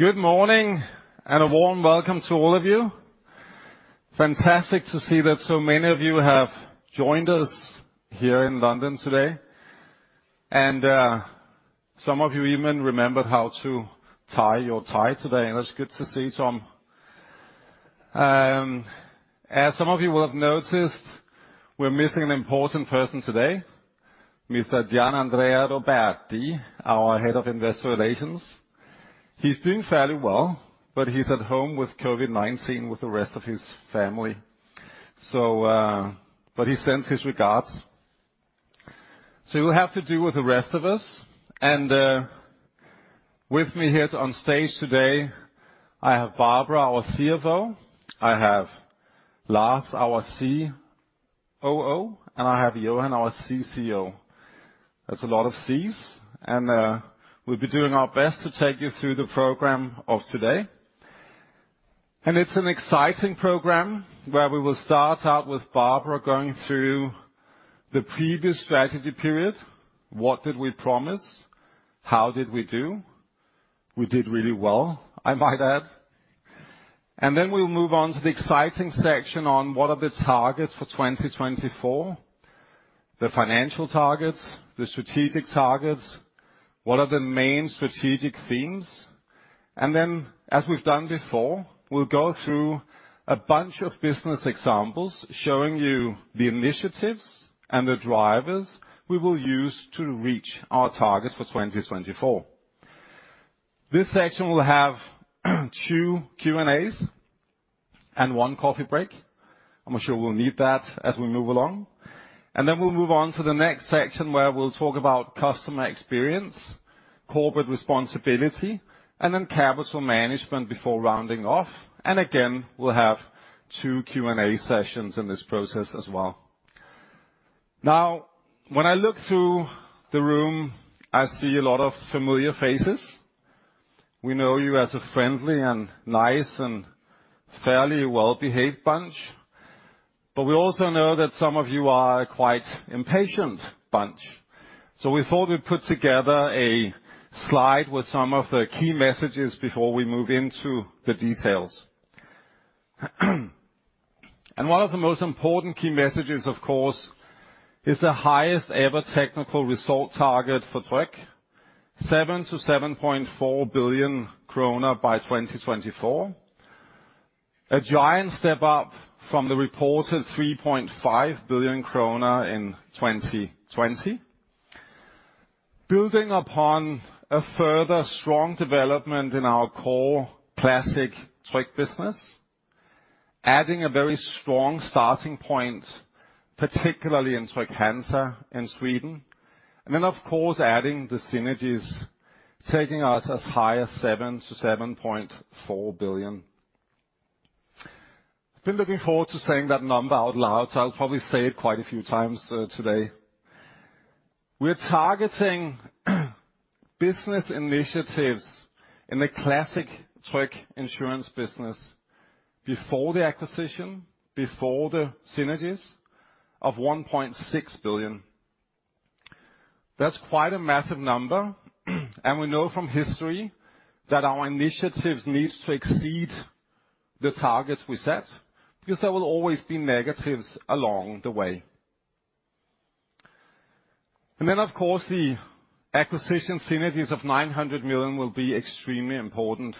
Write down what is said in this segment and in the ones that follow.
Good morning, and a warm welcome to all of you. Fantastic to see that so many of you have joined us here in London today, and some of you even remembered how to tie your tie today, and that's good to see, Tom. As some of you will have noticed, we're missing an important person today, Mr. Gianandrea Roberti, our head of investor relations. He's doing fairly well, but he's at home with COVID-19 with the rest of his family. But he sends his regards. You will have to do with the rest of us. With me here on stage today, I have Barbara, our CFO, I have Lars, our COO, and I have Johan, our CCO. That's a lot of Cs, and we'll be doing our best to take you through the program of today. It's an exciting program where we will start out with Barbara going through the previous strategy period. What did we promise? How did we do? We did really well, I might add. Then we'll move on to the exciting section on what are the targets for 2024, the financial targets, the strategic targets, what are the main strategic themes. Then, as we've done before, we'll go through a bunch of business examples showing you the initiatives and the drivers we will use to reach our targets for 2024. This section will have two Q&As and one coffee break. I'm sure we'll need that as we move along. Then we'll move on to the next section where we'll talk about customer experience, corporate responsibility, and then capital management before rounding off. Again, we'll have two Q&A sessions in this process as well. Now, when I look through the room, I see a lot of familiar faces. We know you as a friendly and nice and fairly well-behaved bunch, but we also know that some of you are a quite impatient bunch. We thought we'd put together a slide with some of the key messages before we move into the details. One of the most important key messages, of course, is the highest ever technical result target for Tryg, 7 billion-7.4 billion kroner by 2024. A giant step up from the reported 3.5 billion kroner in 2020. Building upon a further strong development in our core classic Tryg business, adding a very strong starting point, particularly in Trygg-Hansa in Sweden. Of course, adding the synergies, taking us as high as 7 billion-7.4 billion. I've been looking forward to saying that number out loud, so I'll probably say it quite a few times, today. We're targeting business initiatives in the classic Tryg insurance business before the acquisition, before the synergies of 1.6 billion. That's quite a massive number, and we know from history that our initiatives needs to exceed the targets we set because there will always be negatives along the way. Of course, the acquisition synergies of 900 million will be extremely important.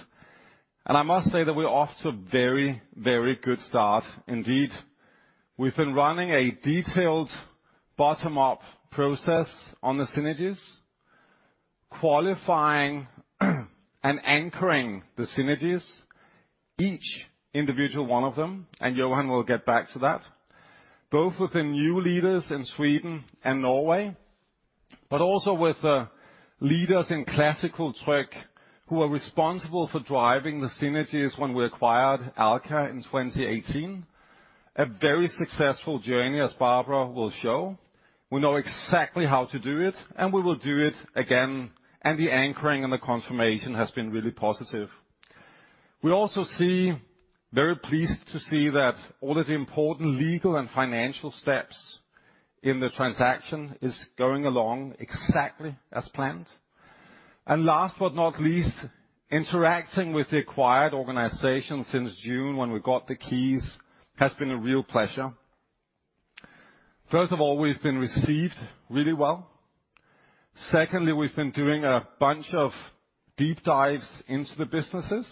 I must say that we're off to a very, very good start indeed. We've been running a detailed bottom-up process on the synergies, qualifying and anchoring the synergies, each individual one of them, and Johan will get back to that, both with the new leaders in Sweden and Norway, but also with leaders in classic Tryg who are responsible for driving the synergies when we acquired Alka in 2018. A very successful journey, as Barbara will show. We know exactly how to do it, and we will do it again. The anchoring and the confirmation has been really positive. We are also very pleased to see that all of the important legal and financial steps in the transaction is going along exactly as planned. Last but not least, interacting with the acquired organization since June, when we got the keys, has been a real pleasure. First of all, we've been received really well. Secondly, we've been doing a bunch of deep dives into the businesses,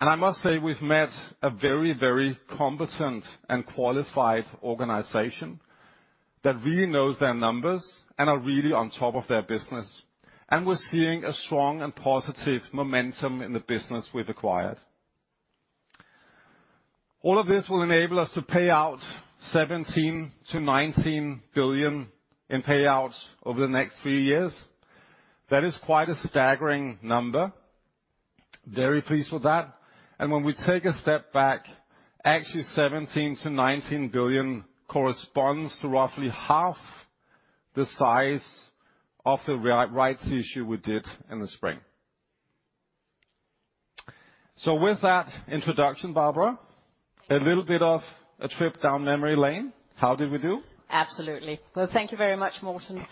and I must say we've met a very, very competent and qualified organization that really knows their numbers and are really on top of their business. And we're seeing a strong and positive momentum in the business we've acquired. All of this will enable us to pay out 17 billion-19 billion in payouts over the next three years. That is quite a staggering number. Very pleased with that. And when we take a step back, actually 17 billion-19 billion corresponds to roughly half the size of the rights issue we did in the spring. With that introduction, Barbara, a little bit of a trip down memory lane, how did we do? Absolutely. Well, thank you very much, Morten.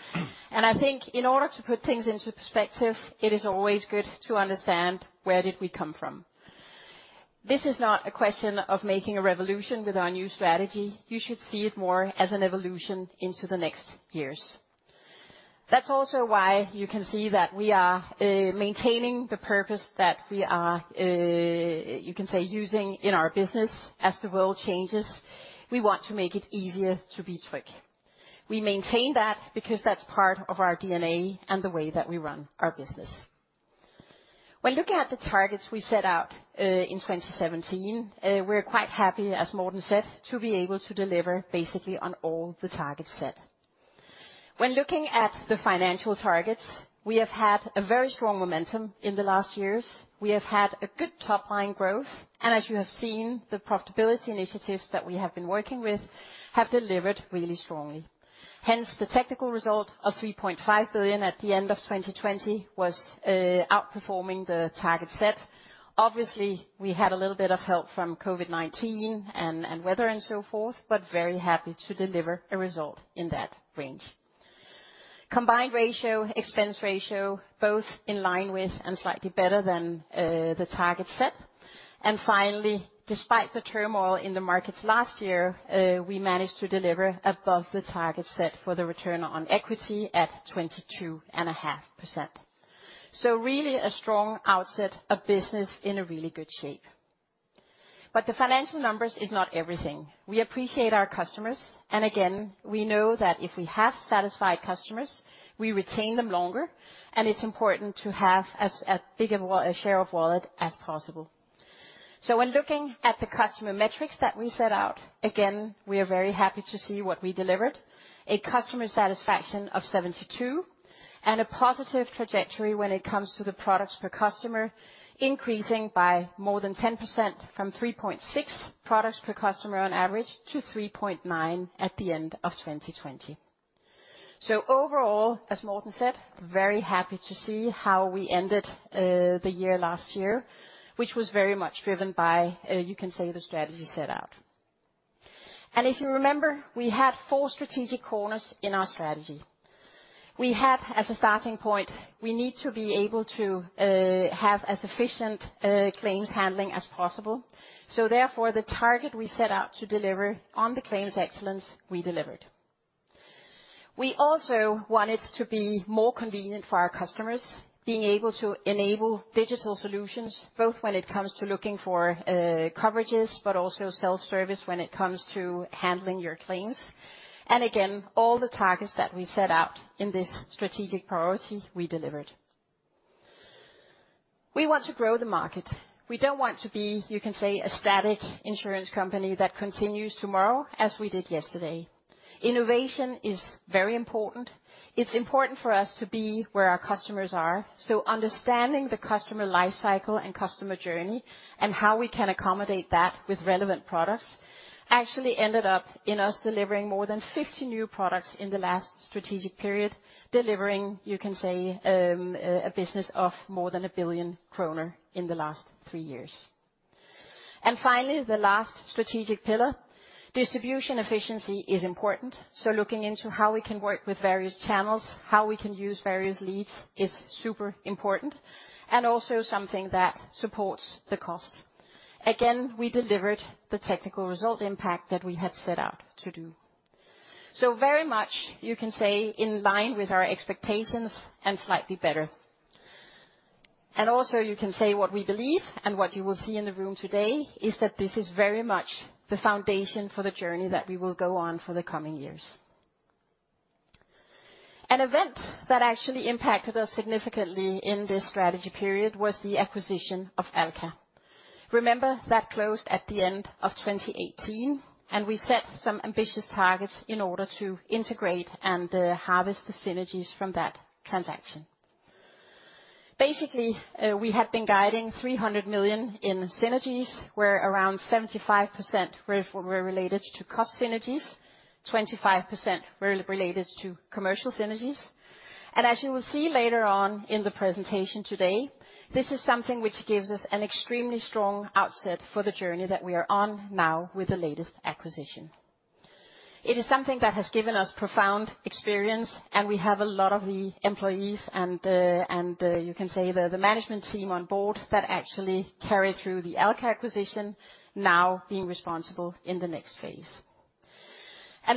I think in order to put things into perspective, it is always good to understand where did we come from. This is not a question of making a revolution with our new strategy. You should see it more as an evolution into the next years. That's also why you can see that we are maintaining the purpose that we are you can say using in our business as the world changes. We want to make it easier to be Tryg. We maintain that because that's part of our DNA and the way that we run our business. When looking at the targets we set out in 2017, we're quite happy, as Morten said, to be able to deliver basically on all the targets set. When looking at the financial targets, we have had a very strong momentum in the last years. We have had a good top line growth, and as you have seen, the profitability initiatives that we have been working with have delivered really strongly. Hence, the technical result of 3.5 billion at the end of 2020 was outperforming the target set. Obviously, we had a little bit of help from COVID-19 and weather and so forth, but very happy to deliver a result in that range. Combined ratio, expense ratio, both in line with and slightly better than the target set. Finally, despite the turmoil in the markets last year, we managed to deliver above the target set for the return on equity at 22.5%. Really a strong outset of business in a really good shape. The financial numbers is not everything. We appreciate our customers. Again, we know that if we have satisfied customers, we retain them longer. It's important to have as big a share of wallet as possible. When looking at the customer metrics that we set out, again, we are very happy to see what we delivered. A customer satisfaction of 72, and a positive trajectory when it comes to the products per customer, increasing by more than 10% from 3.6 products per customer on average to 3.9 at the end of 2020. Overall, as Morten said, very happy to see how we ended the year last year, which was very much driven by you can say, the strategy set out. If you remember, we had four strategic corners in our strategy. We need to be able to have as efficient claims handling as possible. Therefore, the target we set out to deliver on the claims excellence we delivered. We also wanted to be more convenient for our customers, being able to enable digital solutions, both when it comes to looking for coverages, but also self-service when it comes to handling your claims. Again, all the targets that we set out in this strategic priority we delivered. We want to grow the market. We don't want to be, you can say, a static insurance company that continues tomorrow as we did yesterday. Innovation is very important. It's important for us to be where our customers are. Understanding the customer life cycle and customer journey and how we can accommodate that with relevant products actually ended up in us delivering more than 50 new products in the last strategic period, delivering, you can say, a business of more than 1 billion kroner in the last three years. Finally, the last strategic pillar, distribution efficiency is important. Looking into how we can work with various channels, how we can use various leads is super important, and also something that supports the cost. Again, we delivered the technical result impact that we had set out to do. Very much, you can say, in line with our expectations and slightly better. Also, you can say what we believe and what you will see in the room today is that this is very much the foundation for the journey that we will go on for the coming years. An event that actually impacted us significantly in this strategy period was the acquisition of Alka. Remember that closed at the end of 2018, and we set some ambitious targets in order to integrate and harvest the synergies from that transaction. Basically, we had been guiding 300 million in synergies, where around 75% were related to cost synergies, 25% were related to commercial synergies. As you will see later on in the presentation today, this is something which gives us an extremely strong outset for the journey that we are on now with the latest acquisition. It is something that has given us profound experience, and we have a lot of the employees and the management team on board that actually carried through the Alka acquisition now being responsible in the next phase.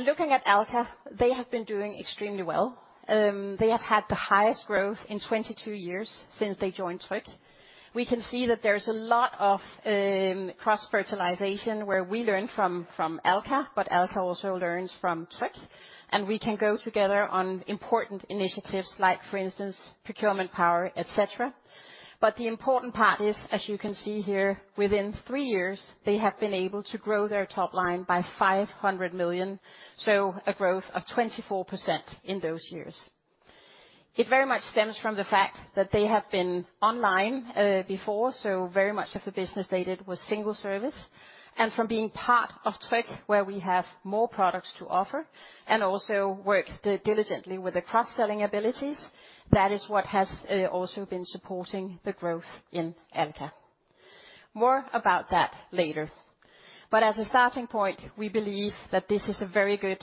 Looking at Alka, they have been doing extremely well. They have had the highest growth in 22 years since they joined Tryg. We can see that there is a lot of cross-fertilization where we learn from Alka, but Alka also learns from Tryg. We can go together on important initiatives like, for instance, procurement power, et cetera. The important part is, as you can see here, within three years, they have been able to grow their top line by 500 million, so a growth of 24% in those years. It very much stems from the fact that they have been online before, so very much of the business they did was single service. From being part of Tryg, where we have more products to offer and also work diligently with the cross-selling abilities, that is what has also been supporting the growth in Alka. More about that later. As a starting point, we believe that this is a very good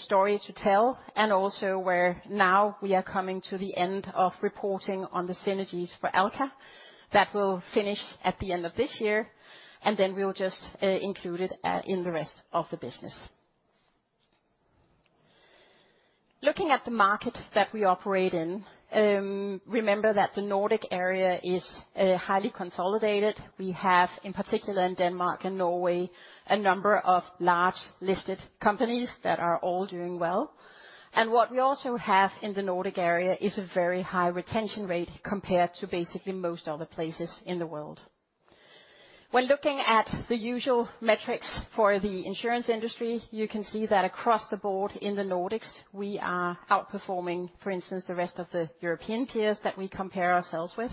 story to tell, and also where now we are coming to the end of reporting on the synergies for Alka. That will finish at the end of this year, and then we'll just include it in the rest of the business. Looking at the market that we operate in, remember that the Nordic area is highly consolidated. We have, in particular in Denmark and Norway, a number of large listed companies that are all doing well. What we also have in the Nordic area is a very high retention rate compared to basically most other places in the world. When looking at the usual metrics for the insurance industry, you can see that across the board in the Nordics, we are outperforming, for instance, the rest of the European peers that we compare ourselves with.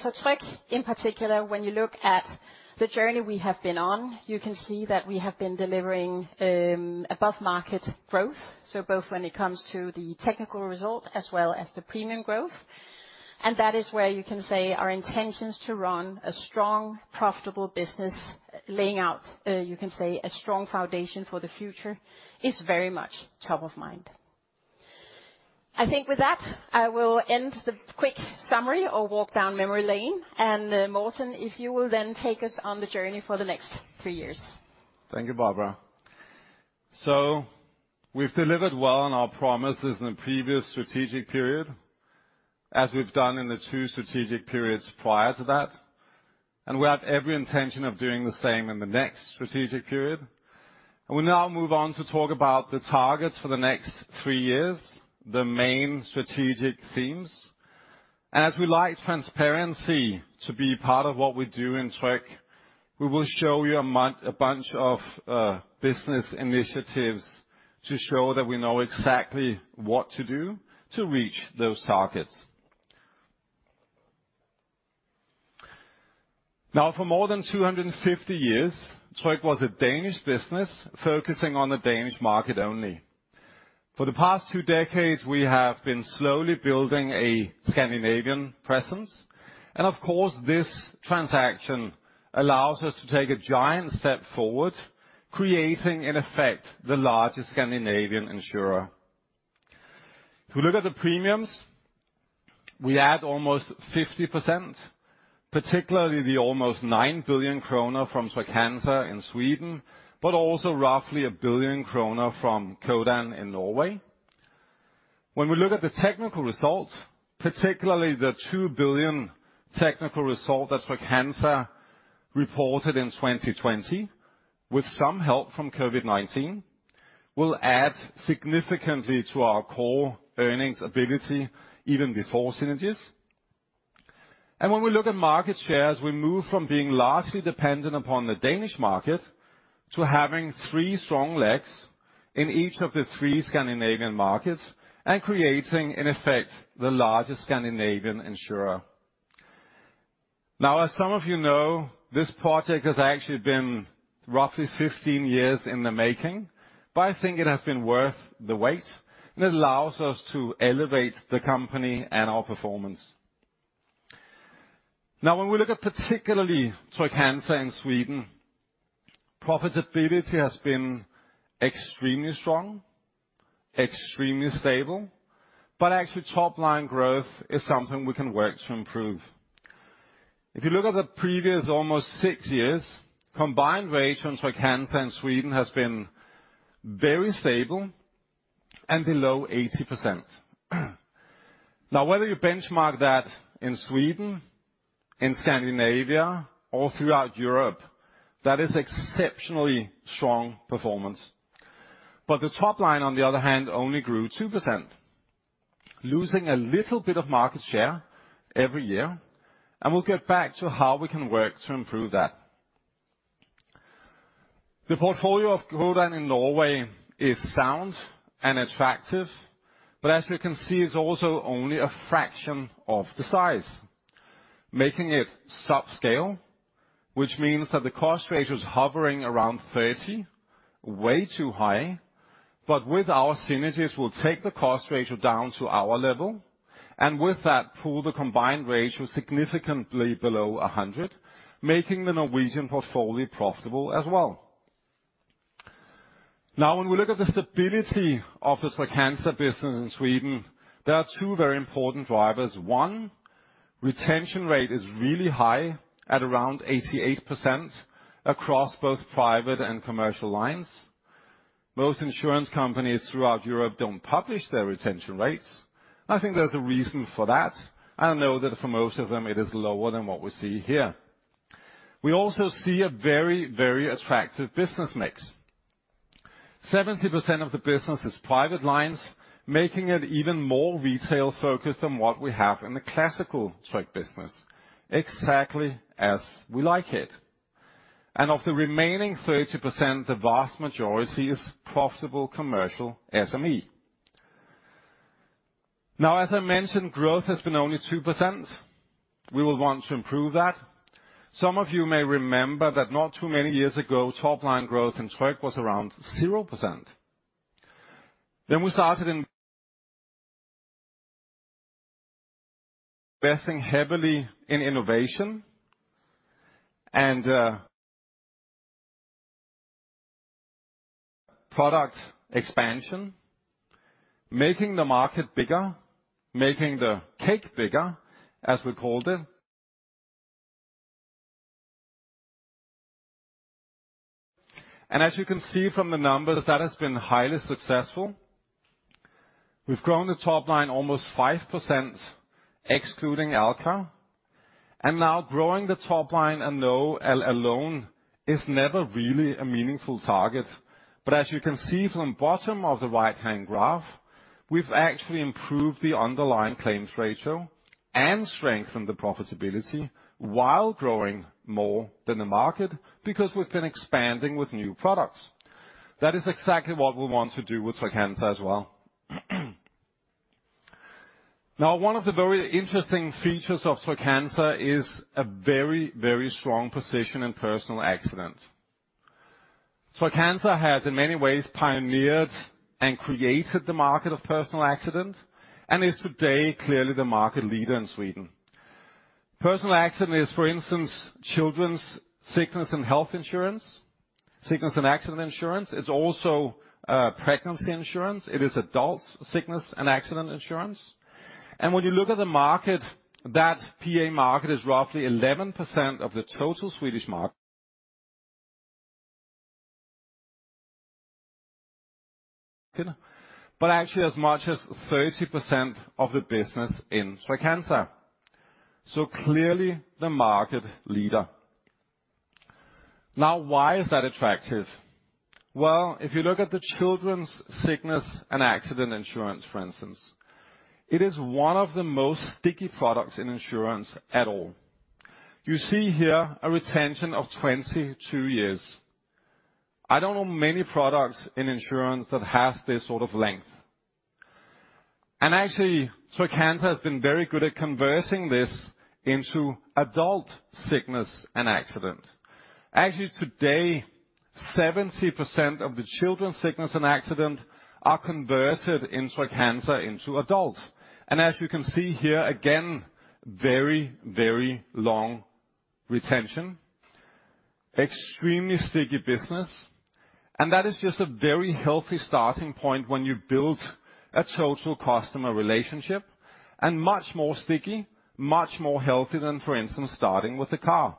For Tryg, in particular, when you look at the journey we have been on, you can see that we have been delivering above market growth, so both when it comes to the technical result as well as the premium growth. That is where you can say our intentions to run a strong, profitable business, laying out, you can say, a strong foundation for the future is very much top of mind. I think with that, I will end the quick summary or walk down memory lane. Morten, if you will then take us on the journey for the next three years. Thank you, Barbara. We've delivered well on our promises in the previous strategic period, as we've done in the two strategic periods prior to that. We have every intention of doing the same in the next strategic period. We now move on to talk about the targets for the next three years, the main strategic themes. As we like transparency to be part of what we do in Tryg, we will show you a bunch of business initiatives to show that we know exactly what to do to reach those targets. Now for more than 250 years, Tryg was a Danish business focusing on the Danish market only. For the past two decades, we have been slowly building a Scandinavian presence, and of course, this transaction allows us to take a giant step forward, creating, in effect, the largest Scandinavian insurer. If you look at the premiums, we add almost 50%, particularly the almost 9 billion kroner from Trygg-Hansa in Sweden, but also roughly 1 billion kroner from Codan in Norway. When we look at the technical results, particularly the 2 billion technical result that Trygg-Hansa reported in 2020, with some help from COVID-19, will add significantly to our core earnings ability even before synergies. When we look at market shares, we move from being largely dependent upon the Danish market to having three strong legs in each of the three Scandinavian markets and creating, in effect, the largest Scandinavian insurer. Now, as some of you know, this project has actually been roughly 15 years in the making, but I think it has been worth the wait, and it allows us to elevate the company and our performance. Now, when we look at particularly Trygg-Hansa in Sweden, profitability has been extremely strong, extremely stable, but actually top-line growth is something we can work to improve. If you look at the previous almost six years, combined ratio on Trygg-Hansa in Sweden has been very stable and below 80%. Now, whether you benchmark that in Sweden, in Scandinavia or throughout Europe, that is exceptionally strong performance. The top line, on the other hand, only grew 2%, losing a little bit of market share every year. We'll get back to how we can work to improve that. The portfolio of Codan in Norway is sound and attractive, but as you can see, it's also only a fraction of the size, making it subscale, which means that the cost ratio is hovering around 30, way too high. with our synergies, we'll take the cost ratio down to our level, and with that, pull the combined ratio significantly below 100, making the Norwegian portfolio profitable as well. Now when we look at the stability of the Trygg-Hansa business in Sweden, there are two very important drivers. One, retention rate is really high at around 88% across both private and commercial lines. Most insurance companies throughout Europe don't publish their retention rates. I think there's a reason for that. I know that for most of them it is lower than what we see here. We also see a very, very attractive business mix. 70% of the business is private lines, making it even more retail-focused than what we have in the classical Tryg business, exactly as we like it. And of the remaining 30%, the vast majority is profitable commercial SME. Now, as I mentioned, growth has been only 2%. We will want to improve that. Some of you may remember that not too many years ago, top-line growth in Tryg was around 0%. We started investing heavily in innovation and product expansion, making the market bigger, making the cake bigger, as we called it. As you can see from the numbers, that has been highly successful. We've grown the top line almost 5% excluding Alka. Now growing the top line in isolation alone is never really a meaningful target. As you can see from bottom of the right-hand graph, we've actually improved the underlying claims ratio and strengthened the profitability while growing more than the market, because we've been expanding with new products. That is exactly what we want to do with Trygg-Hansa as well. Now, one of the very interesting features of Trygg-Hansa is a very, very strong position in personal accident. Trygg-Hansa has in many ways pioneered and created the market of personal accident, and is today clearly the market leader in Sweden. Personal accident is, for instance, children's sickness and health insurance, sickness and accident insurance. It's also pregnancy insurance. It is adults' sickness and accident insurance. When you look at the market, that PA market is roughly 11% of the total Swedish market. Actually as much as 30% of the business in Trygg-Hansa. Clearly the market leader. Now, why is that attractive? Well, if you look at the children's sickness and accident insurance, for instance, it is one of the most sticky products in insurance at all. You see here a retention of 22 years. I don't know many products in insurance that has this sort of length. Actually, Trygg-Hansa has been very good at converting this into adult sickness and accident. Actually, today, 70% of the children's sickness and accident are converted in Trygg-Hansa into adult. As you can see here, again, very, very long retention, extremely sticky business, and that is just a very healthy starting point when you build a total customer relationship, and much more sticky, much more healthy than, for instance, starting with a car.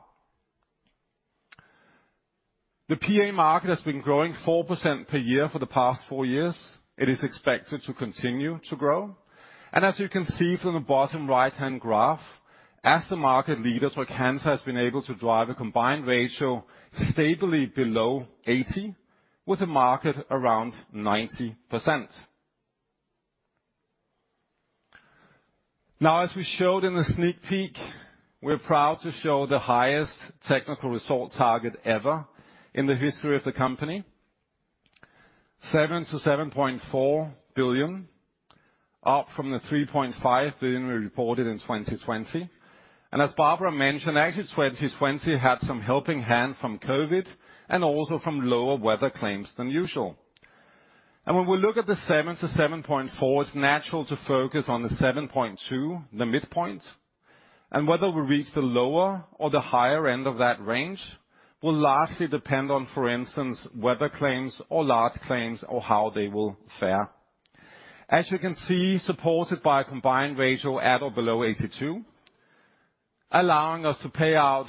The PA market has been growing 4% per year for the past four years. It is expected to continue to grow. As you can see from the bottom right-hand graph, as the market leader, Trygg-Hansa has been able to drive a combined ratio stably below 80, with the market around 90%. Now, as we showed in the sneak peek, we're proud to show the highest technical result target ever in the history of the company, 7 billion-7.4 billion, up from the 3.5 billion we reported in 2020. As Barbara mentioned, actually, 2020 had some helping hand from COVID and also from lower weather claims than usual. When we look at the 7-7.4, it's natural to focus on the 7.2, the midpoint. Whether we reach the lower or the higher end of that range will largely depend on, for instance, weather claims or large claims or how they will fare. As you can see, supported by a combined ratio at or below 82%, allowing us to pay out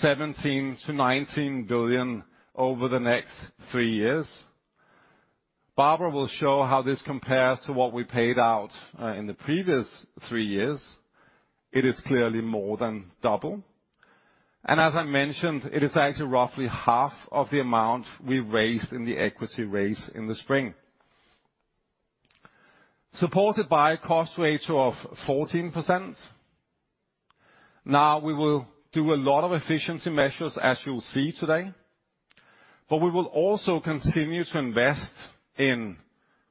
17 billion-19 billion over the next three years. Barbara will show how this compares to what we paid out in the previous three years. It is clearly more than double. As I mentioned, it is actually roughly half of the amount we raised in the equity raise in the spring. Supported by a cost ratio of 14%. Now, we will do a lot of efficiency measures, as you'll see today, but we will also continue to invest in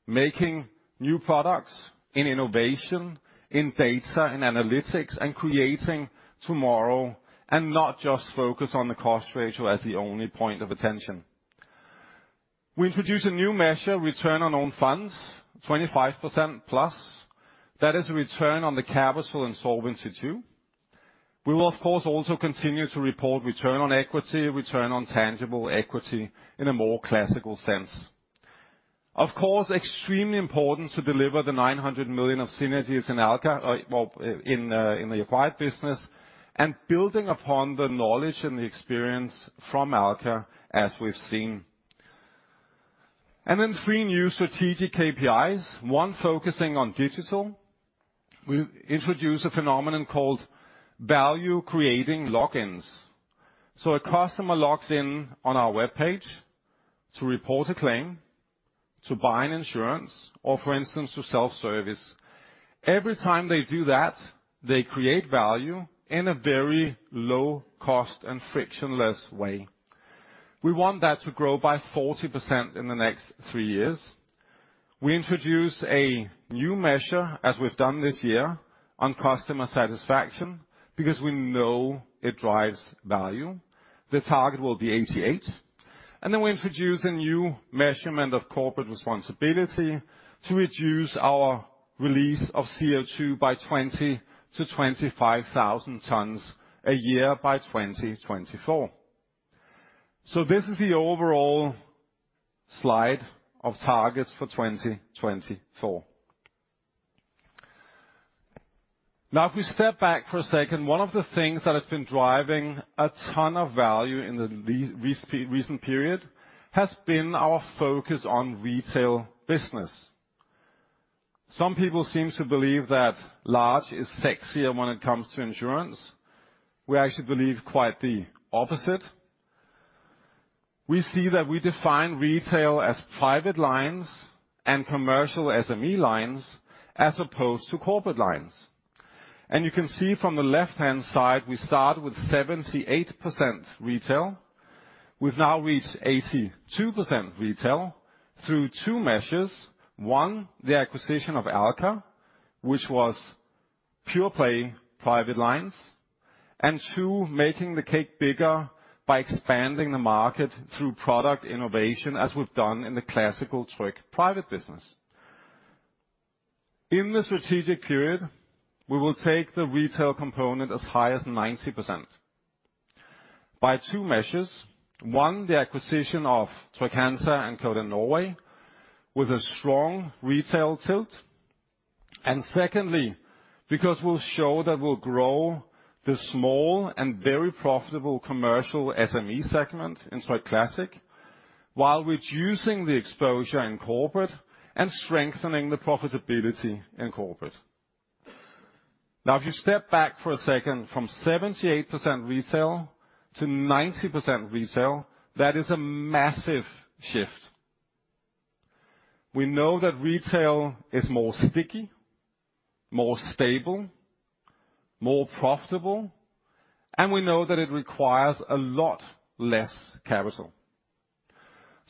making new products, in innovation, in data and analytics, and creating tomorrow, and not just focus on the cost ratio as the only point of attention. We introduce a new measure, return on own funds, 25%+. That is return on the capital and Solvency II. We will of course, also continue to report return on equity, return on tangible equity in a more classical sense. Of course, extremely important to deliver the 900 million of synergies in Alka, well, in the acquired business, and building upon the knowledge and the experience from Alka, as we've seen. Then three new strategic KPIs, one focusing on digital. We introduce a phenomenon called value creating log-ins. So a customer logs in on our webpage to report a claim, to buy an insurance, or for instance, to self-service. Every time they do that, they create value in a very low cost and frictionless way. We want that to grow by 40% in the next three years. We introduce a new measure, as we've done this year, on customer satisfaction. Because we know it drives value. The target will be 88. We introduce a new measurement of corporate responsibility to reduce our release of CO2 by 20,000-25,000 tons a year by 2024. This is the overall slide of targets for 2024. Now, if we step back for a second, one of the things that has been driving a ton of value in the recent period has been our focus on retail business. Some people seem to believe that large is sexier when it comes to insurance. We actually believe quite the opposite. We see that we define retail as private lines and commercial SME lines as opposed to corporate lines. You can see from the left-hand side, we start with 78% retail. We've now reached 82% retail through two measures. One, the acquisition of Alka, which was pure play private lines. Two, making the cake bigger by expanding the market through product innovation as we've done in the classic Tryg private business. In the strategic period, we will take the retail component as high as 90% by two measures. one, the acquisition of Trygg-Hansa and Codan Norway with a strong retail tilt. Secondly, because we'll show that we'll grow the small and very profitable commercial SME segment in Tryg Classic, while reducing the exposure in corporate and strengthening the profitability in corporate. Now, if you step back for a second from 78% retail-90% retail, that is a massive shift. We know that retail is more sticky, more stable, more profitable, and we know that it requires a lot less capital.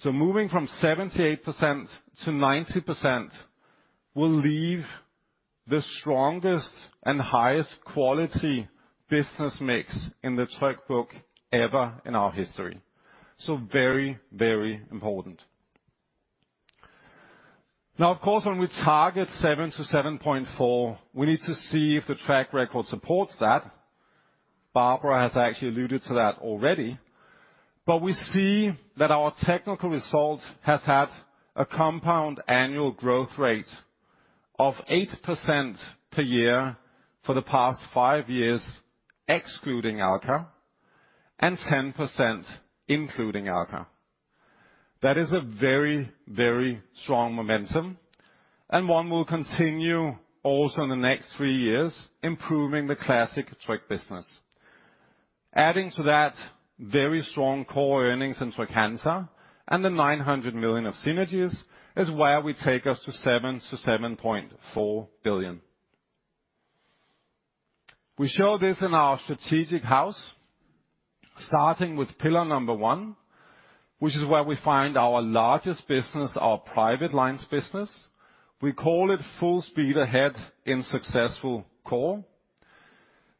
Moving from 78%-90% will leave the strongest and highest quality business mix in the Tryg book ever in our history. Very, very important. Now of course, when we target 7-7.4, we need to see if the track record supports that. Barbara has actually alluded to that already. We see that our technical result has had a compound annual growth rate of 8% per year for the past five years, excluding Alka, and 10% including Alka. That is a very, very strong momentum, and one we'll continue also in the next three years, improving the classic Tryg business. Adding to that, very strong core earnings in Trygg-Hansa and the 900 million of synergies is where we take us to 7 billion-7.4 billion. We show this in our strategic house, starting with pillar number one, which is where we find our largest business, our personal lines business. We call it Full Speed Ahead in Successful Core.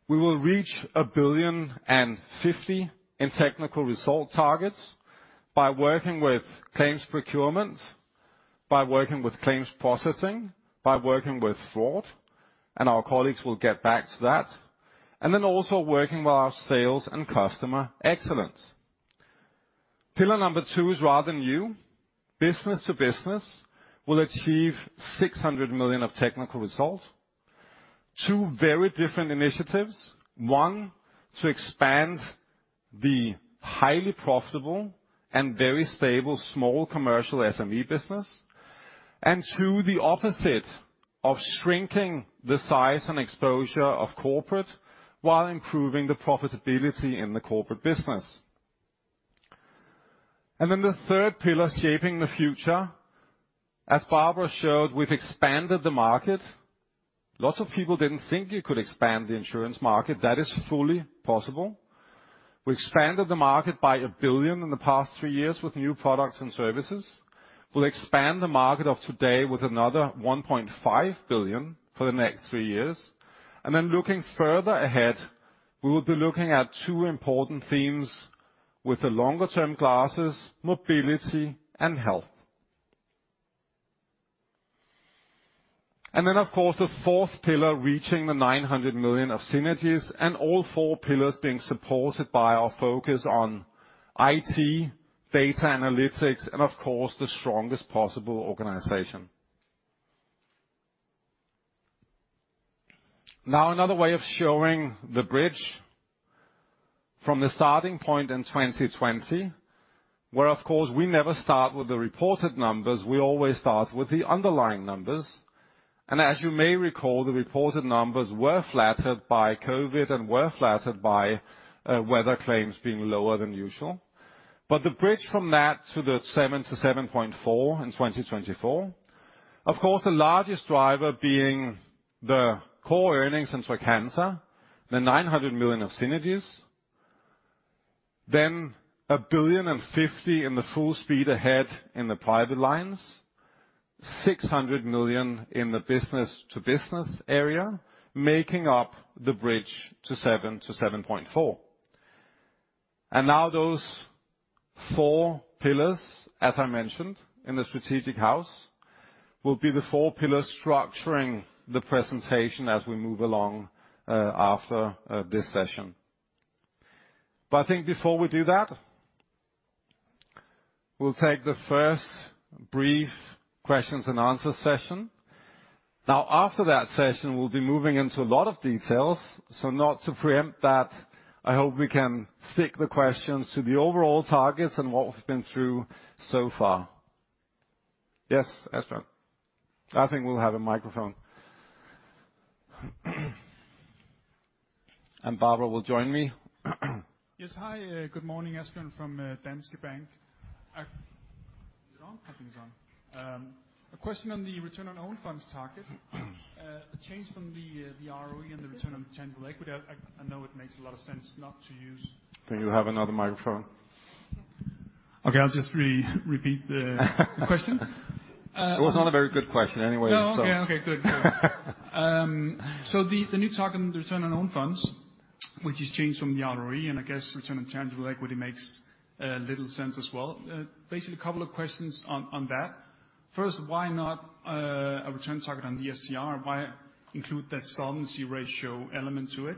We will reach 1,050 million in technical result targets by working with claims procurement, by working with claims processing, by working with fraud, and our colleagues will get back to that, and then also working with our sales and customer excellence. Pillar number two is rather new. Business to business will achieve 600 million of technical results. two very different initiatives. one, to expand the highly profitable and very stable small commercial SME business. two, the opposite of shrinking the size and exposure of Corporate while improving the profitability in the Corporate business. The third pillar, Shaping the Future. As Barbara showed, we've expanded the market. Lots of people didn't think you could expand the insurance market. That is fully possible. We expanded the market by 1 billion in the past three years with new products and services. We'll expand the market of today with another 1.5 billion for the next three years. Looking further ahead, we will be looking at two important themes with the longer-term glasses, mobility and health. Of course, the fourth pillar, reaching the 900 million of synergies and all four pillars being supported by our focus on IT, data analytics, and of course, the strongest possible organization. Now another way of showing the bridge from the starting point in 2020, where of course, we never start with the reported numbers, we always start with the underlying numbers. As you may recall, the reported numbers were flattered by COVID and were flattered by weather claims being lower than usual. The bridge from that to the 7%-7.4% in 2024, of course, the largest driver being the core earnings in Trygg-Hansa, the 900 million of synergies. Then 1.05 billion in the full speed ahead in the private lines, 600 million in the business to business area, making up the bridge to 7%-7.4%. Now those four pillars, as I mentioned in the strategic house, will be the four pillars structuring the presentation as we move along after this session. I think before we do that, we'll take the first brief questions and answer session. Now, after that session, we'll be moving into a lot of details. Not to preempt that, I hope we can stick the questions to the overall targets and what we've been through so far. Yes, Astrid. I think we'll have a microphone. Barbara will join me. Yes. Hi, good morning. Astrid from Danske Bank. Is it on? I think it's on. A question on the return on own funds target. A change from the ROE and the return on tangible equity. I know it makes a lot of sense not to use. Do you have another microphone? Okay, I'll just repeat the question. It was not a very good question anyway, so. The new target and return on own funds, which has changed from the ROE, and I guess return on tangible equity makes little sense as well. Basically a couple of questions on that. First, why not a return target on the SCR? Why include that solvency ratio element to it?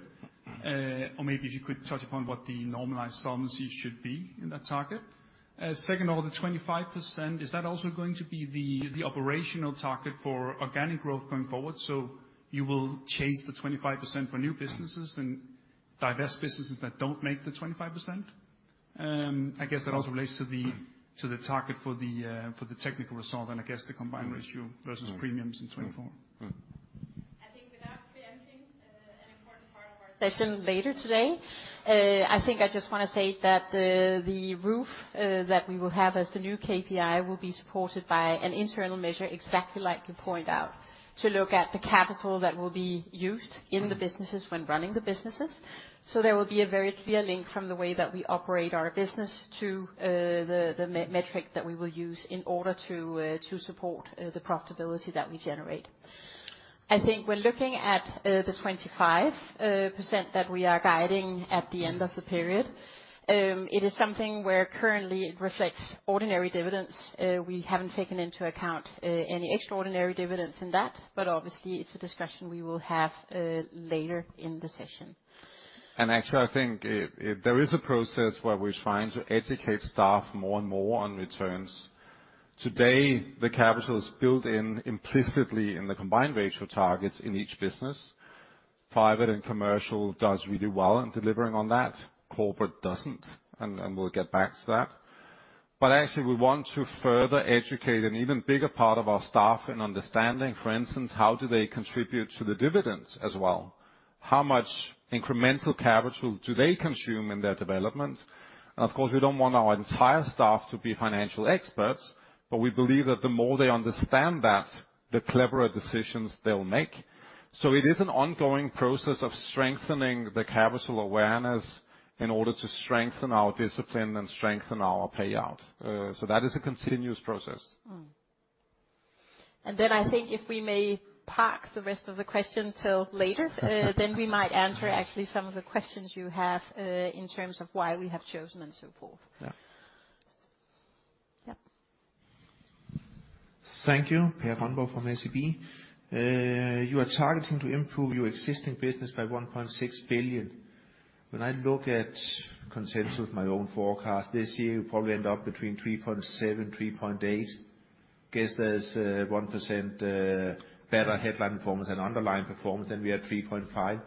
Or maybe if you could touch upon what the normalized solvency should be in that target. Second of all, the 25%, is that also going to be the operational target for organic growth going forward, so you will chase the 25% for new businesses and divest businesses that don't make the 25%? I guess that also relates to the target for the technical result and I guess the combined ratio versus premiums in 2024. Mm-hmm. I think without preempting an important part of our session later today, I think I just wanna say that the ROOF that we will have as the new KPI will be supported by an internal measure, exactly like you point out, to look at the capital that will be used in the businesses when running the businesses. There will be a very clear link from the way that we operate our business to the metric that we will use in order to support the profitability that we generate. I think when looking at the 25% that we are guiding at the end of the period, it is something where currently it reflects ordinary dividends. We haven't taken into account any extraordinary dividends in that, but obviously it's a discussion we will have later in the session. Actually, I think there is a process where we're trying to educate staff more and more on returns. Today, the capital is built in implicitly in the combined ratio targets in each business. Private and Commercial does really well in delivering on that. Corporate doesn't, and we'll get back to that. Actually we want to further educate an even bigger part of our staff in understanding, for instance, how do they contribute to the dividends as well? How much incremental capital do they consume in their development? Of course, we don't want our entire staff to be financial experts, but we believe that the more they understand that, the cleverer decisions they'll make. It is an ongoing process of strengthening the capital awareness in order to strengthen our discipline and strengthen our payout. That is a continuous process. Mm-hmm. I think if we may park the rest of the question till later, then we might answer actually some of the questions you have, in terms of why we have chosen and so forth. Yeah. Yep. Thank you. Per Grønborg from SEB. You are targeting to improve your existing business by 1.6 billion. When I look at consensus with my own forecast this year, you probably end up between 3.7 billion-3.8 billion. Guess there's 1% better headline performance and underlying performance than we had 3.5 billion.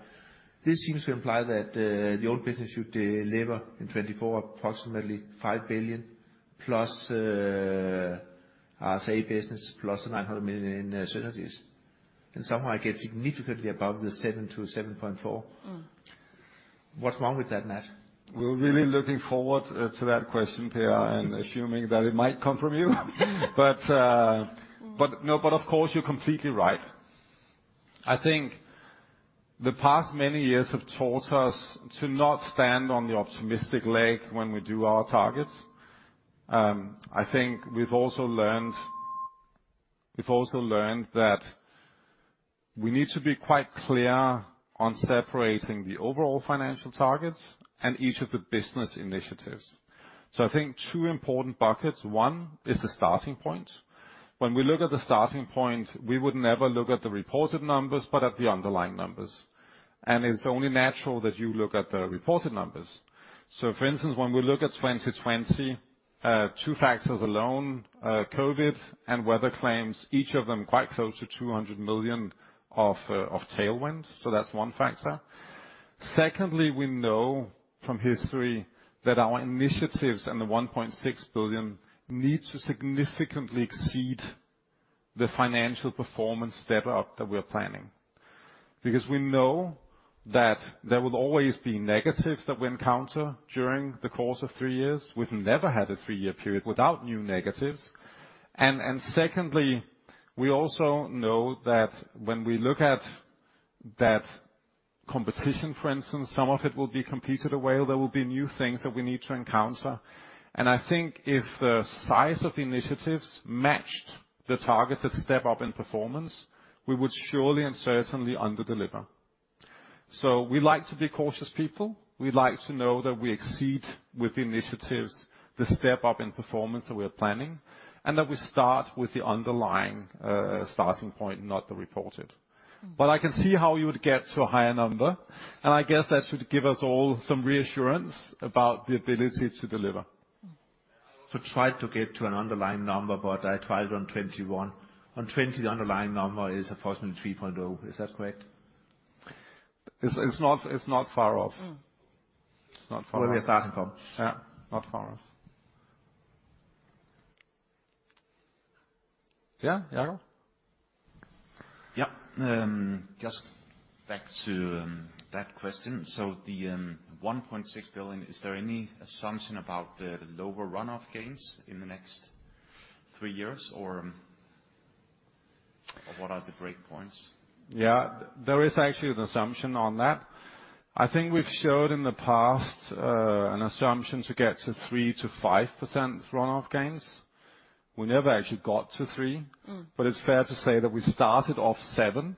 This seems to imply that the old business should deliver in 2024 approximately 5 billion plus the RSA business plus 900 million in synergies. Somehow I get significantly above the 7 billion-7.4 billion. Mm-hmm. What's wrong with that math? We're really looking forward to that question, Per, and assuming that it might come from you. Of course, you're completely right. I think the past many years have taught us to not stand on the optimistic leg when we do our targets. I think we've also learned that we need to be quite clear on separating the overall financial targets and each of the business initiatives. I think two important buckets. One is the starting point. When we look at the starting point, we would never look at the reported numbers but at the underlying numbers. It's only natural that you look at the reported numbers. For instance, when we look at 2020, two factors alone, COVID and weather claims, each of them quite close to 200 million of tailwind. That's one factor. Secondly, we know from history that our initiatives and the 1.6 billion need to significantly exceed the financial performance step-up that we're planning. Because we know that there will always be negatives that we encounter during the course of three years. We've never had a three-year period without new negatives. And secondly, we also know that when we look at that competition, for instance, some of it will be competed away or there will be new things that we need to encounter. I think if the size of the initiatives matched the target to step up in performance, we would surely and certainly underdeliver. We like to be cautious people. We like to know that we exceed with initiatives the step up in performance that we are planning, and that we start with the underlying starting point, not the reported. I can see how you would get to a higher number, and I guess that should give us all some reassurance about the ability to deliver. To try to get to an underlying number, but I tried on 2021. On 2020 the underlying number is approximately 3.0. Is that correct? It's not far off. Where we are starting from. Yeah. Not far off. Yeah, Jaro? Yeah. Just back to that question. The 1.6 billion, is there any assumption about the lower run-off gains in the next three years or what are the break points? Yeah. There is actually an assumption on that. I think we've showed in the past an assumption to get to 3%-5% run-off gains. We never actually got to 3%. Mm. It's fair to say that we started off 7%.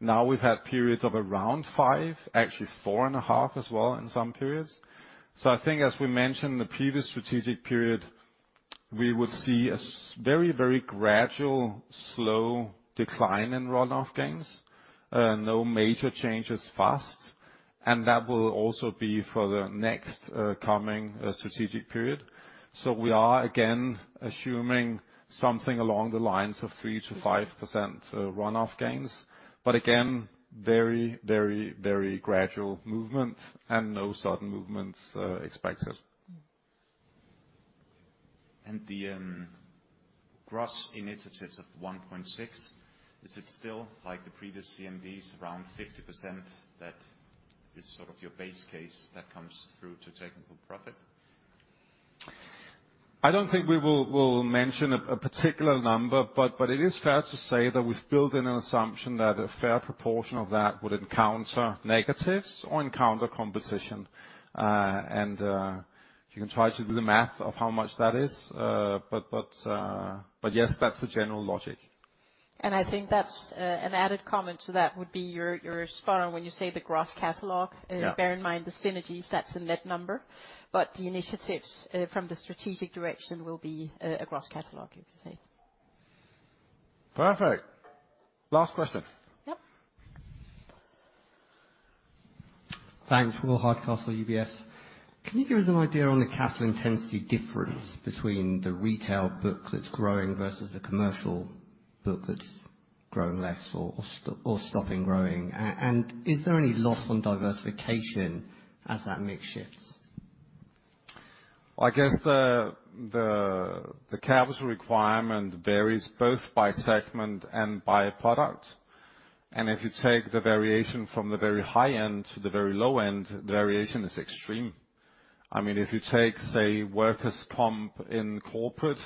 Now we've had periods of around 5%, actually 4.5% as well in some periods. I think as we mentioned in the previous strategic period, we would see a very gradual slow decline in run-off gains. No major changes fast, and that will also be for the next coming strategic period. We are again assuming something along the lines of 3%-5% run-off gains, but again, very gradual movement and no sudden movements expected. The gross initiatives of 1.6, is it still like the previous CMDs, around 50% that is sort of your base case that comes through to technical result? I don't think we will mention a particular number, but it is fair to say that we've built in an assumption that a fair proportion of that would encounter negatives or encounter competition. You can try to do the math of how much that is, but yes, that's the general logic. I think that's an added comment to that would be you're spot on when you say the gross cat loss. Yeah. Bear in mind, the synergies, that's a net number, but the initiatives from the strategic direction will be a gross catalog, you could say. Perfect. Last question. Yep. Thanks. Will Hardcastle, UBS. Can you give us an idea on the capital intensity difference between the retail book that's growing versus the commercial book that's growing less or stopping growing? And is there any loss on diversification as that mix shifts? I guess the capital requirement varies both by segment and by product. If you take the variation from the very high end to the very low end, the variation is extreme. I mean, if you take, say, workers' comp in Corporate,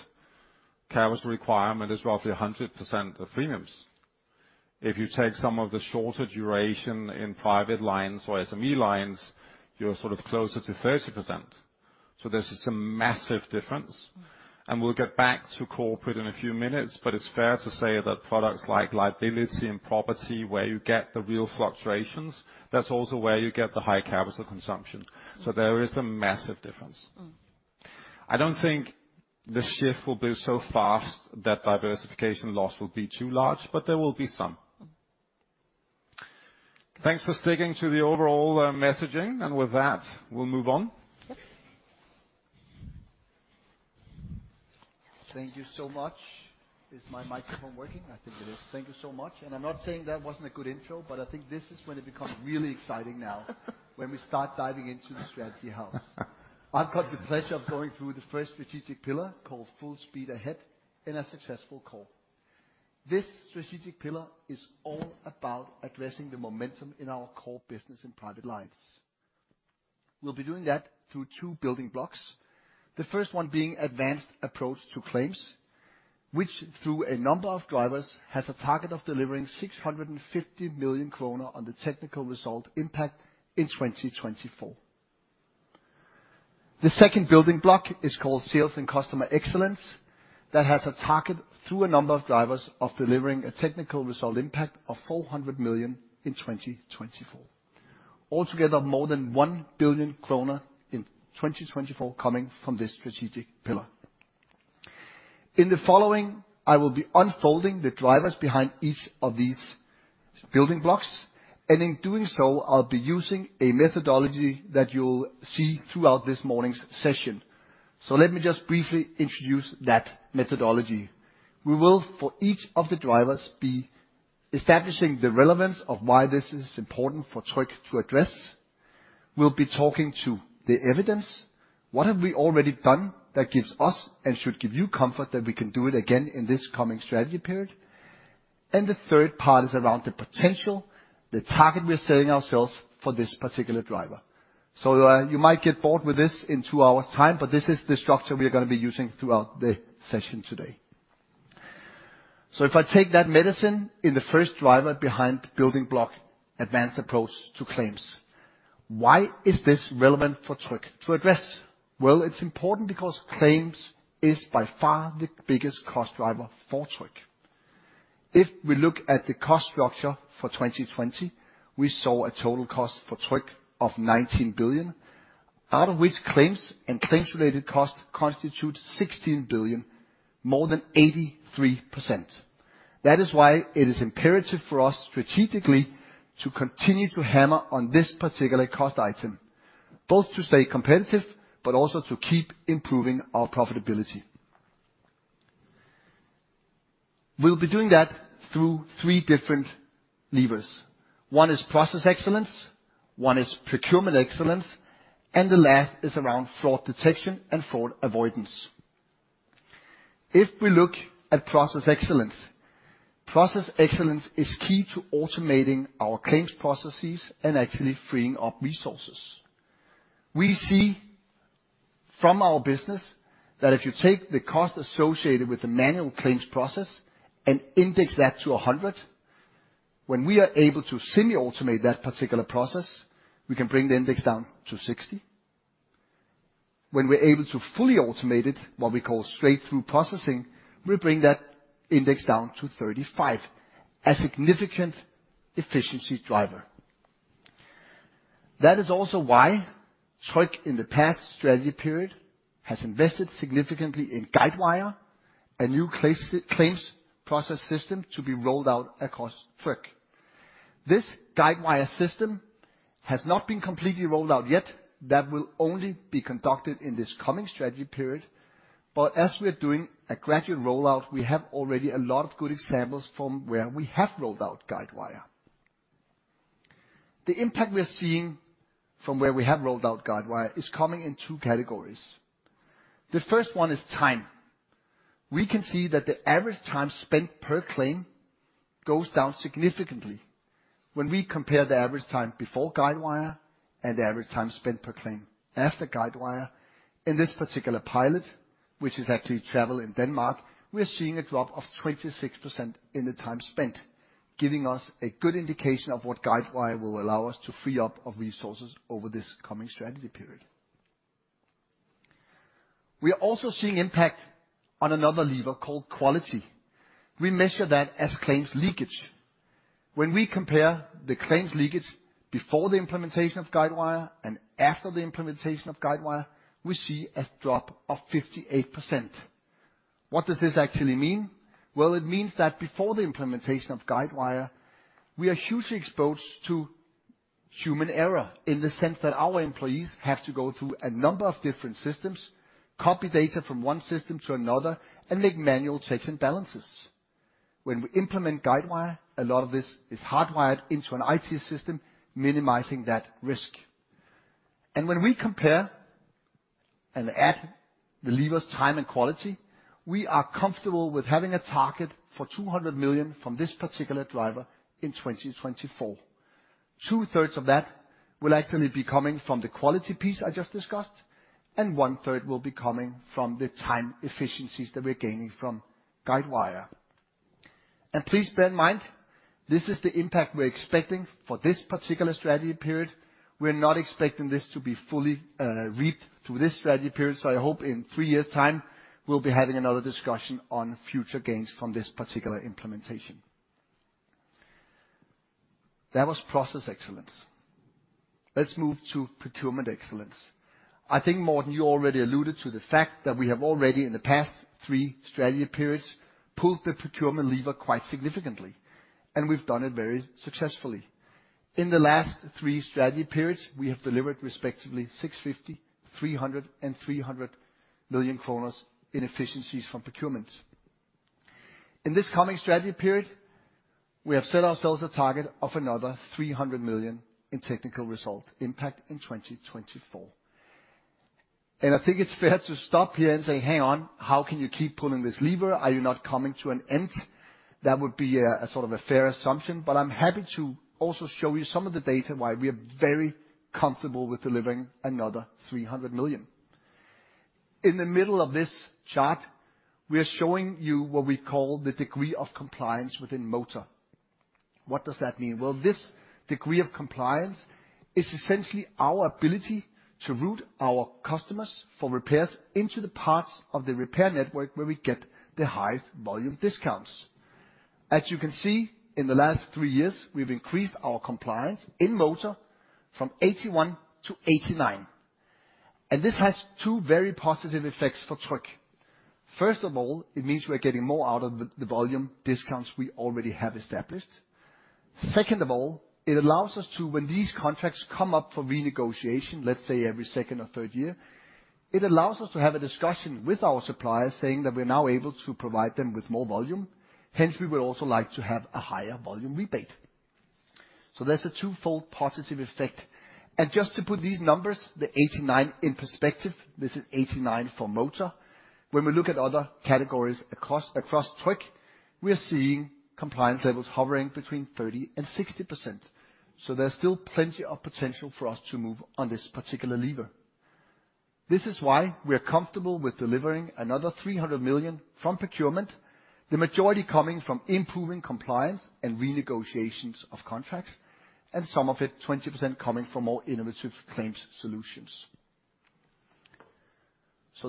capital requirement is roughly 100% of premiums. If you take some of the shorter duration in private lines or SME lines, you're sort of closer to 30%. There's just a massive difference. We'll get back to Corporate in a few minutes, but it's fair to say that products like liability and property, where you get the real fluctuations, that's also where you get the high capital consumption. There is a massive difference. Mm. I don't think the shift will be so fast that diversification loss will be too large, but there will be some. Mm. Thanks for sticking to the overall messaging. With that, we'll move on. Yep. Thank you so much. Is my microphone working? I think it is. Thank you so much. I'm not saying that wasn't a good intro, but I think this is when it becomes really exciting now, when we start diving into the strategy house. I've got the pleasure of going through the first strategic pillar called Full Speed Ahead and a Successful Core. This strategic pillar is all about addressing the momentum in our core business and private lines. We'll be doing that through two building blocks. The first one being advanced approach to claims, which through a number of drivers, has a target of delivering 650 million kroner on the technical result impact in 2024. The second building block is called sales and customer excellence. That has a target through a number of drivers of delivering a technical result impact of 400 million in 2024. Altogether, more than 1 billion kroner in 2024 coming from this strategic pillar. In the following, I will be unfolding the drivers behind each of these building blocks, and in doing so, I'll be using a methodology that you'll see throughout this morning's session. Let me just briefly introduce that methodology. We will, for each of the drivers, be establishing the relevance of why this is important for Tryg to address. We'll be talking to the evidence, what have we already done that gives us and should give you comfort that we can do it again in this coming strategy period. The third part is around the potential, the target we're setting ourselves for this particular driver. You might get bored with this in two hours' time, but this is the structure we are gonna be using throughout the session today. If I take that as the first driver behind building block advanced approach to claims, why is this relevant for Tryg to address? Well, it's important because claims is by far the biggest cost driver for Tryg. If we look at the cost structure for 2020, we saw a total cost for Tryg of 19 billion, out of which claims and claims-related costs constitute 16 billion, more than 83%. That is why it is imperative for us strategically to continue to hammer on this particular cost item, both to stay competitive, but also to keep improving our profitability. We'll be doing that through 3 different levers. One is process excellence, one is procurement excellence, and the last is around fraud detection and fraud avoidance. If we look at process excellence, process excellence is key to automating our claims processes and actually freeing up resources. We see from our business that if you take the cost associated with the manual claims process and index that to 100, when we are able to semi-automate that particular process, we can bring the index down to 60. When we're able to fully automate it, what we call straight-through processing, we bring that index down to 35. A significant efficiency driver. That is also why Tryg in the past strategy period has invested significantly in Guidewire, a new claims process system to be rolled out across Tryg. This Guidewire system has not been completely rolled out yet. That will only be conducted in this coming strategy period. As we're doing a gradual rollout, we have already a lot of good examples from where we have rolled out Guidewire. The impact we are seeing from where we have rolled out Guidewire is coming in two categories. The first one is time. We can see that the average time spent per claim goes down significantly when we compare the average time before Guidewire and the average time spent per claim after Guidewire. In this particular pilot, which is actually travel in Denmark, we are seeing a drop of 26% in the time spent, giving us a good indication of what Guidewire will allow us to free up of resources over this coming strategy period. We are also seeing impact on another lever called quality. We measure that as claims leakage. When we compare the claims leakage before the implementation of Guidewire and after the implementation of Guidewire, we see a drop of 58%. What does this actually mean? Well, it means that before the implementation of Guidewire, we are hugely exposed to human error in the sense that our employees have to go through a number of different systems, copy data from one system to another, and make manual checks and balances. When we implement Guidewire, a lot of this is hardwired into an IT system, minimizing that risk. When we compare and add the levers time and quality, we are comfortable with having a target for 200 million from this particular driver in 2024. 2/3 of that will actually be coming from the quality piece I just discussed, and one-third will be coming from the time efficiencies that we're gaining from Guidewire. Please bear in mind, this is the impact we're expecting for this particular strategy period. We're not expecting this to be fully reaped through this strategy period, so I hope in three years' time, we'll be having another discussion on future gains from this particular implementation. That was process excellence. Let's move to procurement excellence. I think, Morten, you already alluded to the fact that we have already in the past three strategy periods, pulled the procurement lever quite significantly, and we've done it very successfully. In the last three strategy periods, we have delivered respectively 650 million, 300 million, and 300 million kroner in efficiencies from procurement. In this coming strategy period, we have set ourselves a target of another 300 million in technical result impact in 2024. I think it's fair to stop here and say, "Hang on, how can you keep pulling this lever? Are you not coming to an end?" That would be a sort of fair assumption, but I'm happy to also show you some of the data why we are very comfortable with delivering another 300 million. In the middle of this chart, we are showing you what we call the degree of compliance within motor. What does that mean? Well, this degree of compliance is essentially our ability to route our customers for repairs into the parts of the repair network where we get the highest volume discounts. As you can see, in the last three years, we've increased our compliance in motor from 81%-89%, and this has two very positive effects for Tryg. First of all, it means we're getting more out of the volume discounts we already have established. Second of all, it allows us to, when these contracts come up for renegotiation, let's say every second or third year, it allows us to have a discussion with our suppliers saying that we're now able to provide them with more volume, hence, we would also like to have a higher volume rebate. So there's a twofold positive effect. Just to put these numbers, the 89, in perspective, this is 89 for motor. When we look at other categories across Tryg, we are seeing compliance levels hovering between 30%-60%. There's still plenty of potential for us to move on this particular lever. This is why we are comfortable with delivering another 300 million from procurement, the majority coming from improving compliance and renegotiations of contracts, and some of it, 20% coming from more innovative claims solutions.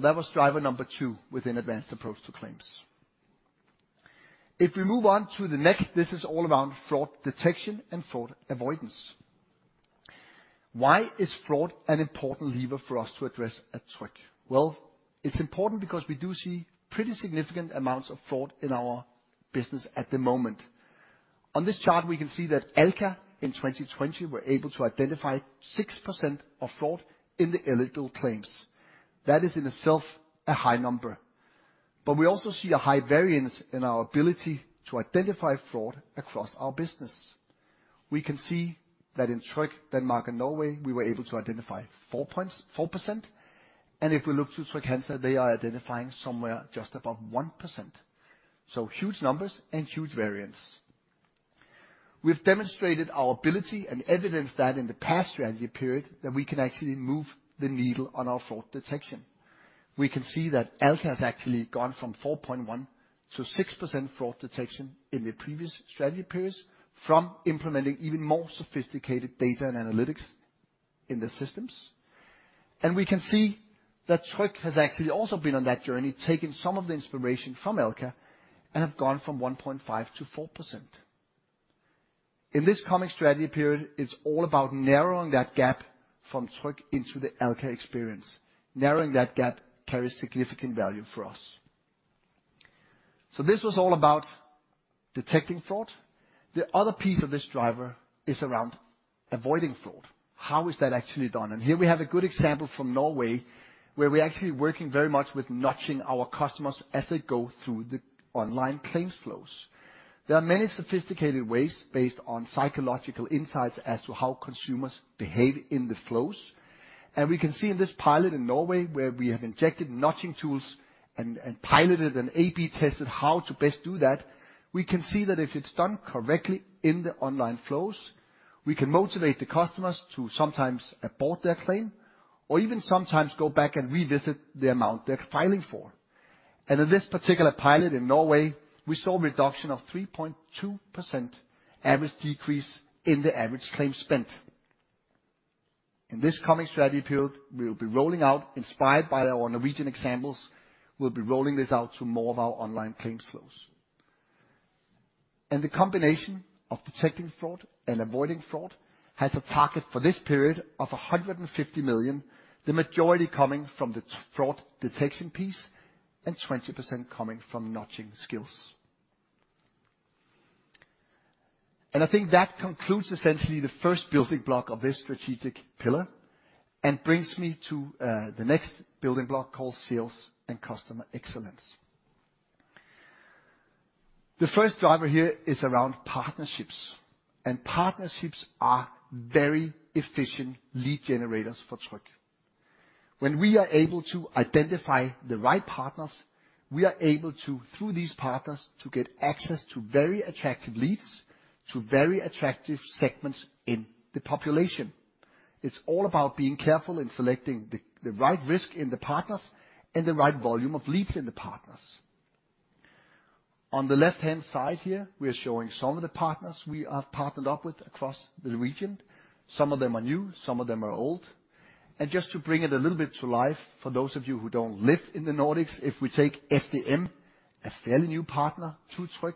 That was driver number two within advanced approach to claims. If we move on to the next, this is all around fraud detection and fraud avoidance. Why is fraud an important lever for us to address at Tryg? Well, it's important because we do see pretty significant amounts of fraud in our business at the moment. On this chart, we can see that Alka in 2020 were able to identify 6% of fraud in the eligible claims. That is in itself a high number. We also see a high variance in our ability to identify fraud across our business. We can see that in Tryg, Denmark and Norway, we were able to identify four points, 4%, and if we look to Trygg-Hansa, they are identifying somewhere just above 1%. Huge numbers and huge variance. We have demonstrated our ability and evidence that in the past strategy period that we can actually move the needle on our fraud detection. We can see that Alka has actually gone from 4.1%-6% fraud detection in the previous strategy periods from implementing even more sophisticated data and analytics in the systems. We can see that Tryg has actually also been on that journey, taking some of the inspiration from Alka and have gone from 1.5%-4%. In this coming strategy period, it's all about narrowing that gap from Tryg into the Alka experience. Narrowing that gap carries significant value for us. This was all about detecting fraud. The other piece of this driver is around avoiding fraud. How is that actually done? Here we have a good example from Norway, where we're actually working very much with nudging our customers as they go through the online claims flows. There are many sophisticated ways based on psychological insights as to how consumers behave in the flows. We can see in this pilot in Norway, where we have injected nudging tools and piloted and AB tested how to best do that, we can see that if it's done correctly in the online flows, we can motivate the customers to sometimes abort their claim or even sometimes go back and revisit the amount they're filing for. In this particular pilot in Norway, we saw a reduction of 3.2% average decrease in the average claim spent. In this coming strategy period, we will be rolling out, inspired by our Norwegian examples, we'll be rolling this out to more of our online claims flows. The combination of detecting fraud and avoiding fraud has a target for this period of 150 million, the majority coming from the tech fraud detection piece and 20% coming from nudging skills. I think that concludes essentially the first building block of this strategic pillar and brings me to the next building block called sales and customer excellence. The first driver here is around partnerships, and partnerships are very efficient lead generators for Tryg. When we are able to identify the right partners, we are able to, through these partners, to get access to very attractive leads, to very attractive segments in the population. It's all about being careful in selecting the right risk in the partners and the right volume of leads in the partners. On the left-hand side here, we are showing some of the partners we have partnered up with across the region. Some of them are new, some of them are old. Just to bring it a little bit to life, for those of you who don't live in the Nordics, if we take FDM, a fairly new partner to Tryg,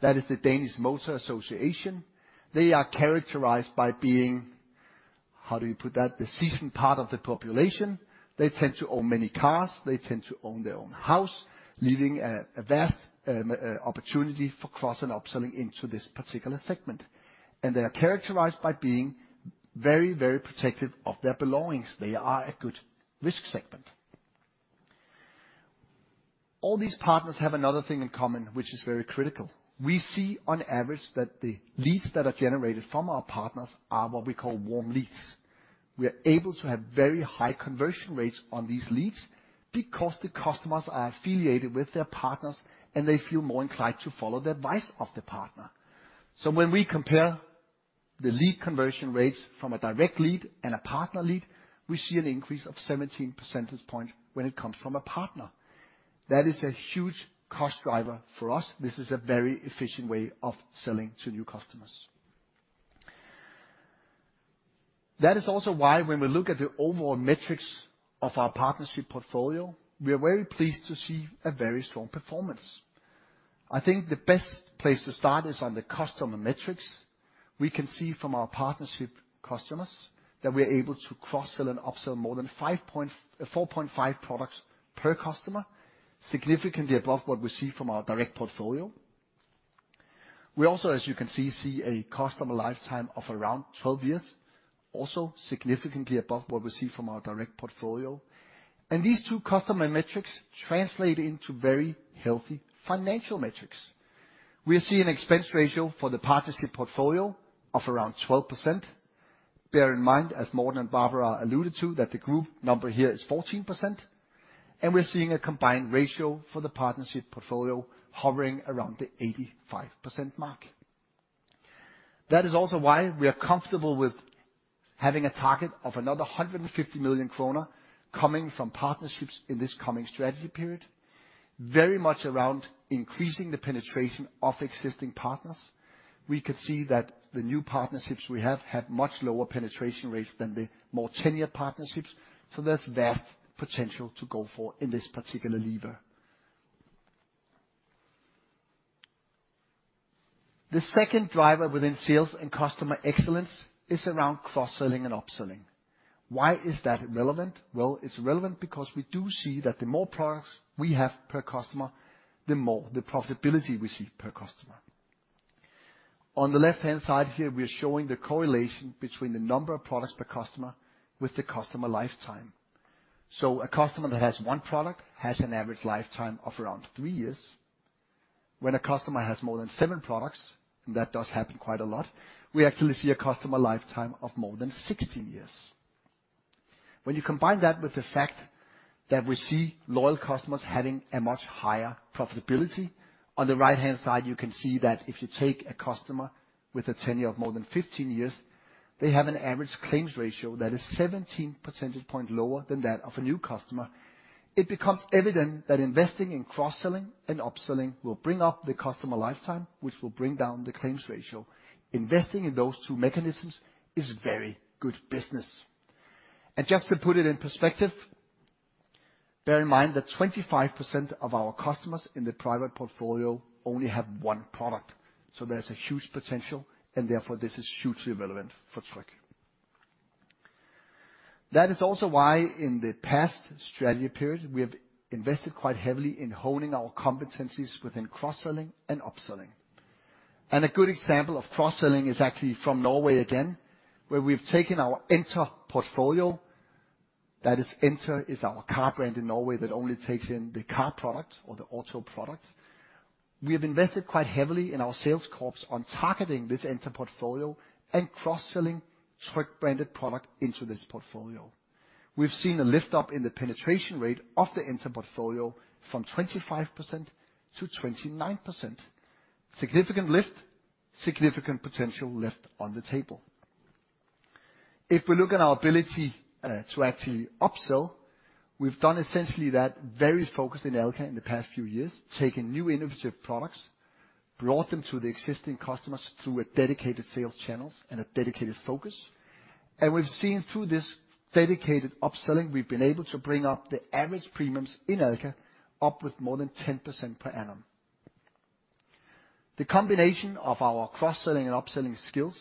that is the Danish Motor Association. They are characterized by being, how do you put that, the seasoned part of the population. They tend to own many cars. They tend to own their own house, leaving a vast opportunity for cross and upselling into this particular segment. They are characterized by being very, very protective of their belongings. They are a good risk segment. All these partners have another thing in common, which is very critical. We see on average that the leads that are generated from our partners are what we call warm leads. We are able to have very high conversion rates on these leads because the customers are affiliated with their partners, and they feel more inclined to follow the advice of the partner. When we compare the lead conversion rates from a direct lead and a partner lead, we see an increase of 17 percentage points when it comes from a partner. That is a huge cost driver for us. This is a very efficient way of selling to new customers. That is also why when we look at the overall metrics of our partnership portfolio, we are very pleased to see a very strong performance. I think the best place to start is on the customer metrics. We can see from our partnership customers that we are able to cross-sell and upsell more than five point 4.5 products per customer, significantly above what we see from our direct portfolio. We also, as you can see a customer lifetime of around 12 years, also significantly above what we see from our direct portfolio. These two customer metrics translate into very healthy financial metrics. We are seeing an expense ratio for the partnership portfolio of around 12%. Bear in mind, as Morten and Barbara alluded to, that the group number here is 14%. We're seeing a combined ratio for the partnership portfolio hovering around the 85% mark. That is also why we are comfortable with having a target of another 150 million kroner coming from partnerships in this coming strategy period, very much around increasing the penetration of existing partners. We could see that the new partnerships we have had much lower penetration rates than the more tenured partnerships, so there's vast potential to go for in this particular lever. The second driver within sales and customer excellence is around cross-selling and upselling. Why is that relevant? Well, it's relevant because we do see that the more products we have per customer, the more the profitability we see per customer. On the left-hand side here, we are showing the correlation between the number of products per customer with the customer lifetime. A customer that has one product has an average lifetime of around three years. When a customer has more than seven products, and that does happen quite a lot, we actually see a customer lifetime of more than 16 years. When you combine that with the fact that we see loyal customers having a much higher profitability, on the right-hand side, you can see that if you take a customer with a tenure of more than 15 years, they have an average claims ratio that is 17 percentage points lower than that of a new customer. It becomes evident that investing in cross-selling and upselling will bring up the customer lifetime, which will bring down the claims ratio. Investing in those two mechanisms is very good business. Just to put it in perspective, bear in mind that 25% of our customers in the private portfolio only have one product. There's a huge potential, and therefore this is hugely relevant for Tryg. That is also why in the past strategy period, we have invested quite heavily in honing our competencies within cross-selling and upselling. A good example of cross-selling is actually from Norway again, where we've taken our Enter portfolio. That is, Enter is our car brand in Norway that only takes in the car product or the auto product. We have invested quite heavily in our sales force on targeting this Enter portfolio and cross-selling Tryg branded product into this portfolio. We've seen a lift up in the penetration rate of the Enter portfolio from 25%-29%. Significant lift, significant potential lift on the table. If we look at our ability to actually upsell, we've done essentially that very focused in Alka in the past few years, taking new innovative products, brought them to the existing customers through a dedicated sales channels and a dedicated focus. We've seen through this dedicated upselling, we've been able to bring up the average premiums in Alka up with more than 10% per annum. The combination of our cross-selling and upselling skills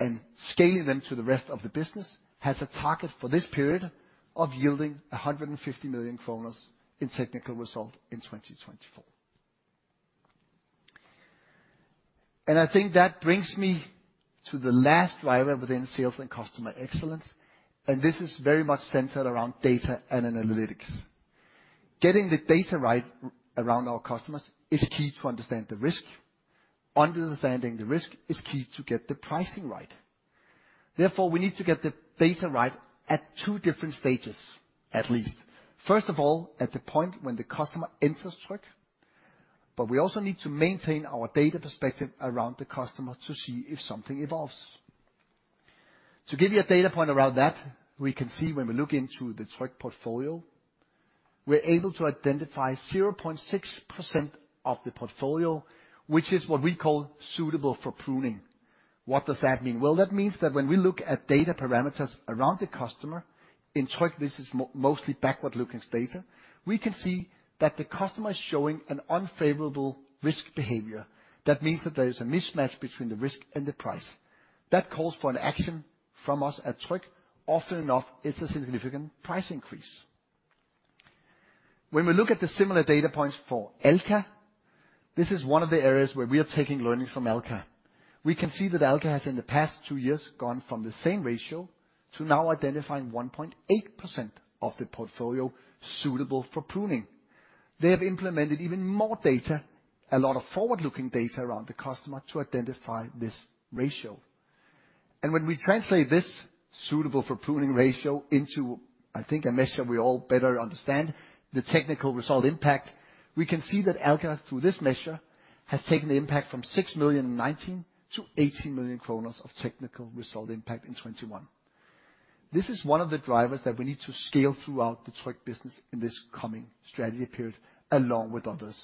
and scaling them to the rest of the business has a target for this period of yielding 150 million in technical result in 2024. I think that brings me to the last driver within sales and customer excellence, and this is very much centered around data and analytics. Getting the data right around our customers is key to understand the risk. Understanding the risk is key to get the pricing right. Therefore, we need to get the data right at two different stages, at least. First of all, at the point when the customer enters Tryg, but we also need to maintain our data perspective around the customer to see if something evolves. To give you a data point around that, we can see when we look into the Tryg portfolio, we're able to identify 0.6% of the portfolio, which is what we call suitable for pruning. What does that mean? Well, that means that when we look at data parameters around the customer, in Tryg this is mostly backward-looking data, we can see that the customer is showing an unfavorable risk behavior. That means that there is a mismatch between the risk and the price. That calls for an action from us at Tryg. Often enough, it's a significant price increase. When we look at the similar data points for Alka, this is one of the areas where we are taking learning from Alka. We can see that Alka has in the past two years gone from the same ratio to now identifying 1.8% of the portfolio suitable for pruning. They have implemented even more data, a lot of forward-looking data around the customer to identify this ratio. When we translate this suitable for pruning ratio into, I think, a measure we all better understand, the technical result impact, we can see that Alka, through this measure, has taken the impact from 6 million in 2019-DKK 18 million of technical result impact in 2021. This is one of the drivers that we need to scale throughout the Tryg business in this coming strategy period, along with others.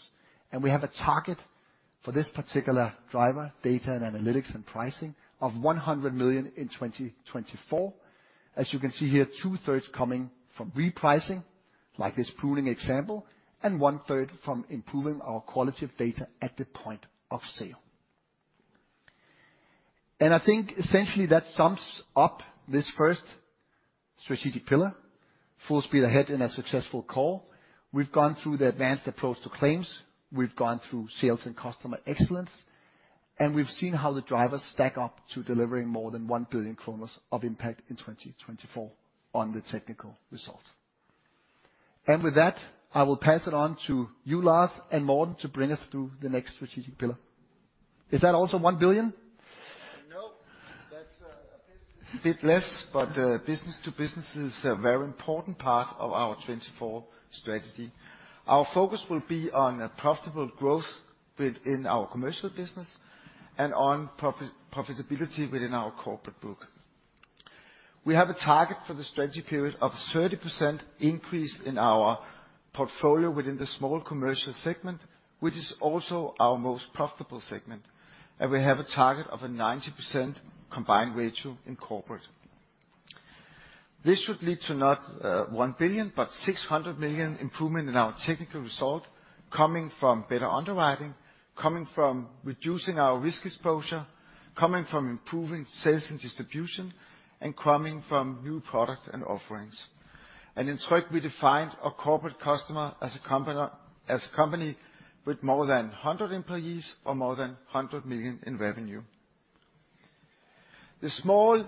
We have a target for this particular driver, data and analytics and pricing, of 100 million in 2024. As you can see here, two-thirds coming from repricing, like this pruning example, and one-third from improving our quality of data at the point of sale. I think essentially that sums up this first strategic pillar, full speed ahead in a successful core. We've gone through the advanced approach to claims. We've gone through sales and customer excellence, and we've seen how the drivers stack up to delivering more than 1 billion kroners of impact in 2024 on the technical result. With that, I will pass it on to you, Lars and Morten, to bring us through the next strategic pillar. Is that also one billion? No. That's a bit less, but business to business is a very important part of our 2024 strategy. Our focus will be on profitable growth within our commercial business and on profitability within our corporate book. We have a target for the strategy period of 30% increase in our portfolio within the small commercial segment, which is also our most profitable segment, and we have a target of a 90% combined ratio in corporate. This should lead to not 1 billion, but 600 million improvement in our technical result, coming from better underwriting, coming from reducing our risk exposure, coming from improving sales and distribution, and coming from new product and offerings. In Tryg we defined a corporate customer as a company with more than 100 employees or more than 100 million in revenue. The small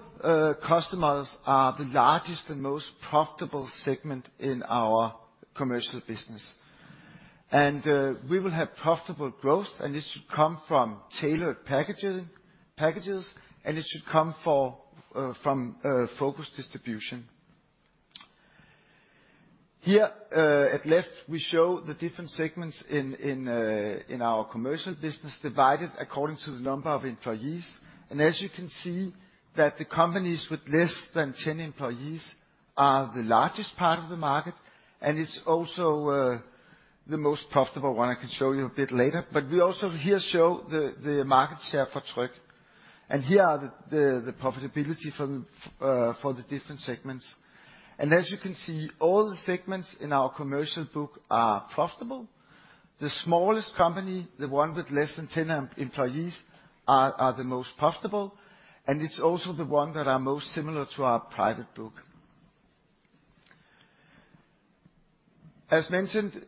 customers are the largest and most profitable segment in our commercial business, and we will have profitable growth, and this should come from tailored packages, and it should come from focused distribution. Here at left, we show the different segments in our commercial business divided according to the number of employees. As you can see that the companies with less than 10 employees are the largest part of the market, and it's also the most profitable one. I can show you a bit later. We also here show the market share for Tryg, and here are the profitability for the different segments. As you can see, all the segments in our commercial book are profitable. The smallest company, the one with less than 10 employees, are the most profitable, and it's also the one that are most similar to our private book. As mentioned,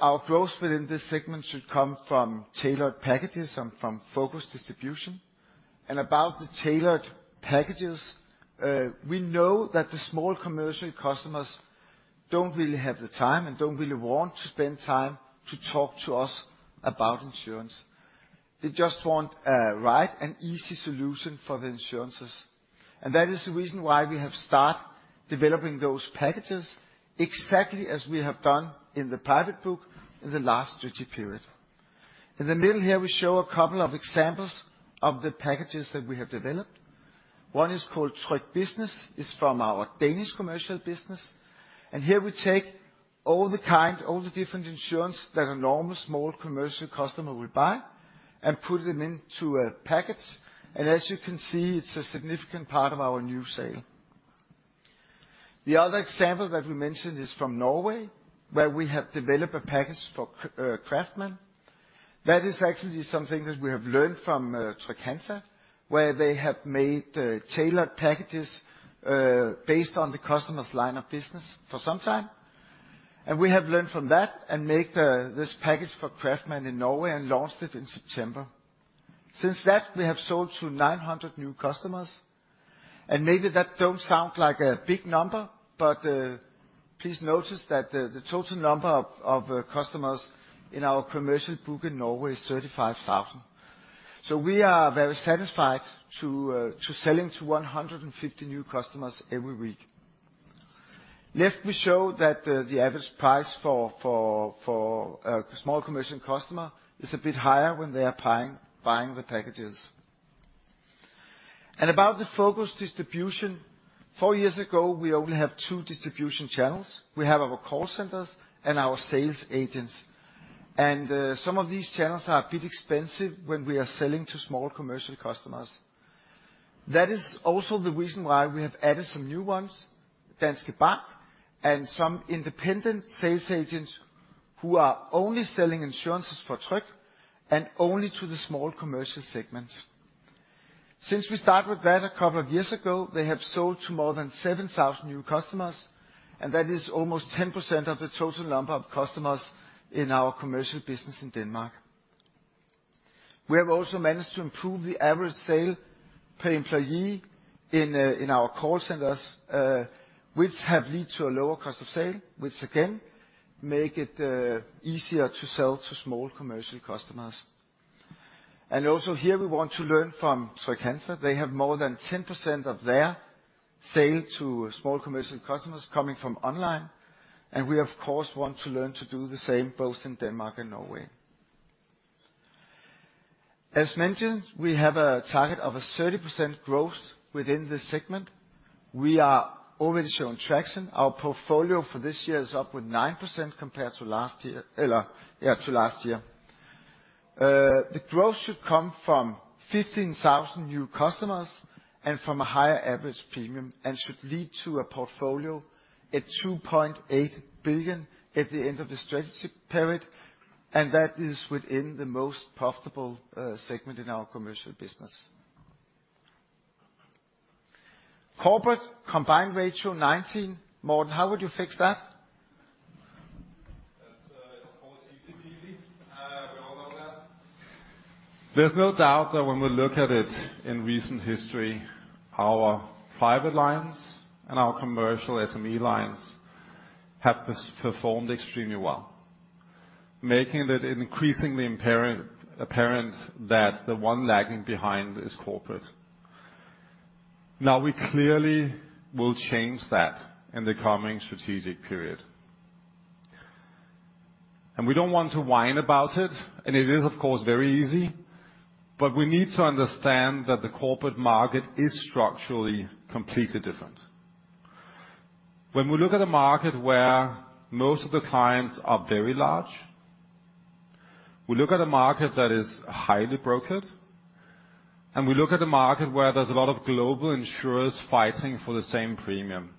our growth within this segment should come from tailored packages and from focused distribution. About the tailored packages, we know that the small commercial customers don't really have the time and don't really want to spend time to talk to us about insurance. They just want a right and easy solution for the insurances. That is the reason why we have start developing those packages exactly as we have done in the private book in the last strategy period. In the middle here, we show a couple of examples of the packages that we have developed. One is called Tryg Business, it's from our Danish commercial business, and here we take all the kind, all the different insurance that a normal small commercial customer would buy and put them into a package. As you can see, it's a significant part of our new sale. The other example that we mentioned is from Norway, where we have developed a package for craftsmen. That is actually something that we have learned from Trygg-Hansa, where they have made tailored packages based on the customer's line of business for some time. We have learned from that and make this package for craftsmen in Norway and launched it in September. Since that, we have sold to 900 new customers, and maybe that don't sound like a big number, but please notice that the total number of customers in our commercial book in Norway is 35,000. We are very satisfied to selling to 150 new customers every week. Below we show that the average price for a small commercial customer is a bit higher when they are buying the packages. About the focused distribution, four years ago, we only have two distribution channels. We have our call centers and our sales agents. Some of these channels are a bit expensive when we are selling to small commercial customers. That is also the reason why we have added some new ones, Danske Bank, and some independent sales agents who are only selling insurances for Tryg and only to the small commercial segments. Since we start with that a couple of years ago, they have sold to more than 7,000 new customers, and that is almost 10% of the total number of customers in our commercial business in Denmark. We have also managed to improve the average sale per employee in our call centers, which have led to a lower cost of sale, which again makes it easier to sell to small commercial customers. Also here we want to learn from Trygg-Hansa. They have more than 10% of their sale to small commercial customers coming from online, and we of course want to learn to do the same, both in Denmark and Norway. As mentioned, we have a target of a 30% growth within this segment. We are already showing traction. Our portfolio for this year is up with 9% compared to last year. The growth should come from 15,000 new customers and from a higher average premium, and should lead to a portfolio at 2.8 billion at the end of the strategy period, and that is within the most profitable segment in our commercial business. Corporate combined ratio 19%. Morten, how would you fix that? That's of course easy-peasy. We all know that. There's no doubt that when we look at it in recent history, our private lines and our commercial SME lines have performed extremely well. Making it increasingly apparent that the one lagging behind is Corporate. Now we clearly will change that in the coming strategic period. We don't want to whine about it, and it is of course very easy, but we need to understand that the Corporate market is structurally completely different. When we look at a market where most of the clients are very large, we look at a market that is highly brokered, and we look at a market where there's a lot of global insurers fighting for the same premium,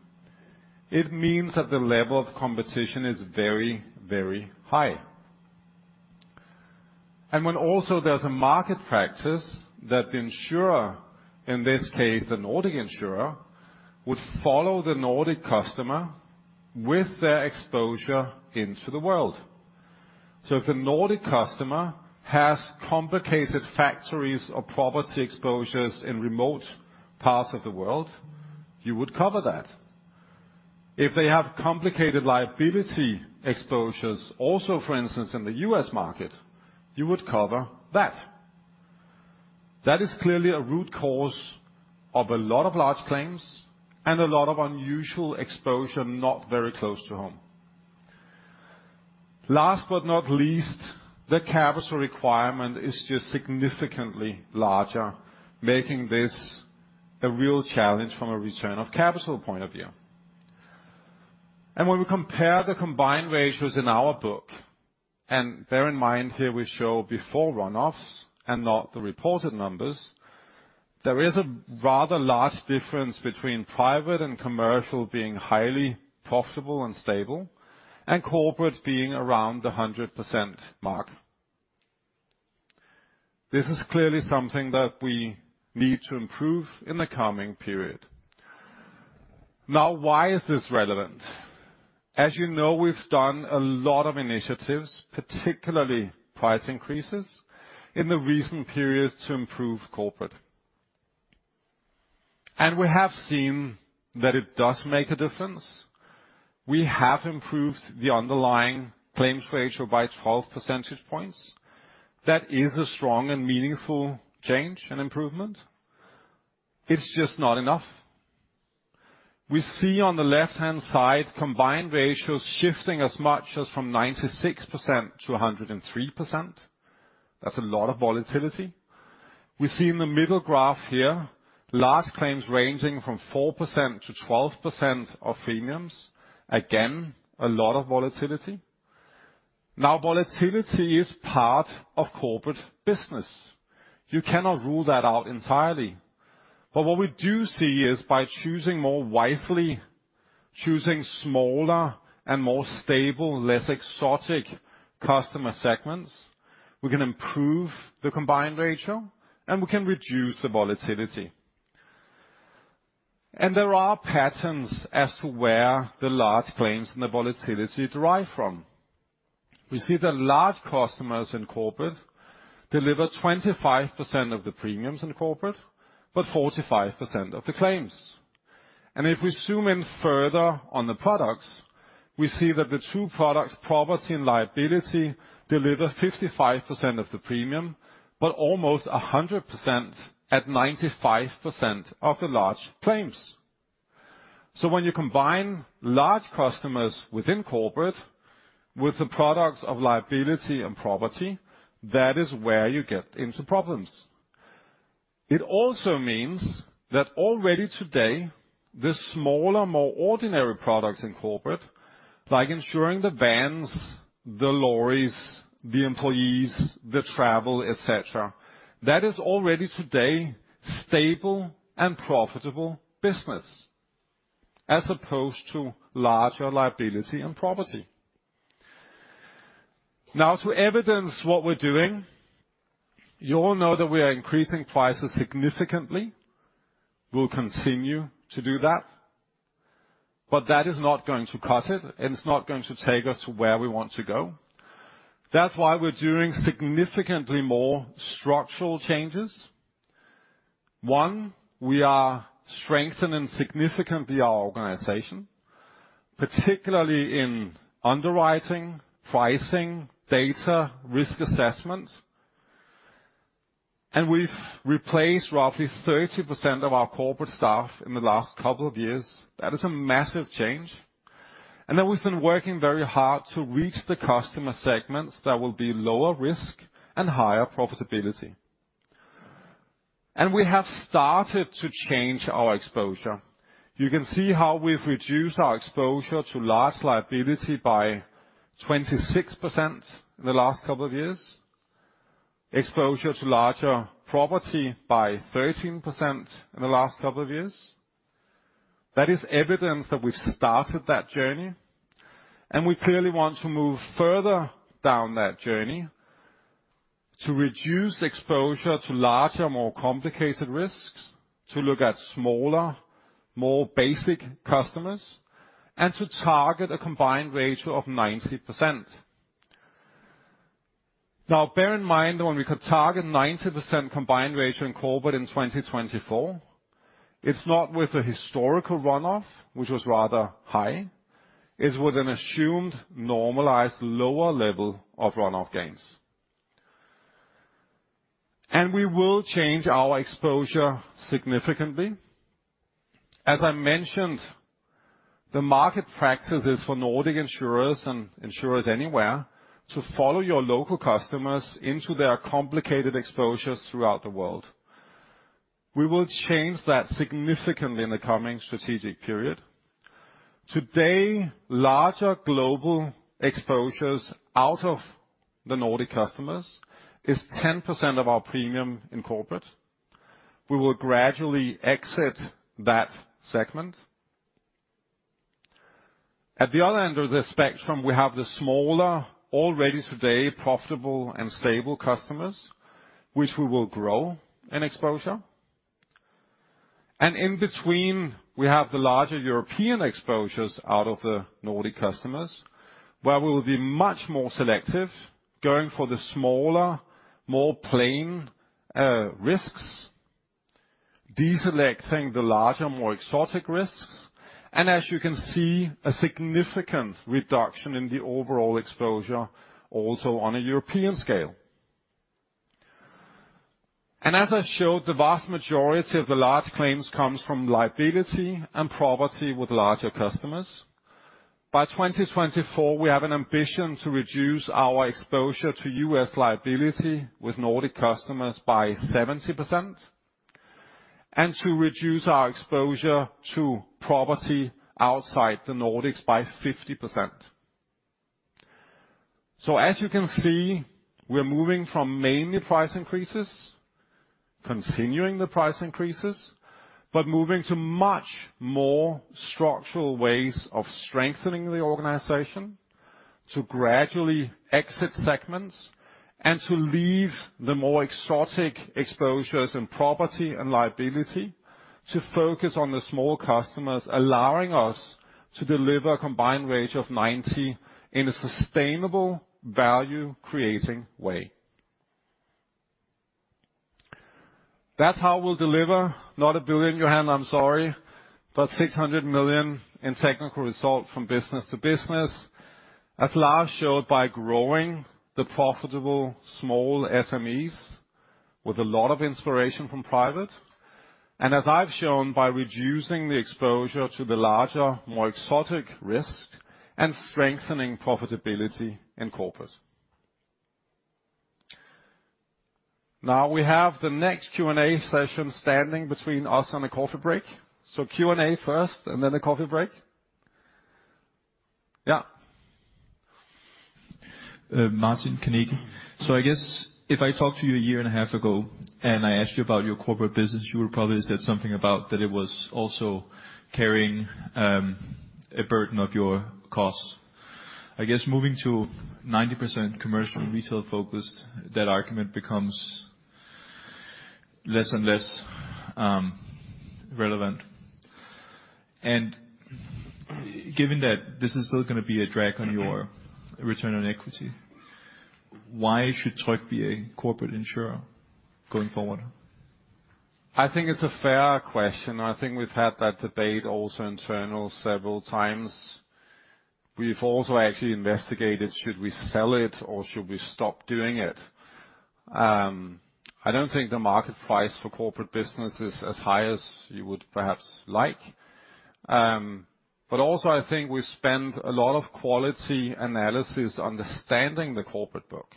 it means that the level of competition is very, very high. When also there's a market practice that the insurer, in this case the Nordic insurer, would follow the Nordic customer with their exposure into the world. If the Nordic customer has complicated factories or property exposures in remote parts of the world, you would cover that. If they have complicated liability exposures also, for instance, in the U.S. market, you would cover that. That is clearly a root cause of a lot of large claims and a lot of unusual exposure, not very close to home. Last but not least, the capital requirement is just significantly larger, making this a real challenge from a return of capital point of view. When we compare the combined ratios in our book, and bear in mind here we show before runoffs and not the reported numbers, there is a rather large difference between private and commercial being highly profitable and stable, and Corporate being around the 100% mark. This is clearly something that we need to improve in the coming period. Now why is this relevant? As you know, we've done a lot of initiatives, particularly price increases in the recent periods to improve Corporate. We have seen that it does make a difference. We have improved the underlying claims ratio by 12 percentage points. That is a strong and meaningful change and improvement. It's just not enough. We see on the left-hand side combined ratios shifting as much as from 96%-103%. That's a lot of volatility. We see in the middle graph here, large claims ranging from 4%-12% of premiums. Again, a lot of volatility. Now volatility is part of Corporate business. You cannot rule that out entirely. What we do see is by choosing more wisely, choosing smaller and more stable, less exotic customer segments, we can improve the combined ratio, and we can reduce the volatility. There are patterns as to where the large claims and the volatility derive from. We see that large customers in Corporate deliver 25% of the premiums in Corporate, but 45% of the claims. If we zoom in further on the products, we see that the two products, property and liability, deliver 55% of the premium, but almost 100% at 95% of the large claims. When you combine large customers within Corporate with the products of liability and property, that is where you get into problems. It also means that already today, the smaller, more ordinary products in Corporate, like ensuring the vans, the lorries, the employees, the travel, et cetera, that is already today stable and profitable business as opposed to larger liability and property. Now to evidence what we're doing, you all know that we are increasing prices significantly. We'll continue to do that. But that is not going to cut it, and it's not going to take us where we want to go. That's why we're doing significantly more structural changes. One, we are strengthening significantly our organization, particularly in underwriting, pricing, data, risk assessment. We've replaced roughly 30% of our Corporate staff in the last couple of years. That is a massive change. We've been working very hard to reach the customer segments that will be lower risk and higher profitability. We have started to change our exposure. You can see how we've reduced our exposure to large liability by 26% in the last couple of years, exposure to larger property by 13% in the last couple of years. That is evidence that we've started that journey, and we clearly want to move further down that journey to reduce exposure to larger, more complicated risks, to look at smaller, more basic customers, and to target a combined ratio of 90%. Now bear in mind when we could target 90% combined ratio in Corporate in 2024, it's not with a historical run-off, which was rather high, it's with an assumed normalized lower level of run-off gains. We will change our exposure significantly. As I mentioned, the market practice is for Nordic insurers and insurers anywhere to follow your local customers into their complicated exposures throughout the world. We will change that significantly in the coming strategic period. Today, larger global exposures out of the Nordic customers is 10% of our premium in Corporate. We will gradually exit that segment. At the other end of the spectrum, we have the smaller, already today, profitable and stable customers, which we will grow in exposure. In between, we have the larger European exposures out of the Nordic customers, where we will be much more selective, going for the smaller, more plain, risks, deselecting the larger, more exotic risks. As you can see, a significant reduction in the overall exposure also on a European scale. As I showed, the vast majority of the large claims comes from liability and property with larger customers. By 2024, we have an ambition to reduce our exposure to U.S. liability with Nordic customers by 70%, and to reduce our exposure to property outside the Nordics by 50%. As you can see, we're moving from mainly price increases, continuing the price increases, but moving to much more structural ways of strengthening the organization to gradually exit segments and to leave the more exotic exposures in property and liability to focus on the small customers, allowing us to deliver a combined ratio of 90 in a sustainable value creating way. That's how we'll deliver not a billion, Johan, I'm sorry, but 600 million in technical result from business to business. As Lars showed, by growing the profitable small SMEs with a lot of inspiration from private, and as I've shown by reducing the exposure to the larger, more exotic risk and strengthening profitability in Corporate. Now we have the next Q&A session standing between us and a coffee break. Q&A first and then a coffee break. Yeah. Martin Gregers Birk. Mm-hmm. I guess if I talked to you a year and a half ago, and I asked you about your Corporate business, you would probably have said something about that it was also carrying a burden of your costs. I guess moving to 90% commercial and retail focused, that argument becomes less and less relevant. Given that this is still gonna be a drag on your return on equity, why should Tryg be a Corporate insurer going forward? I think it's a fair question, and I think we've had that debate also internal several times. We've also actually investigated should we sell it or should we stop doing it. I don't think the market price for Corporate business is as high as you would perhaps like. Also I think we spend a lot of quality analysis understanding the Corporate book.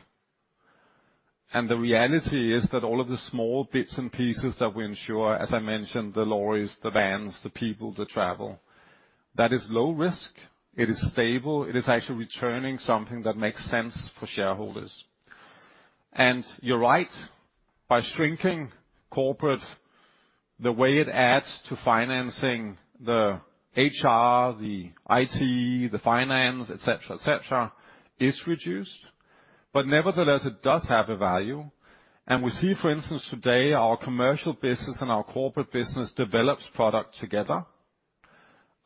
The reality is that all of the small bits and pieces that we insure, as I mentioned, the lorries, the vans, the people, the travel, that is low risk, it is stable, it is actually returning something that makes sense for shareholders. You're right, by shrinking Corporate, the way it adds to financing the HR, the IT, the finance, et cetera, et cetera, is reduced. Nevertheless, it does have a value, and we see, for instance, today, our commercial business and our Corporate business develops product together.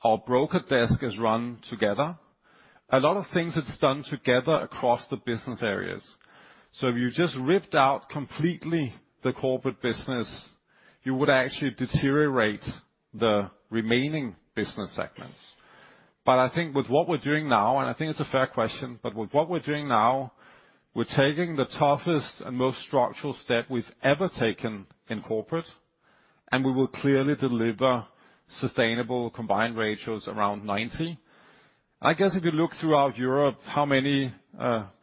Our broker desk is run together. A lot of things it's done together across the business areas. So if you just ripped out completely the Corporate business, you would actually deteriorate the remaining business segments. I think with what we're doing now, and I think it's a fair question, but with what we're doing now, we're taking the toughest and most structural step we've ever taken in Corporate, and we will clearly deliver sustainable combined ratios around 90. I guess if you look throughout Europe, how many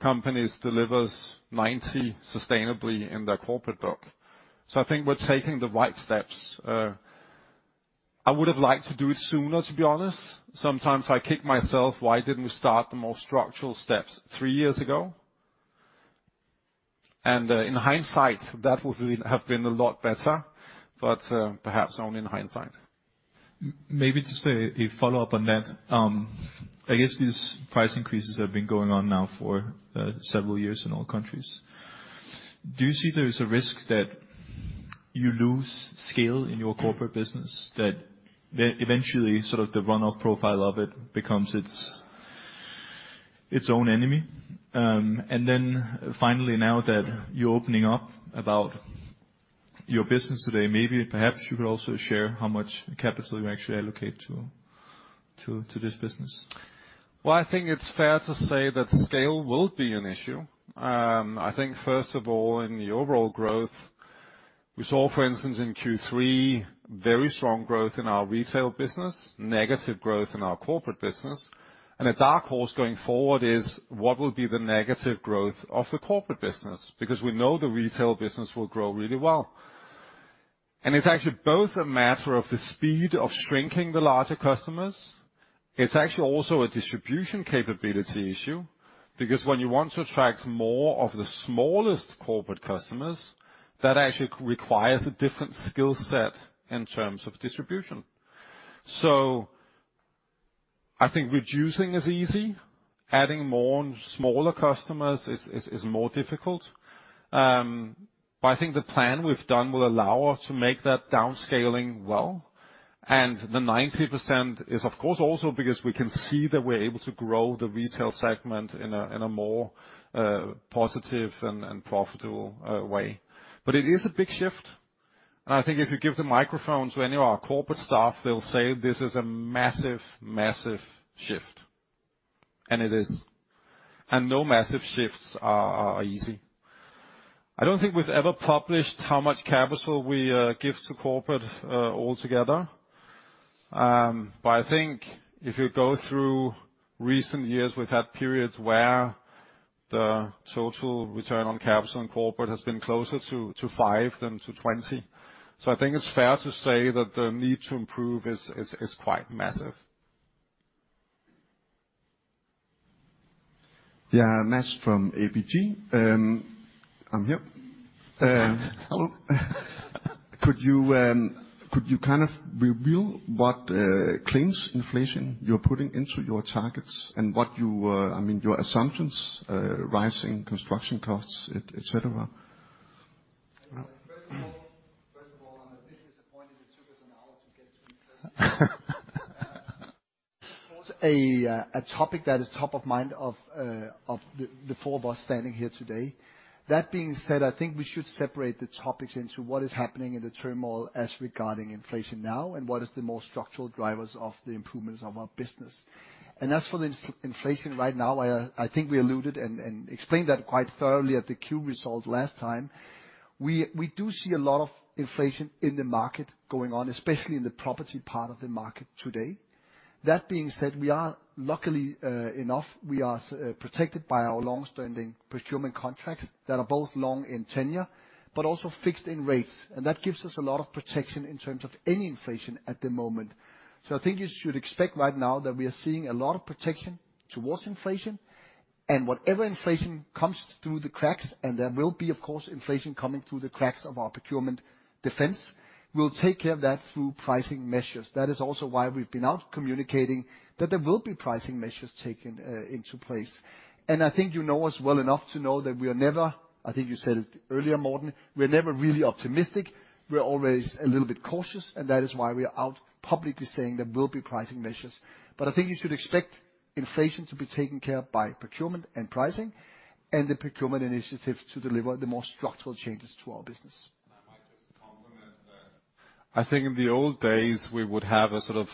companies delivers 90 sustainably in their Corporate book? I think we're taking the right steps. I would have liked to do it sooner, to be honest. Sometimes I kick myself, why didn't we start the more structural steps three years ago? In hindsight, that would have been a lot better, but perhaps only in hindsight. Maybe just a follow-up on that. I guess these price increases have been going on now for several years in all countries. Do you see there is a risk that you lose scale in your Corporate business that eventually sort of the run-off profile of it becomes its own enemy? Finally, now that you're opening up about your business today, maybe perhaps you could also share how much capital you actually allocate to this business. Well, I think it's fair to say that scale will be an issue. I think first of all, in the overall growth, we saw, for instance, in Q3, very strong growth in our retail business, negative growth in our corporate business. A dark horse going forward is what will be the negative growth of the corporate business, because we know the retail business will grow really well. It's actually both a matter of the speed of shrinking the larger customers. It's actually also a distribution capability issue, because when you want to attract more of the smallest corporate customers, that actually requires a different skill set in terms of distribution. I think reducing is easy. Adding more and smaller customers is more difficult. I think the plan we've done will allow us to make that downscaling well. The 90% is of course also because we can see that we're able to grow the retail segment in a more positive and profitable way. It is a big shift, and I think if you give the microphones to any of our corporate staff, they'll say this is a massive shift. It is. No massive shifts are easy. I don't think we've ever published how much capital we give to Corporate altogether. I think if you go through recent years, we've had periods where the total return on capital in Corporate has been closer to five than to 20. I think it's fair to say that the need to improve is quite massive. Yeah. Matt from ABG. I'm here. Hello. Could you kind of reveal what claims inflation you're putting into your targets and what you, I mean, your assumptions, rising construction costs, et cetera? First of all, I'm a bit disappointed it took us an hour to get to inflation. Of course, a topic that is top of mind of the four of us standing here today. That being said, I think we should separate the topics into what is happening in the turmoil as regarding inflation now and what is the more structural drivers of the improvements of our business. As for the inflation right now, I think we alluded and explained that quite thoroughly at the Q result last time. We do see a lot of inflation in the market going on, especially in the property part of the market today. That being said, we are luckily enough, we are so protected by our long-standing procurement contracts that are both long in tenure, but also fixed in rates, and that gives us a lot of protection in terms of any inflation at the moment. I think you should expect right now that we are seeing a lot of protection towards inflation, and whatever inflation comes through the cracks, and there will be, of course, inflation coming through the cracks of our procurement defense, we'll take care of that through pricing measures. That is also why we've been out communicating that there will be pricing measures taken into place. I think you know us well enough to know that we are never, I think you said it earlier, Morten, we are never really optimistic. We're always a little bit cautious, and that is why we are out publicly saying there will be pricing measures. I think you should expect inflation to be taken care by procurement and pricing and the procurement initiatives to deliver the more structural changes to our business. I might just complement that. I think in the old days, we would have a sort of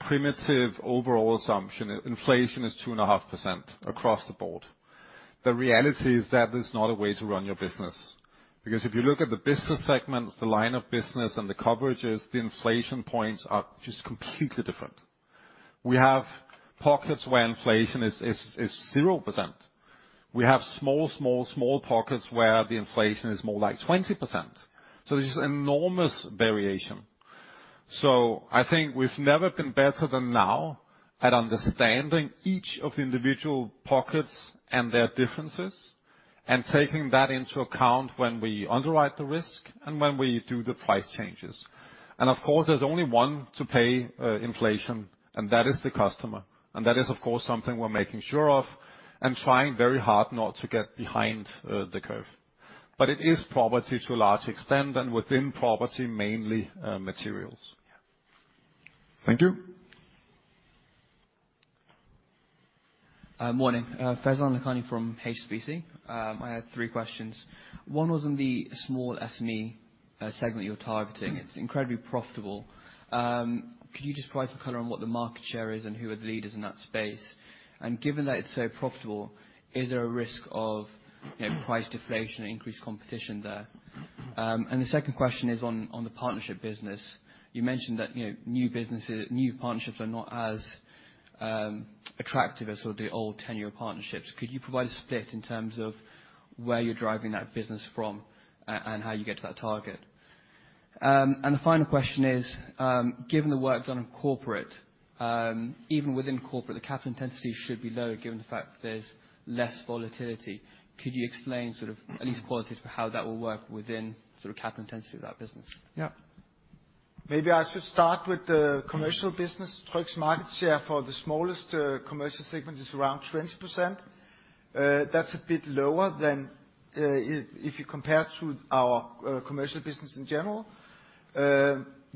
primitive overall assumption. Inflation is 2.5% across the board. The reality is that is not a way to run your business. Because if you look at the business segments, the line of business and the coverages, the inflation points are just completely different. We have pockets where inflation is 0%. We have small pockets where the inflation is more like 20%. There's enormous variation. I think we've never been better than now at understanding each of the individual pockets and their differences and taking that into account when we underwrite the risk and when we do the price changes. Of course, there's only one to pay inflation, and that is the customer. That is, of course, something we're making sure of and trying very hard not to get behind the curve. It is property to a large extent, and within property, mainly materials. Yeah. Thank you. Morning. Faizan Lakhani from HSBC. I had three questions. One was on the small SME segment you're targeting. It's incredibly profitable. Could you just provide some color on what the market share is and who are the leaders in that space? Given that it's so profitable, is there a risk of, you know, price deflation or increased competition there? The second question is on the partnership business. You mentioned that, you know, new businesses, new partnerships are not as attractive as sort of the old ten-year partnerships. Could you provide a split in terms of where you're driving that business from and how you get to that target? The final question is, given the work done on corporate, even within corporate, the capital intensity should be low given the fact that there's less volatility. Could you explain sort of at least qualitatively how that will work within sort of capital intensity of that business? Yeah. Maybe I should start with the commercial business. Tryg's market share for the smallest commercial segment is around 20%. That's a bit lower than, if you compare to our commercial business in general.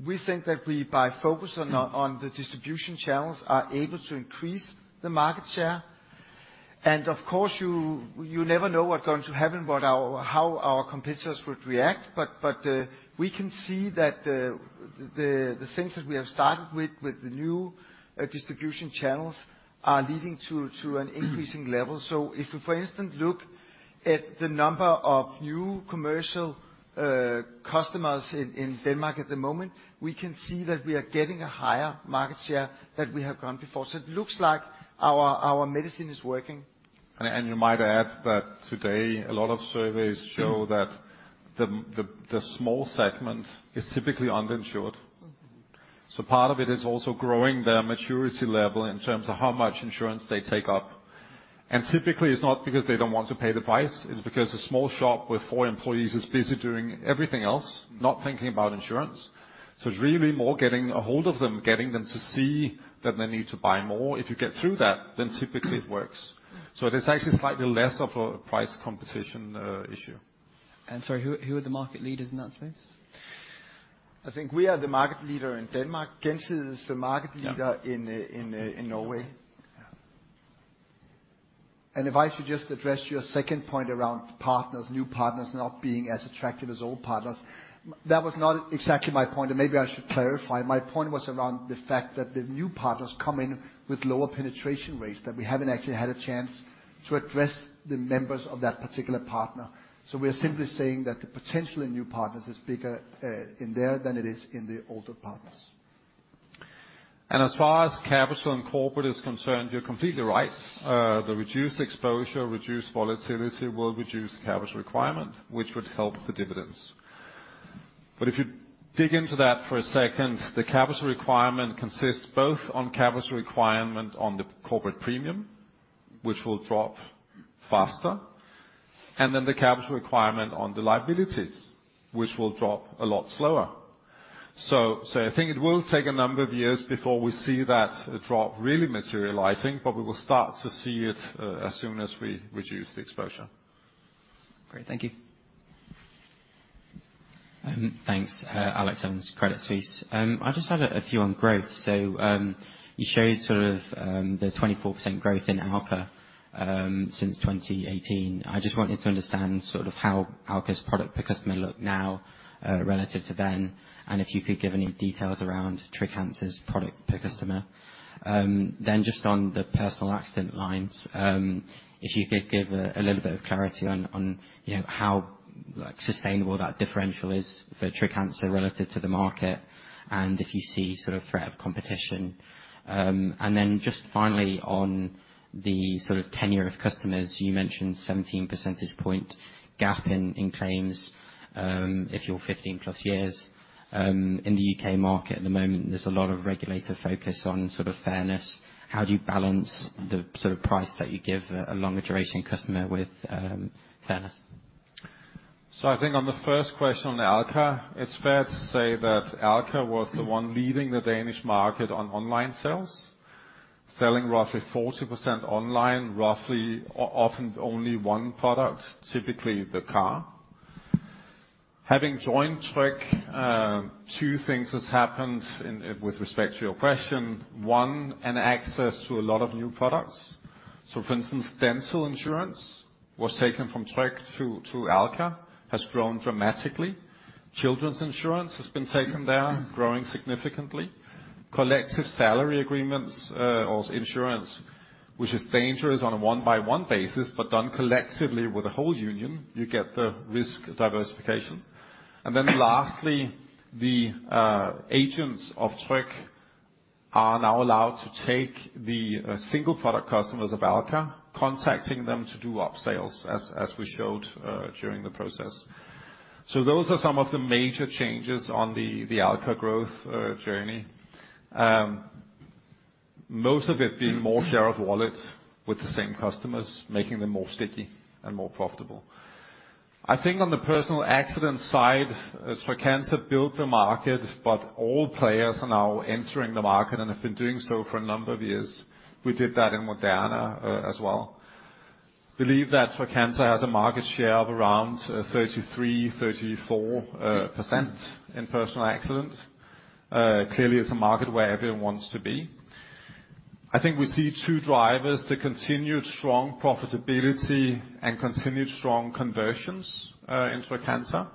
We think that we, by focus on the distribution channels, are able to increase the market share. Of course, you never know what's going to happen, how our competitors would react. We can see that the things that we have started with the new distribution channels are leading to an increasing level. If you, for instance, look at the number of new commercial customers in Denmark at the moment, we can see that we are getting a higher market share that we have gotten before. It looks like our medicine is working. You might add that today a lot of surveys show that the small segment is typically underinsured. Mm-hmm. Part of it is also growing their maturity level in terms of how much insurance they take up. Typically, it's not because they don't want to pay the price, it's because a small shop with four employees is busy doing everything else, not thinking about insurance. It's really more getting a hold of them, getting them to see that they need to buy more. If you get through that, then typically it works. It is actually slightly less of a price competition issue. Sorry, who are the market leaders in that space? I think we are the market leader in Denmark. Gjensidige is the market leader. Yeah in Norway. Yeah. If I should just address your second point around partners, new partners not being as attractive as old partners, that was not exactly my point, and maybe I should clarify. My point was around the fact that the new partners come in with lower penetration rates, that we haven't actually had a chance to address the members of that particular partner. We're simply saying that the potential in new partners is bigger, in there than it is in the older partners. As far as capital and Corporate is concerned, you're completely right. The reduced exposure, reduced volatility will reduce capital requirement, which would help the dividends. If you dig into that for a second, the capital requirement consists both on capital requirement on the Corporate premium, which will drop faster, and then the capital requirement on the liabilities, which will drop a lot slower. I think it will take a number of years before we see that drop really materializing, but we will start to see it as soon as we reduce the exposure. Great. Thank you. Thanks. Alexandra Winther, Credit Suisse. I just had a few on growth. You showed sort of the 24% growth in Alka since 2018. I just wanted to understand sort of how Alka's product per customer look now relative to then, and if you could give any details around Trygg-Hansa's product per customer. Then just on the personal accident lines, if you could give a little bit of clarity on you know how like sustainable that differential is for Trygg-Hansa relative to the market, and if you see sort of threat of competition. And then just finally on the sort of tenure of customers, you mentioned 17 percentage point gap in claims if you're 15+ years. In the U.K. market at the moment, there's a lot of regulator focus on sort of fairness. How do you balance the sort of price that you give a longer duration customer with fairness? I think on the first question on Alka, it's fair to say that Alka was the one leading the Danish market on online sales, selling roughly 40% online, roughly often only one product, typically the car. Having joined Tryg, two things has happened with respect to your question. One, an access to a lot of new products. For instance, dental insurance was taken from Tryg to Alka, has grown dramatically. Children's insurance has been taken there, growing significantly. Collective salary agreements or insurance, which is dangerous on a one-by-one basis, but done collectively with the whole union, you get the risk diversification. Then lastly, the agents of Tryg are now allowed to take the single product customers of Alka, contacting them to do upsales, as we showed during the process. Those are some of the major changes on the Alka growth journey. Most of it being more share of wallet with the same customers, making them more sticky and more profitable. I think on the personal accident side, Trygg-Hansa built the market, but all players are now entering the market and have been doing so for a number of years. We did that in Norway as well. I believe that Trygg-Hansa has a market share of around 33%-34% in personal accident. Clearly, it's a market where everyone wants to be. I think we see two drivers, the continued strong profitability and continued strong conversions in Trygg-Hansa,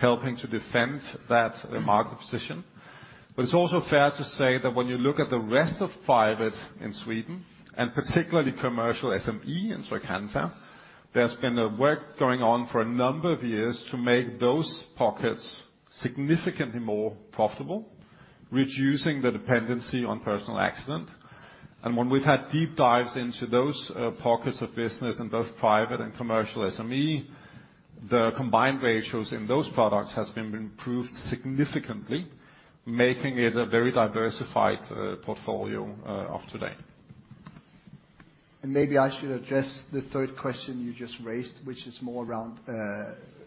helping to defend that market position. It's also fair to say that when you look at the rest of private in Sweden, and particularly commercial SME in Trygg-Hansa, there's been a work going on for a number of years to make those pockets significantly more profitable, reducing the dependency on personal accident. When we've had deep dives into those pockets of business in both private and commercial SME, the combined ratios in those products has been improved significantly, making it a very diversified portfolio of today. Maybe I should address the third question you just raised, which is more around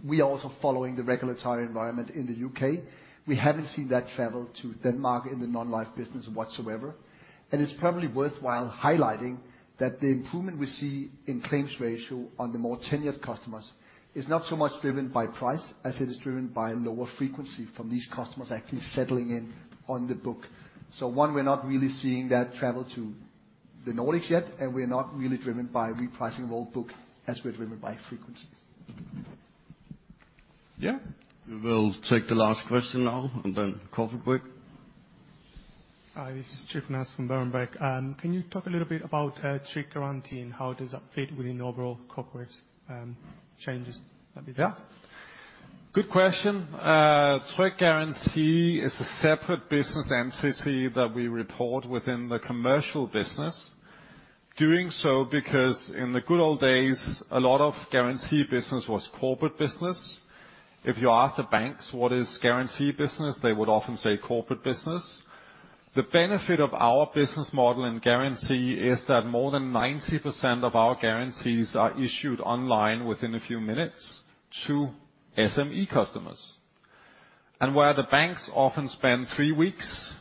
we are also following the regulatory environment in the U.K. We haven't seen that travel to Denmark in the non-life business whatsoever. It's probably worthwhile highlighting that the improvement we see in claims ratio on the more tenured customers is not so much driven by price as it is driven by lower frequency from these customers actually settling in on the book. One, we're not really seeing that travel to the Nordics yet, and we're not really driven by repricing old book as we're driven by frequency. Yeah. We will take the last question now and then coffee break. Hi, this is Jan Erik Gjerland from ABG Sundal Collier. Can you talk a little bit about Trade Guarantee and how does that fit within overall Corporate changes that we've seen? Yeah. Good question. Trade Guarantee is a separate business entity that we report within the commercial business. Doing so because in the good old days, a lot of guarantee business was corporate business. If you ask the banks what is guarantee business, they would often say corporate business. The benefit of our business model and guarantee is that more than 90% of our guarantees are issued online within a few minutes to SME customers. Where the banks often spend three weeks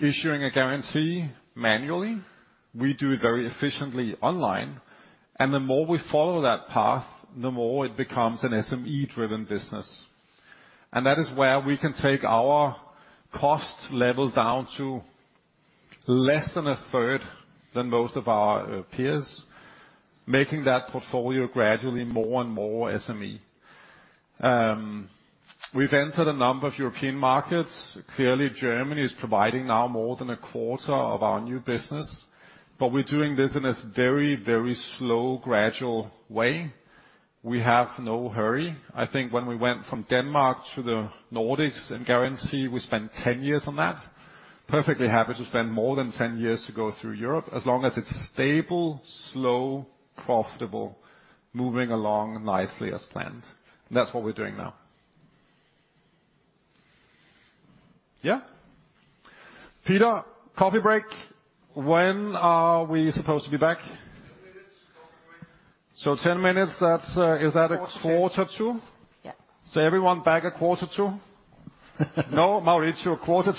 issuing a guarantee manually, we do it very efficiently online. The more we follow that path, the more it becomes an SME-driven business. That is where we can take our cost level down to less than a third than most of our peers, making that portfolio gradually more and more SME. We've entered a number of European markets. Clearly, Germany is providing now more than a quarter of our new business, but we're doing this in a very, very slow, gradual way. We have no hurry. I think when we went from Denmark to the Nordics in guarantee, we spent 10 years on that. Perfectly happy to spend more than 10 years to go through Europe as long as it's stable, slow, profitable, moving along nicely as planned. That's what we're doing now. Yeah. Peter, coffee break. When are we supposed to be back? 10 minutes, coffee break. 10 minutes, that's, is that a quarter to? Yeah. Everyone back at quarter to. No, Mauricio, quarter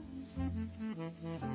to.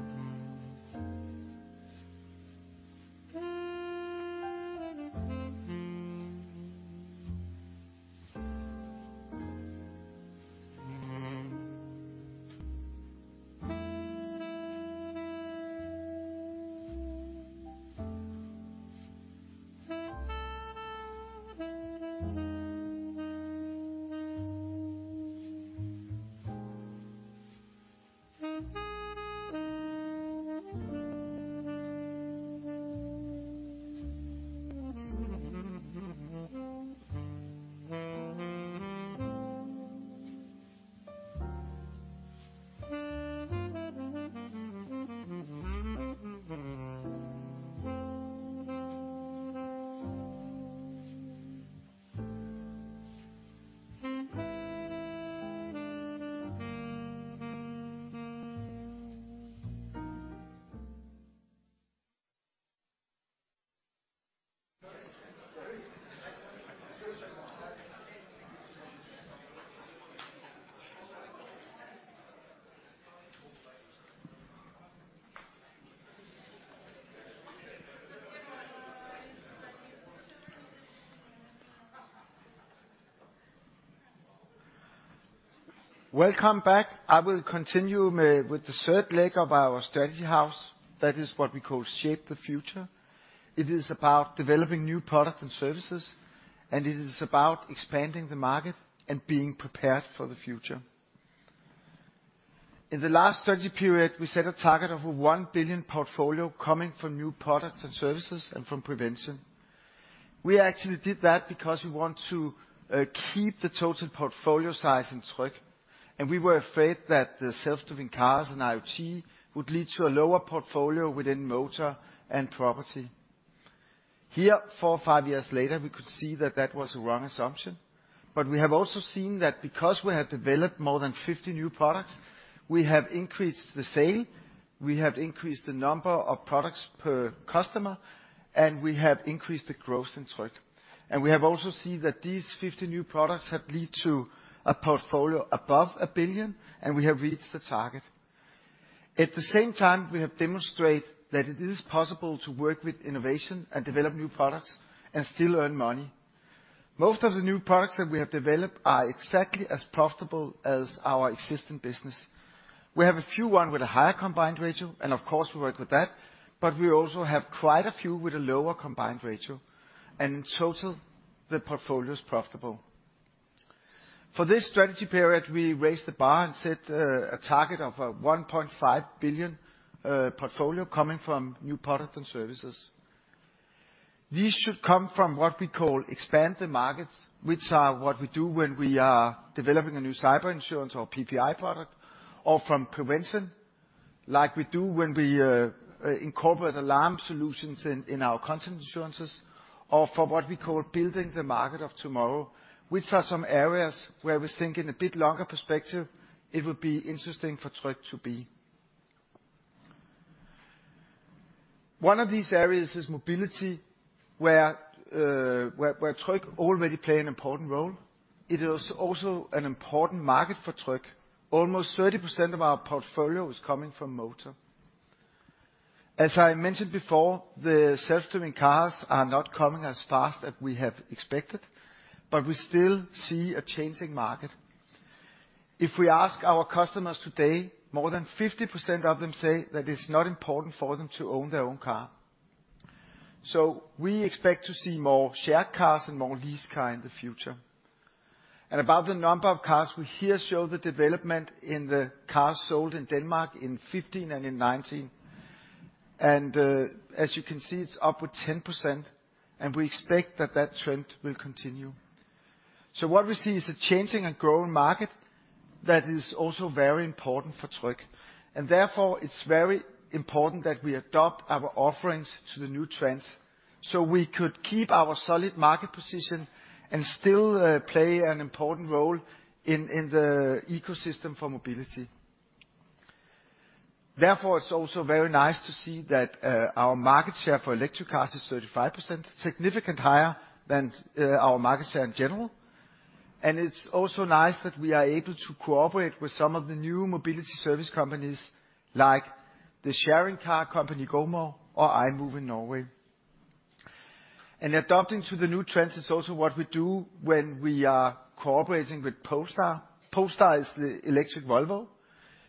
Welcome back. I will continue with the third leg of our strategy house. That is what we call Shape the Future. It is about developing new products and services, and it is about expanding the market and being prepared for the future. In the last strategy period, we set a target of a 1 billion portfolio coming from new products and services and from prevention. We actually did that because we want to keep the total portfolio size in Tryg, and we were afraid that the self-driving cars and IoT would lead to a lower portfolio within motor and property. Here, four or five years later, we could see that that was a wrong assumption. We have also seen that because we have developed more than 50 new products, we have increased the sale, we have increased the number of products per customer, and we have increased the growth in Tryg. We have also seen that these 50 new products have led to a portfolio above 1 billion, and we have reached the target. At the same time, we have demonstrated that it is possible to work with innovation and develop new products and still earn money. Most of the new products that we have developed are exactly as profitable as our existing business. We have a few one with a higher combined ratio, and of course, we work with that, but we also have quite a few with a lower combined ratio. In total, the portfolio is profitable. For this strategy period, we raised the bar and set a target of 1.5 billion portfolio coming from new products and services. These should come from what we call expand the markets, which are what we do when we are developing a new cyber insurance or PPI product or from prevention, like we do when we incorporate alarm solutions in our content insurances or for what we call building the market of tomorrow, which are some areas where we think in a bit longer perspective it would be interesting for Tryg to be. One of these areas is mobility where Tryg already play an important role. It is also an important market for Tryg. Almost 30% of our portfolio is coming from motor. As I mentioned before, the self-driving cars are not coming as fast as we have expected, but we still see a changing market. If we ask our customers today, more than 50% of them say that it's not important for them to own their own car. We expect to see more shared cars and more leased car in the future. About the number of cars, we here show the development in the cars sold in Denmark in 2015 and in 2019. As you can see, it's up with 10%, and we expect that trend will continue. What we see is a changing and growing market that is also very important for Tryg, and therefore it's very important that we adapt our offerings to the new trends, so we could keep our solid market position and still play an important role in the ecosystem for mobility. Therefore, it's also very nice to see that our market share for electric cars is 35%, significantly higher than our market share in general. It's also nice that we are able to cooperate with some of the new mobility service companies, like the sharing car company GoMore or imove in Norway. Adapting to the new trends is also what we do when we are cooperating with Polestar. Polestar is the electric Volvo.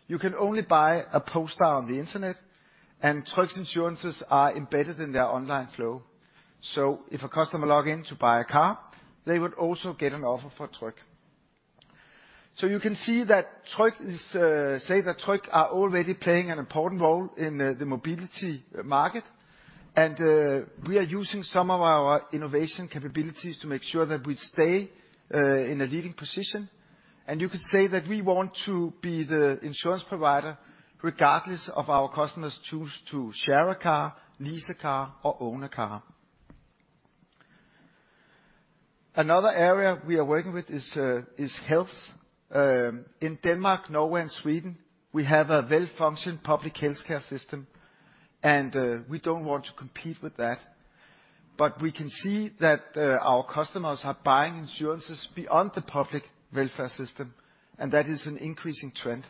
You can only buy a Polestar on the internet, and Tryg's insurances are embedded in their online flow. If a customer log in to buy a car, they would also get an offer for Tryg. You can see that Tryg is already playing an important role in the mobility market and we are using some of our innovation capabilities to make sure that we stay in a leading position. You could say that we want to be the insurance provider regardless of our customers choose to share a car, lease a car, or own a car. Another area we are working with is health. In Denmark, Norway and Sweden, we have a well-functioning public healthcare system, and we don't want to compete with that. We can see that our customers are buying insurances beyond the public welfare system, and that is an increasing trend.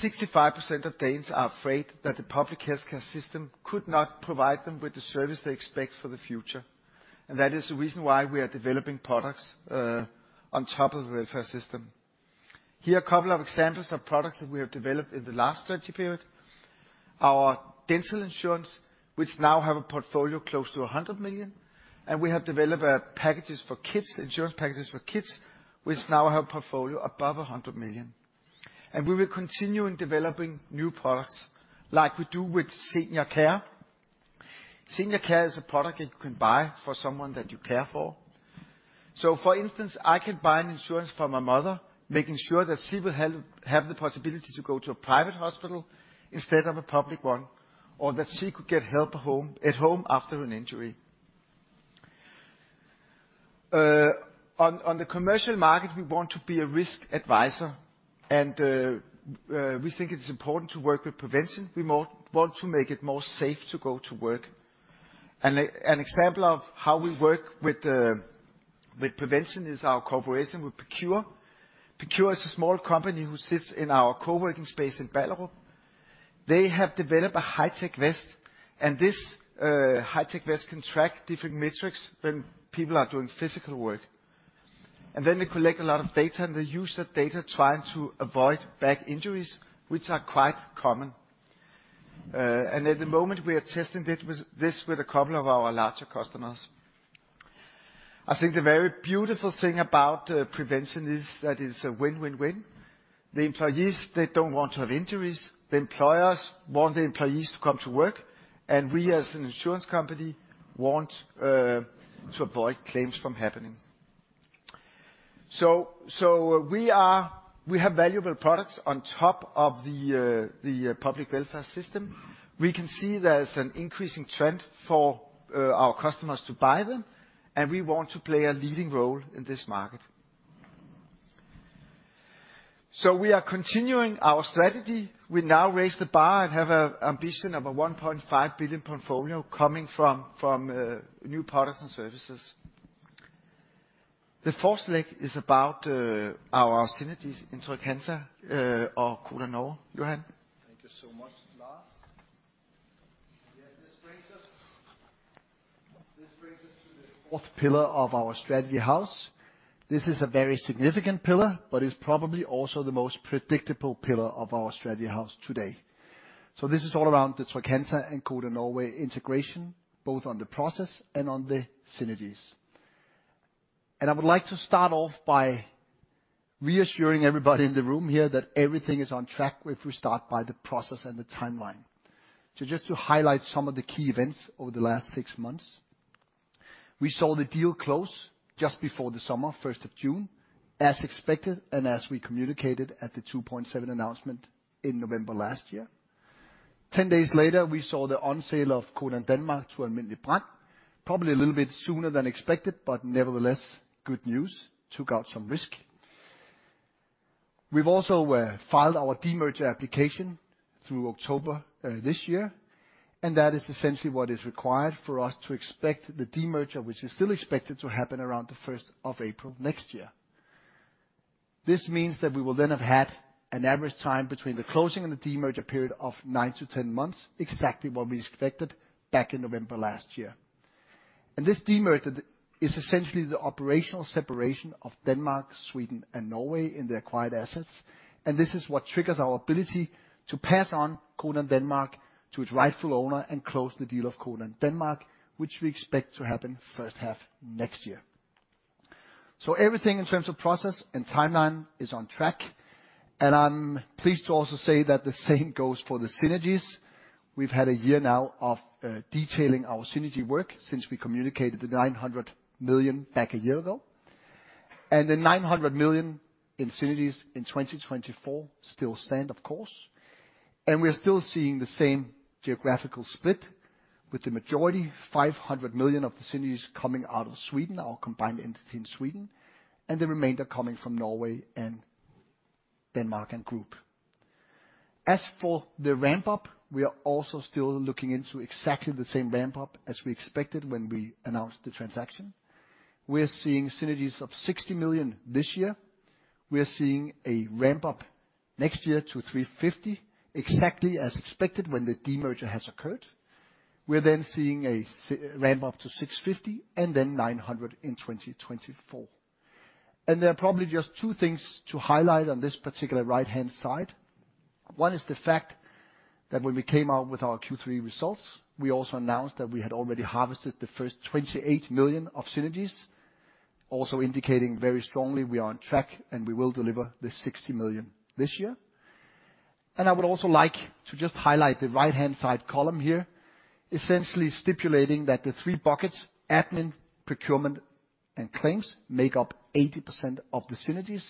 65% of Danes are afraid that the public healthcare system could not provide them with the service they expect for the future, and that is the reason why we are developing products on top of the welfare system. Here are a couple of examples of products that we have developed in the last strategy period. Our dental insurance, which now have a portfolio close to 100 million, and we have developed packages for kids, insurance packages for kids, which now have portfolio above 100 million. We will continue in developing new products like we do with Senior Care. Senior Care is a product that you can buy for someone that you care for. For instance, I can buy an insurance for my mother, making sure that she will have the possibility to go to a private hospital instead of a public one, or that she could get help at home after an injury. On the commercial market, we want to be a risk advisor and we think it is important to work with prevention. We want to make it more safe to go to work. An example of how we work with prevention is our cooperation with PCURE. PCURE is a small company who sits in our co-working space in Ballerup. They have developed a high-tech vest, and this high-tech vest can track different metrics when people are doing physical work. They collect a lot of data, and they use that data trying to avoid back injuries, which are quite common. At the moment we are testing this with a couple of our larger customers. I think the very beautiful thing about prevention is that it's a win-win-win. The employees, they don't want to have injuries, the employers want the employees to come to work, and we, as an insurance company, want to avoid claims from happening. We have valuable products on top of the public welfare system. We can see there's an increasing trend for our customers to buy them, and we want to play a leading role in this market. We are continuing our strategy. We now raise the bar and have an ambition of a 1.5 billion portfolio coming from new products and services. The fourth leg is about our synergies in Trygg-Hansa or Codan Norway. Johan. Thank you so much, Lars. Yes, this brings us to the fourth pillar of our strategy house. This is a very significant pillar, but it's probably also the most predictable pillar of our strategy house today. This is all around the Trygg-Hansa and Codan Norway integration, both on the process and on the synergies. I would like to start off by reassuring everybody in the room here that everything is on track if we start by the process and the timeline. Just to highlight some of the key events over the last six months. We saw the deal close just before the summer, first of June, as expected and as we communicated at the 2.7 announcement in November last year. Ten days later, we saw the sale of Codan Denmark to Alm. Brand. Probably a little bit sooner than expected, but nevertheless, good news. Took out some risk. We've also filed our de-merger application through October this year, and that is essentially what is required for us to expect the de-merger, which is still expected to happen around the first of April next year. This means that we will then have had an average time between the closing and the de-merger period of nine to 10 months, exactly what we expected back in November last year. This de-merger is essentially the operational separation of Denmark, Sweden, and Norway in their acquired assets, and this is what triggers our ability to pass on Codan Denmark to its rightful owner and close the deal of Codan Denmark, which we expect to happen first half next year. Everything in terms of process and timeline is on track, and I'm pleased to also say that the same goes for the synergies. We've had a year now of detailing our synergy work since we communicated the 900 million back a year ago. The 900 million in synergies in 2024 still stand, of course. We are still seeing the same geographical split with the majority 500 million of the synergies coming out of Sweden, our combined entity in Sweden, and the remainder coming from Norway and Denmark, and Group. As for the ramp up, we are also still looking into exactly the same ramp up as we expected when we announced the transaction. We're seeing synergies of 60 million this year. We are seeing a ramp up next year to 350, exactly as expected when the de-merger has occurred. We're then seeing a ramp up to 650 and then 900 in 2024. There are probably just two things to highlight on this particular right-hand side. One is the fact that when we came out with our Q3 results, we also announced that we had already harvested the first 28 million of synergies, also indicating very strongly we are on track and we will deliver the 60 million this year. I would also like to just highlight the right-hand side column here, essentially stipulating that the three buckets, admin, procurement, and claims, make up 80% of the synergies.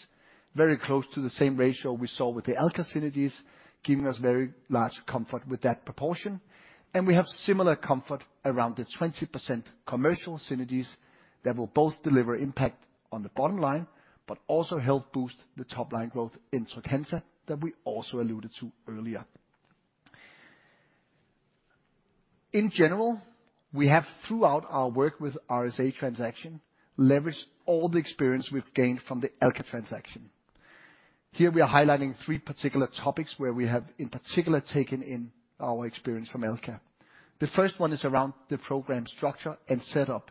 Very close to the same ratio we saw with the Alka synergies, giving us very large comfort with that proportion. We have similar comfort around the 20% commercial synergies that will both deliver impact on the bottom line but also help boost the top-line growth in Trygg-Hansa that we also alluded to earlier. In general, we have, throughout our work with RSA transaction, leveraged all the experience we've gained from the Alka transaction. Here we are highlighting three particular topics where we have, in particular, taken in our experience from Alka. The first one is around the program structure and setup.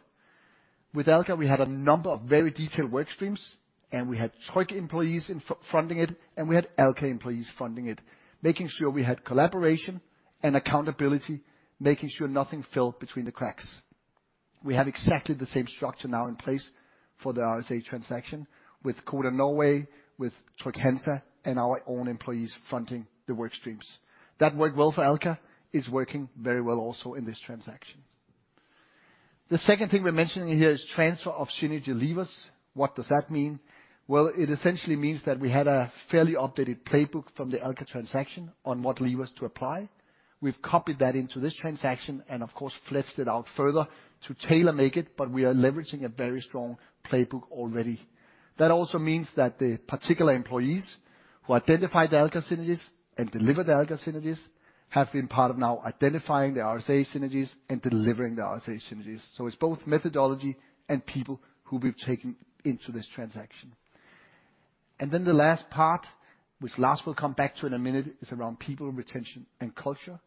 With Alka, we had a number of very detailed work streams, and we had Tryg employees in fronting it, and we had Alka employees fronting it, making sure we had collaboration and accountability, making sure nothing fell between the cracks. We have exactly the same structure now in place for the RSA transaction with Codan Norway, with Trygg-Hansa, and our own employees fronting the work streams. That worked well for Alka. It's working very well also in this transaction. The second thing we're mentioning here is transfer of synergy levers. What does that mean? Well, it essentially means that we had a fairly updated playbook from the Alka transaction on what levers to apply. We've copied that into this transaction and of course fleshed it out further to tailor-make it, but we are leveraging a very strong playbook already. That also means that the particular employees who identified the Alka synergies and delivered the Alka synergies, have been part of now identifying the RSA synergies and delivering the RSA synergies. It's both methodology and people who we've taken into this transaction. Then the last part, which Lars will come back to in a minute, is around people, retention, and culture.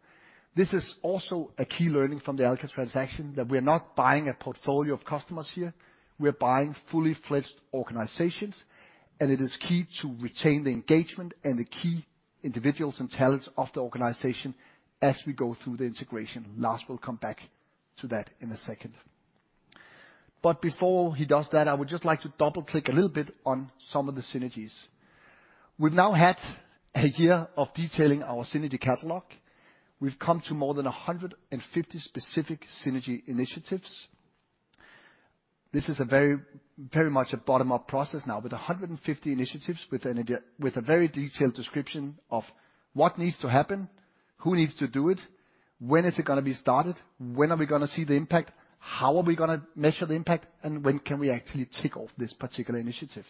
This is also a key learning from the Alka transaction, that we're not buying a portfolio of customers here. We're buying fully fledged organizations, and it is key to retain the engagement and the key individuals and talents of the organization as we go through the integration. Lars will come back to that in a second. Before he does that, I would just like to double-click a little bit on some of the synergies. We've now had a year of detailing our synergy catalog. We've come to more than 150 specific synergy initiatives. This is a very, very much a bottom-up process now, with 150 initiatives, with a very detailed description of what needs to happen, who needs to do it, when is it gonna be started, when are we gonna see the impact, how are we gonna measure the impact, and when can we actually tick off this particular initiative?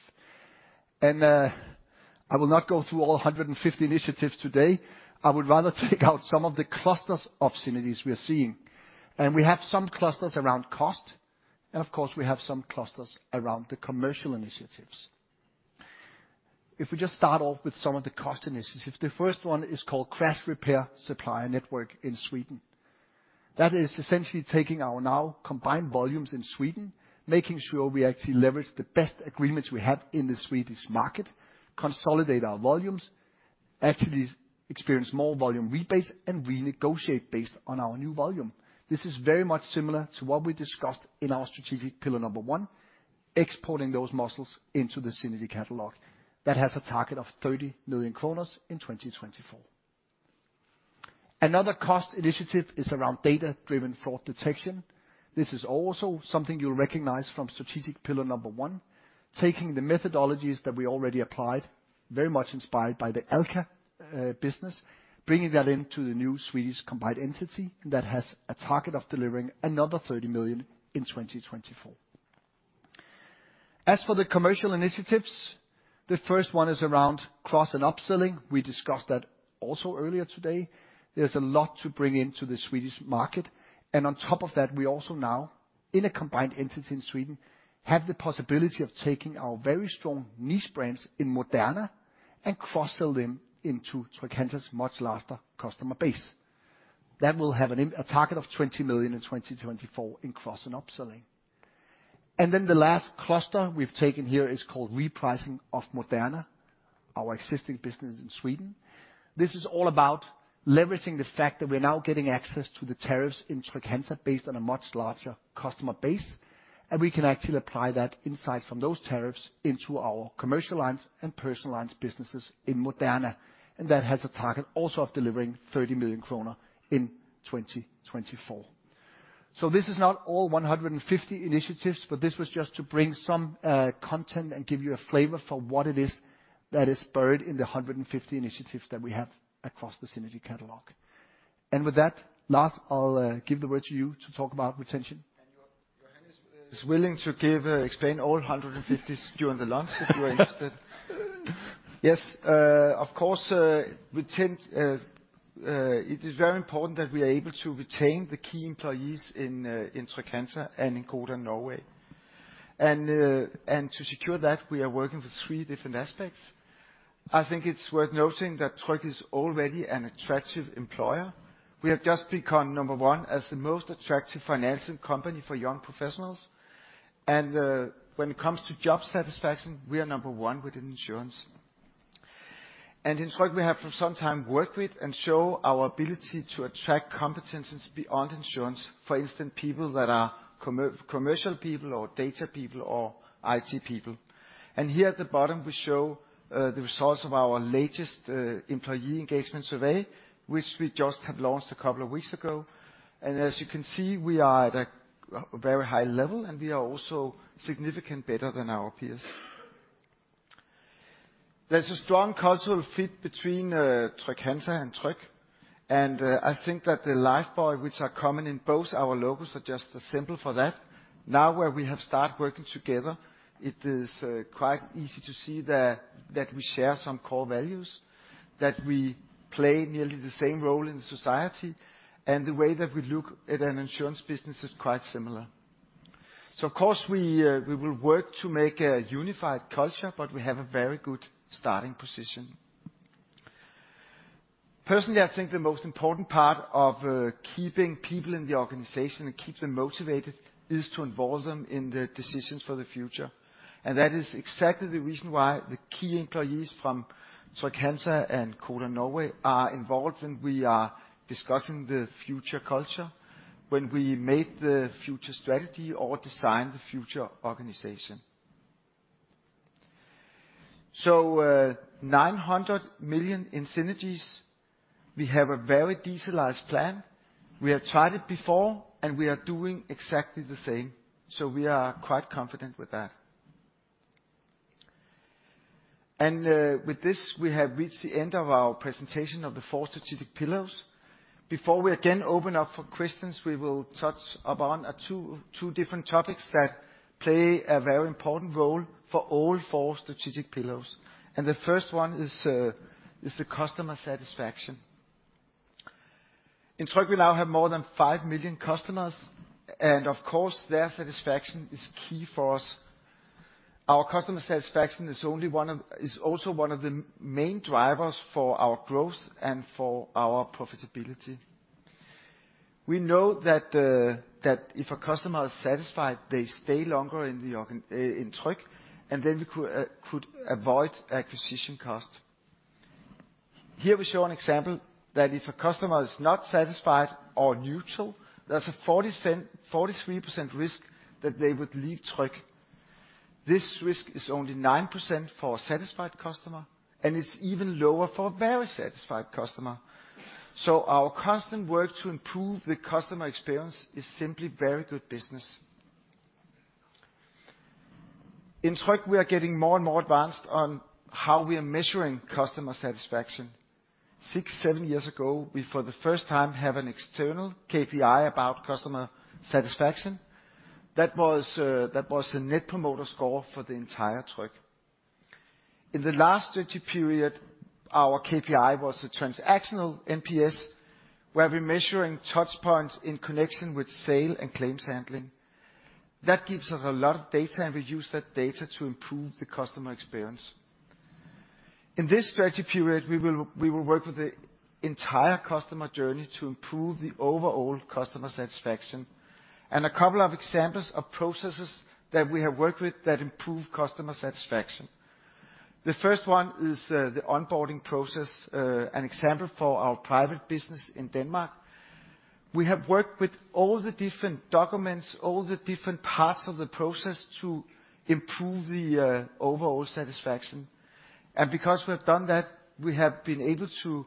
I will not go through all 150 initiatives today. I would rather take out some of the clusters of synergies we are seeing. We have some clusters around cost, and of course, we have some clusters around the commercial initiatives. If we just start off with some of the cost initiatives, the first one is called crash repair supplier network in Sweden. That is essentially taking our now combined volumes in Sweden, making sure we actually leverage the best agreements we have in the Swedish market, consolidate our volumes, actually experience more volume rebates, and renegotiate based on our new volume. This is very much similar to what we discussed in our strategic pillar number one, exporting those muscles into the synergy catalog. That has a target of 30 million kronor in 2024. Another cost initiative is around data-driven fraud detection. This is also something you'll recognize from strategic pillar number one, taking the methodologies that we already applied, very much inspired by the Alka business, bringing that into the new Swedish combined entity that has a target of delivering another 30 million in 2024. As for the commercial initiatives, the first one is around cross- and upselling. We discussed that also earlier today. There's a lot to bring into the Swedish market. On top of that, we also now, in a combined entity in Sweden, have the possibility of taking our very strong niche brands in Moderna and cross-sell them into Trygg-Hansa much larger customer base. That will have a target of 20 million in 2024 in cross and upselling. The last cluster we've taken here is called repricing of Moderna, our existing business in Sweden. This is all about leveraging the fact that we're now getting access to the tariffs in Trygg-Hansa based on a much larger customer base, and we can actually apply that insight from those tariffs into our commercial lines and personal lines businesses in Moderna. That has a target also of delivering 30 million kronor in 2024. This is not all 150 initiatives, but this was just to bring some content and give you a flavor for what it is that is buried in the 150 initiatives that we have across the synergy catalog. With that, Lars, I'll give the word to you to talk about retention. Johan is willing to explain 150 during the lunch if you are interested. Yes, of course, it is very important that we are able to retain the key employees in Trygg-Hansa and in Codan Norway. To secure that, we are working with three different aspects. I think it's worth noting that Tryg is already an attractive employer. We have just become number one as the most attractive financial company for young professionals, and when it comes to job satisfaction, we are number one within insurance. In Tryg, we have for some time worked with and show our ability to attract competencies beyond insurance, for instance, people that are commercial people or data people or IT people. Here at the bottom we show the results of our latest employee engagement survey, which we just have launched a couple of weeks ago. As you can see, we are at a very high level, and we are also significantly better than our peers. There's a strong cultural fit between Trygg-Hansa and Tryg, and I think that the life buoy, which are common in both our logos, are just a symbol for that. Now, where we have started working together, it is quite easy to see that we share some core values, that we play nearly the same role in society, and the way that we look at an insurance business is quite similar. Of course we will work to make a unified culture, but we have a very good starting position. Personally, I think the most important part of keeping people in the organization and keep them motivated is to involve them in the decisions for the future. That is exactly the reason why the key employees from Trygg-Hansa and Codan Norway are involved when we are discussing the future culture, when we made the future strategy or designed the future organization. Nine hundred million in synergies. We have a very detailed plan. We have tried it before, and we are doing exactly the same. We are quite confident with that. With this, we have reached the end of our presentation of the four strategic pillars. Before we again open up for questions, we will touch upon two different topics that play a very important role for all four strategic pillars. The first one is the customer satisfaction. In Tryg, we now have more than 5 million customers, and of course, their satisfaction is key for us. Our customer satisfaction is also one of the main drivers for our growth and for our profitability. We know that if a customer is satisfied, they stay longer in Tryg, and then we could avoid acquisition cost. Here we show an example that if a customer is not satisfied or neutral, there's a 43% risk that they would leave Tryg. This risk is only 9% for a satisfied customer, and it's even lower for a very satisfied customer. Our constant work to improve the customer experience is simply very good business. In Tryg, we are getting more and more advanced on how we are measuring customer satisfaction. 6-7 years ago, we for the first time have an external KPI about customer satisfaction. That was a Net Promoter Score for the entire Tryg. In the last strategy period, our KPI was a transactional NPS, where we're measuring touch points in connection with sale and claims handling. That gives us a lot of data, and we use that data to improve the customer experience. In this strategy period, we will work with the entire customer journey to improve the overall customer satisfaction. A couple of examples of processes that we have worked with that improve customer satisfaction. The first one is the onboarding process, an example for our private business in Denmark. We have worked with all the different documents, all the different parts of the process to improve the overall satisfaction. Because we have done that, we have been able to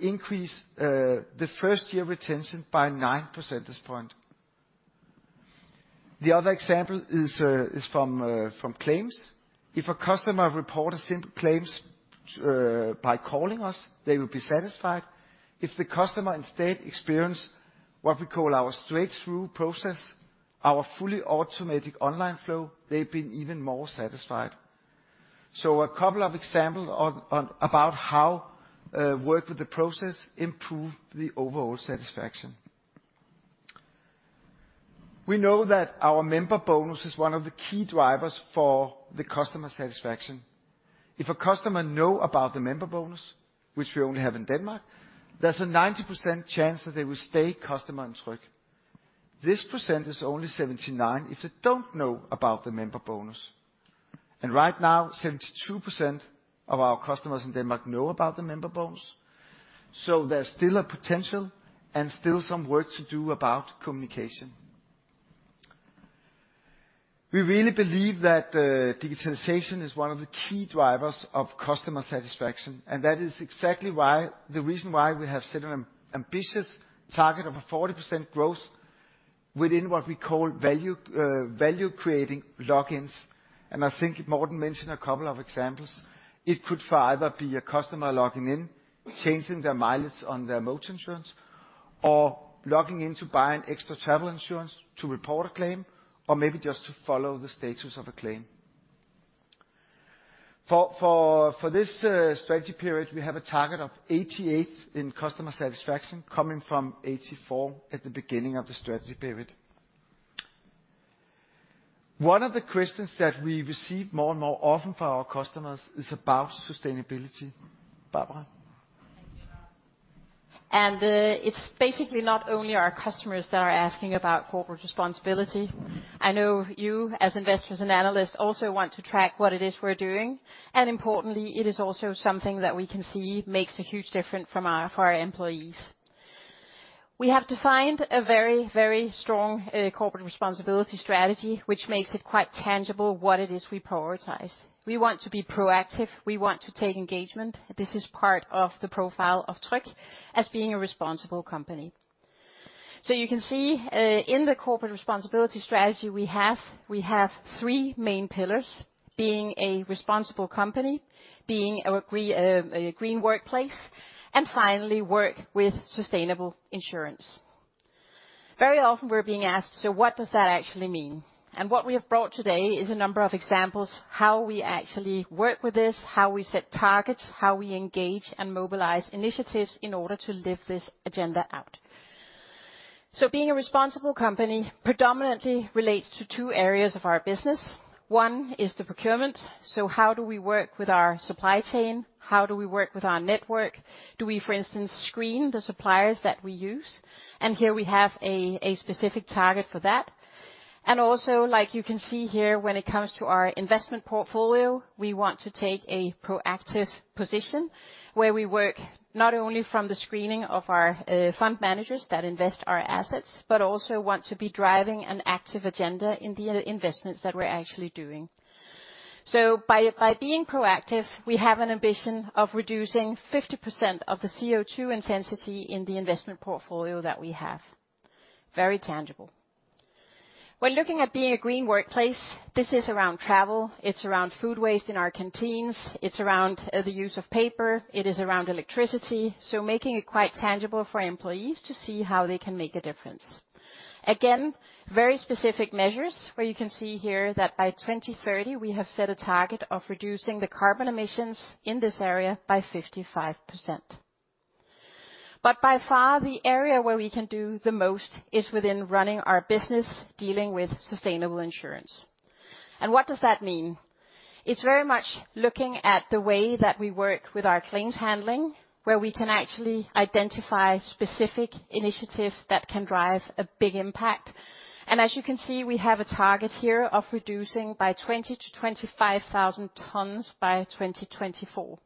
increase the first year retention by nine percentage point. The other example is from claims. If a customer report a simple claims by calling us, they will be satisfied. If the customer instead experience what we call our straight-through process, our fully automatic online flow, they've been even more satisfied. A couple of example on about how work with the process improve the overall satisfaction. We know that our member bonus is one of the key drivers for the customer satisfaction. If a customer know about the member bonus, which we only have in Denmark, there's a 90% chance that they will stay customer in Tryg. This percent is only 79% if they don't know about the member bonus. Right now, 72% of our customers in Denmark know about the member bonus, so there's still a potential and still some work to do about communication. We really believe that digitalization is one of the key drivers of customer satisfaction, and that is exactly why, the reason why we have set an ambitious target of a 40% growth within what we call value creating log-ins. I think Morten mentioned a couple of examples. It could either be a customer logging in, changing their mileage on their motor insurance, or logging in to buy an extra travel insurance, or to report a claim, or maybe just to follow the status of a claim. For this strategy period, we have a target of 88 in customer satisfaction coming from 84 at the beginning of the strategy period. One of the questions that we receive more and more often for our customers is about sustainability. Barbara? Thank you, Lars. It's basically not only our customers that are asking about corporate responsibility. I know you as investors and analysts also want to track what it is we're doing. Importantly, it is also something that we can see makes a huge difference from our, for our employees. We have defined a very, very strong corporate responsibility strategy, which makes it quite tangible what it is we prioritize. We want to be proactive. We want to take engagement. This is part of the profile of Tryg as being a responsible company. You can see in the corporate responsibility strategy we have, we have three main pillars, being a responsible company, being a green workplace, and finally, work with sustainable insurance. Very often we're being asked, "So what does that actually mean?" What we have brought today is a number of examples how we actually work with this, how we set targets, how we engage and mobilize initiatives in order to live this agenda out. Being a responsible company predominantly relates to two areas of our business. One is the procurement. How do we work with our supply chain? How do we work with our network? Do we, for instance, screen the suppliers that we use? Here we have a specific target for that. Like you can see here, when it comes to our investment portfolio, we want to take a proactive position where we work not only from the screening of our fund managers that invest our assets, but also want to be driving an active agenda in the investments that we're actually doing. By being proactive, we have an ambition of reducing 50% of the CO2 intensity in the investment portfolio that we have. Very tangible. When looking at being a green workplace, this is around travel, it's around food waste in our canteens, it's around the use of paper, it is around electricity. Making it quite tangible for employees to see how they can make a difference. Very specific measures, where you can see here that by 2030 we have set a target of reducing the carbon emissions in this area by 55%. The area where we can do the most is within running our business dealing with sustainable insurance. What does that mean? It's very much looking at the way that we work with our claims handling, where we can actually identify specific initiatives that can drive a big impact. As you can see, we have a target here of reducing by 20-25,000 tons by 2024.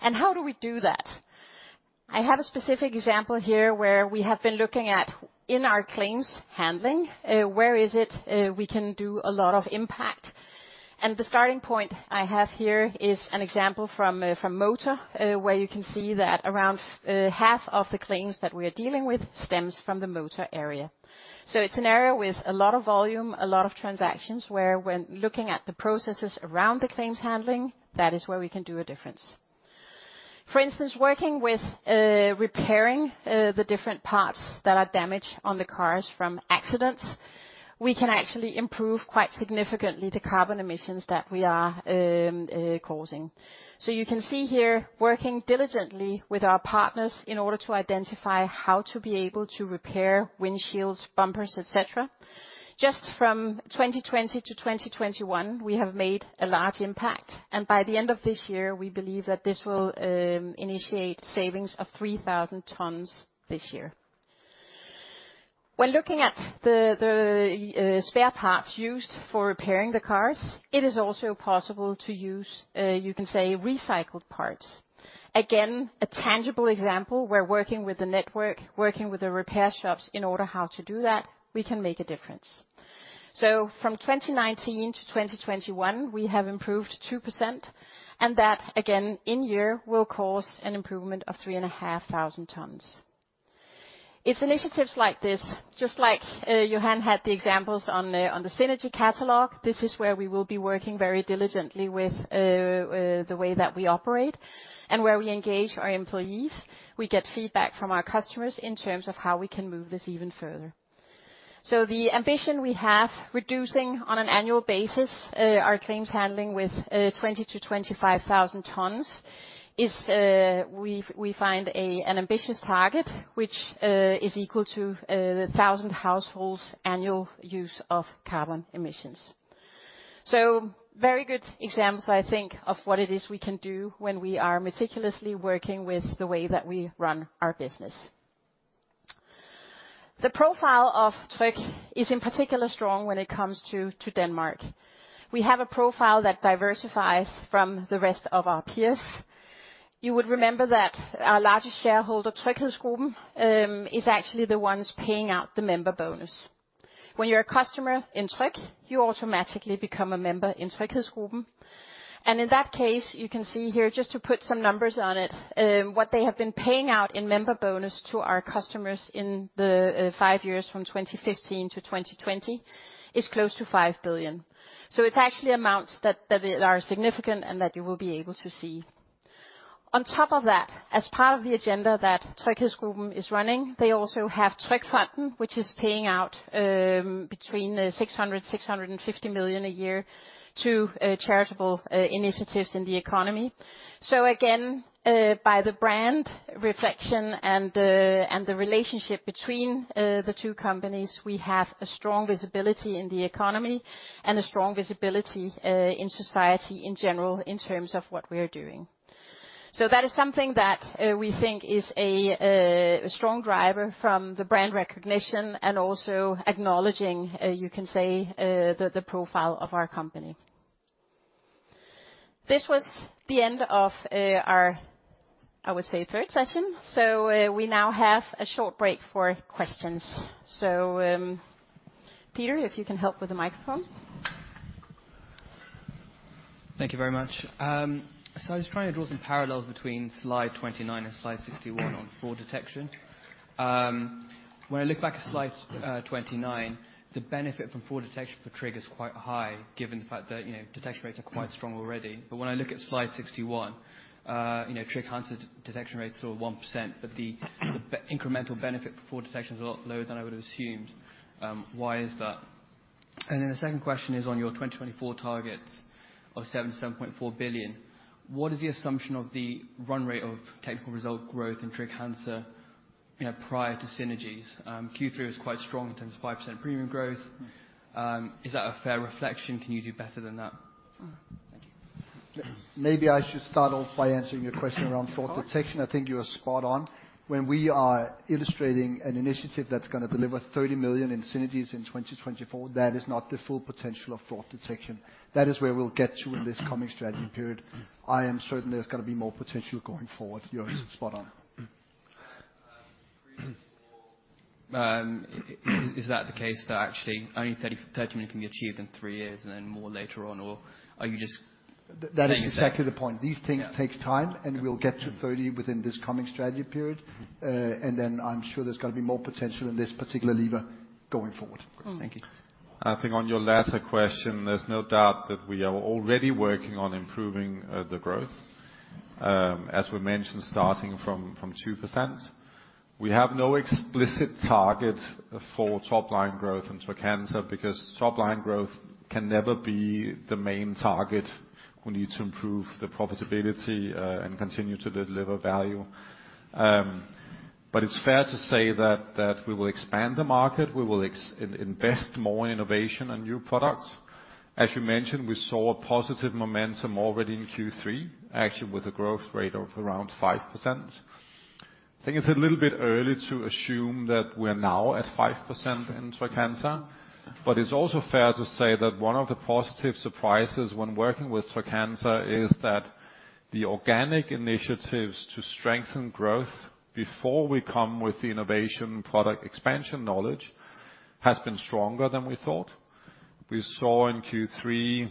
How do we do that? I have a specific example here where we have been looking at, in our claims handling, we can do a lot of impact. The starting point I have here is an example from motor, where you can see that around half of the claims that we are dealing with stems from the motor area. It's an area with a lot of volume, a lot of transactions, where when looking at the processes around the claims handling, that is where we can make a difference. For instance, working with repairing the different parts that are damaged on the cars from accidents, we can actually improve quite significantly the carbon emissions that we are causing. You can see here, working diligently with our partners in order to identify how to be able to repair windshields, bumpers, et cetera. Just from 2020-2021, we have made a large impact, and by the end of this year, we believe that this will initiate savings of 3,000 tons this year. When looking at the spare parts used for repairing the cars, it is also possible to use you can say recycled parts. Again, a tangible example, we're working with the network, working with the repair shops in order how to do that, we can make a difference. From 2019-2021, we have improved 2%, and that again, in year will cause an improvement of 3,500 tons. It's initiatives like this, just like Johan had the examples on the synergy catalog. This is where we will be working very diligently with the way that we operate and where we engage our employees. We get feedback from our customers in terms of how we can move this even further. The ambition we have reducing on an annual basis our claims handling with 20-25,000 tons is we find an ambitious target which is equal to the 1,000 households' annual use of carbon emissions. Very good examples, I think, of what it is we can do when we are meticulously working with the way that we run our business. The profile of Tryg is in particular strong when it comes to Denmark. We have a profile that diversifies from the rest of our peers. You would remember that our largest shareholder, Tryghedsgruppen, is actually the ones paying out the member bonus. When you're a customer in Tryg, you automatically become a member in Tryghedsgruppen. In that case, you can see here just to put some numbers on it, what they have been paying out in member bonus to our customers in the five years from 2015-2020 is close to 5 billion. It's actually amounts that are significant and that you will be able to see. On top of that, as part of the agenda that Tryghedsgruppen is running, they also have Trygfonden, which is paying out between 600 million and 650 million a year to charitable initiatives in the economy. Again, by the brand reflection and the relationship between the two companies, we have a strong visibility in the economy and a strong visibility in society in general in terms of what we are doing. That is something that we think is a strong driver from the brand recognition and also acknowledging you can say the profile of our company. This was the end of our, I would say third session. We now have a short break for questions. Peter, if you can help with the microphone. Thank you very much. I was trying to draw some parallels between slide 29 and slide 61 on fraud detection. When I look back at slide 29, the benefit from fraud detection for Tryg is quite high given the fact that, you know, detection rates are quite strong already. When I look at slide 61, you know, Trygg-Hansa detection rates are 1% of the incremental benefit for fraud detection is a lot lower than I would've assumed. Why is that? The second question is on your 2024 targets of 7 billion-7.4 billion, what is the assumption of the run rate of technical result growth in Trygg-Hansa, you know, prior to synergies? Q3 is quite strong in terms of 5% premium growth. Is that a fair reflection? Can you do better than that? Thank you. Maybe I should start off by answering your question around fraud detection. I think you are spot on. When we are illustrating an initiative that's gonna deliver 30 million in synergies in 2024, that is not the full potential of fraud detection. That is where we'll get to in this coming strategy period. I am certain there's gonna be more potential going forward. You are spot on. Is that the case that actually only 30 million can be achieved in three years and then more later on, or are you just- That is exactly the point. These things take time, and we'll get to 30 within this coming strategy period. I'm sure there's gonna be more potential in this particular lever going forward. Thank you. I think on your latter question, there's no doubt that we are already working on improving the growth. As we mentioned, starting from 2%. We have no explicit target for top line growth in Trygg-Hansa because top line growth can never be the main target. We need to improve the profitability and continue to deliver value. It's fair to say that we will expand the market. We will invest more in innovation and new products. As you mentioned, we saw a positive momentum already in Q3, actually with a growth rate of around 5%. I think it's a little bit early to assume that we're now at 5% in Trygg-Hansa, but it's also fair to say that one of the positive surprises when working with Trygg-Hansa is that the organic initiatives to strengthen growth before we come with the innovation product expansion knowledge has been stronger than we thought. We saw in Q3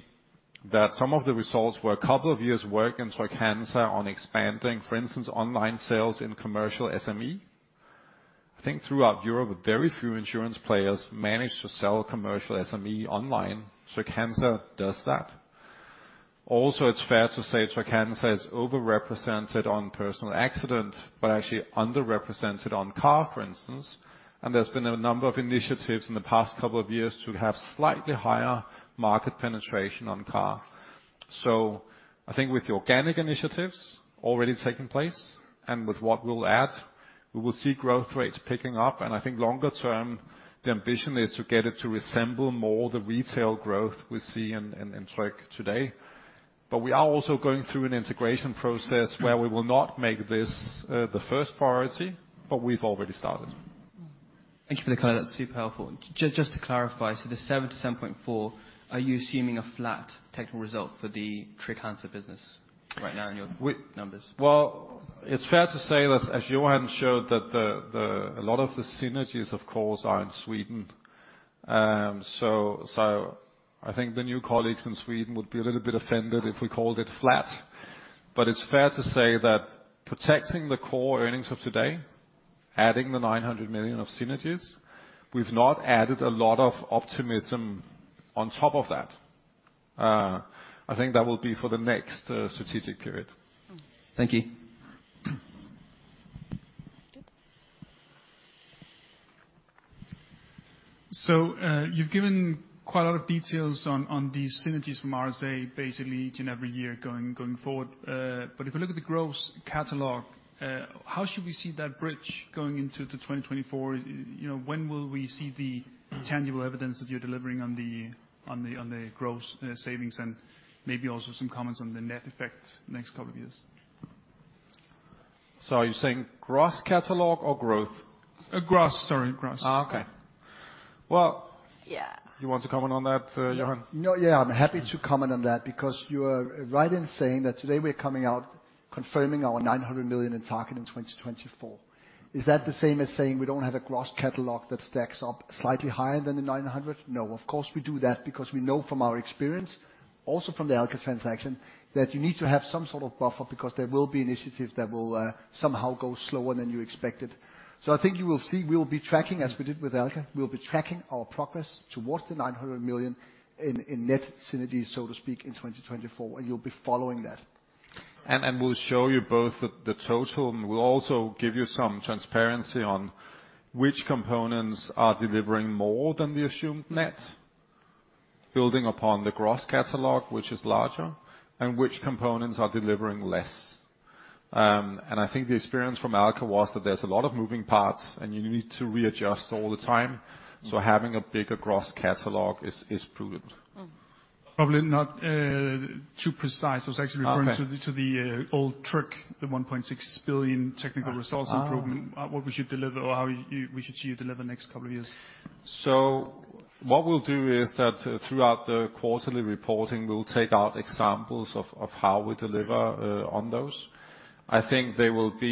that some of the results were a couple of years work in Trygg-Hansa on expanding, for instance, online sales in commercial SME. I think throughout Europe, very few insurance players manage to sell commercial SME online. Trygg-Hansa does that. Also, it's fair to say Trygg-Hansa is over-represented on personal accident, but actually underrepresented on car, for instance. There's been a number of initiatives in the past couple of years to have slightly higher market penetration on car. I think with the organic initiatives already taking place and with what we'll add, we will see growth rates picking up. I think longer term, the ambition is to get it to resemble more the retail growth we see in Tryg today. We are also going through an integration process where we will not make this the first priority, but we've already started. Thank you for the clarity. That's super helpful. Just to clarify, the 7-7.4, are you assuming a flat technical result for the Trygg-Hansa business right now in your numbers? Well, it's fair to say that as Johan showed, a lot of the synergies, of course, are in Sweden. I think the new colleagues in Sweden would be a little bit offended if we called it flat. It's fair to say that protecting the core earnings of today, adding the 900 million of synergies, we've not added a lot of optimism on top of that. I think that will be for the next strategic period. Thank you. You've given quite a lot of details on the synergies from RSA, basically each and every year going forward. If I look at the gross catalog, how should we see that bridge going into 2024? You know, when will we see the tangible evidence that you're delivering on the gross savings, and maybe also some comments on the net effect next couple of years? Are you saying gross catalog or growth? Gross. Sorry. Gross. Okay. Well Yeah. You want to comment on that, Johan? No. Yeah, I'm happy to comment on that, because you are right in saying that today we're coming out confirming our 900 million target in 2024. Is that the same as saying we don't have a gross catalog that stacks up slightly higher than the 900? No, of course, we do that because we know from our experience, also from the Alka transaction, that you need to have some sort of buffer because there will be initiatives that will somehow go slower than you expected. I think you will see we'll be tracking, as we did with Alka, our progress towards the 900 million in net synergies, so to speak, in 2024. You'll be following that. We'll show you both the total, and we'll also give you some transparency on which components are delivering more than the assumed net, building upon the gross catalog, which is larger, and which components are delivering less. I think the experience from Alka was that there's a lot of moving parts, and you need to readjust all the time. Having a bigger gross catalog is prudent. Probably not too precise. I was actually referring to the Okay. to the old trick, the 1.6 billion technical results improvement. Ah. What we should deliver or how we should see you deliver next couple of years. What we'll do is that throughout the quarterly reporting, we'll take out examples of how we deliver on those. I think they will be,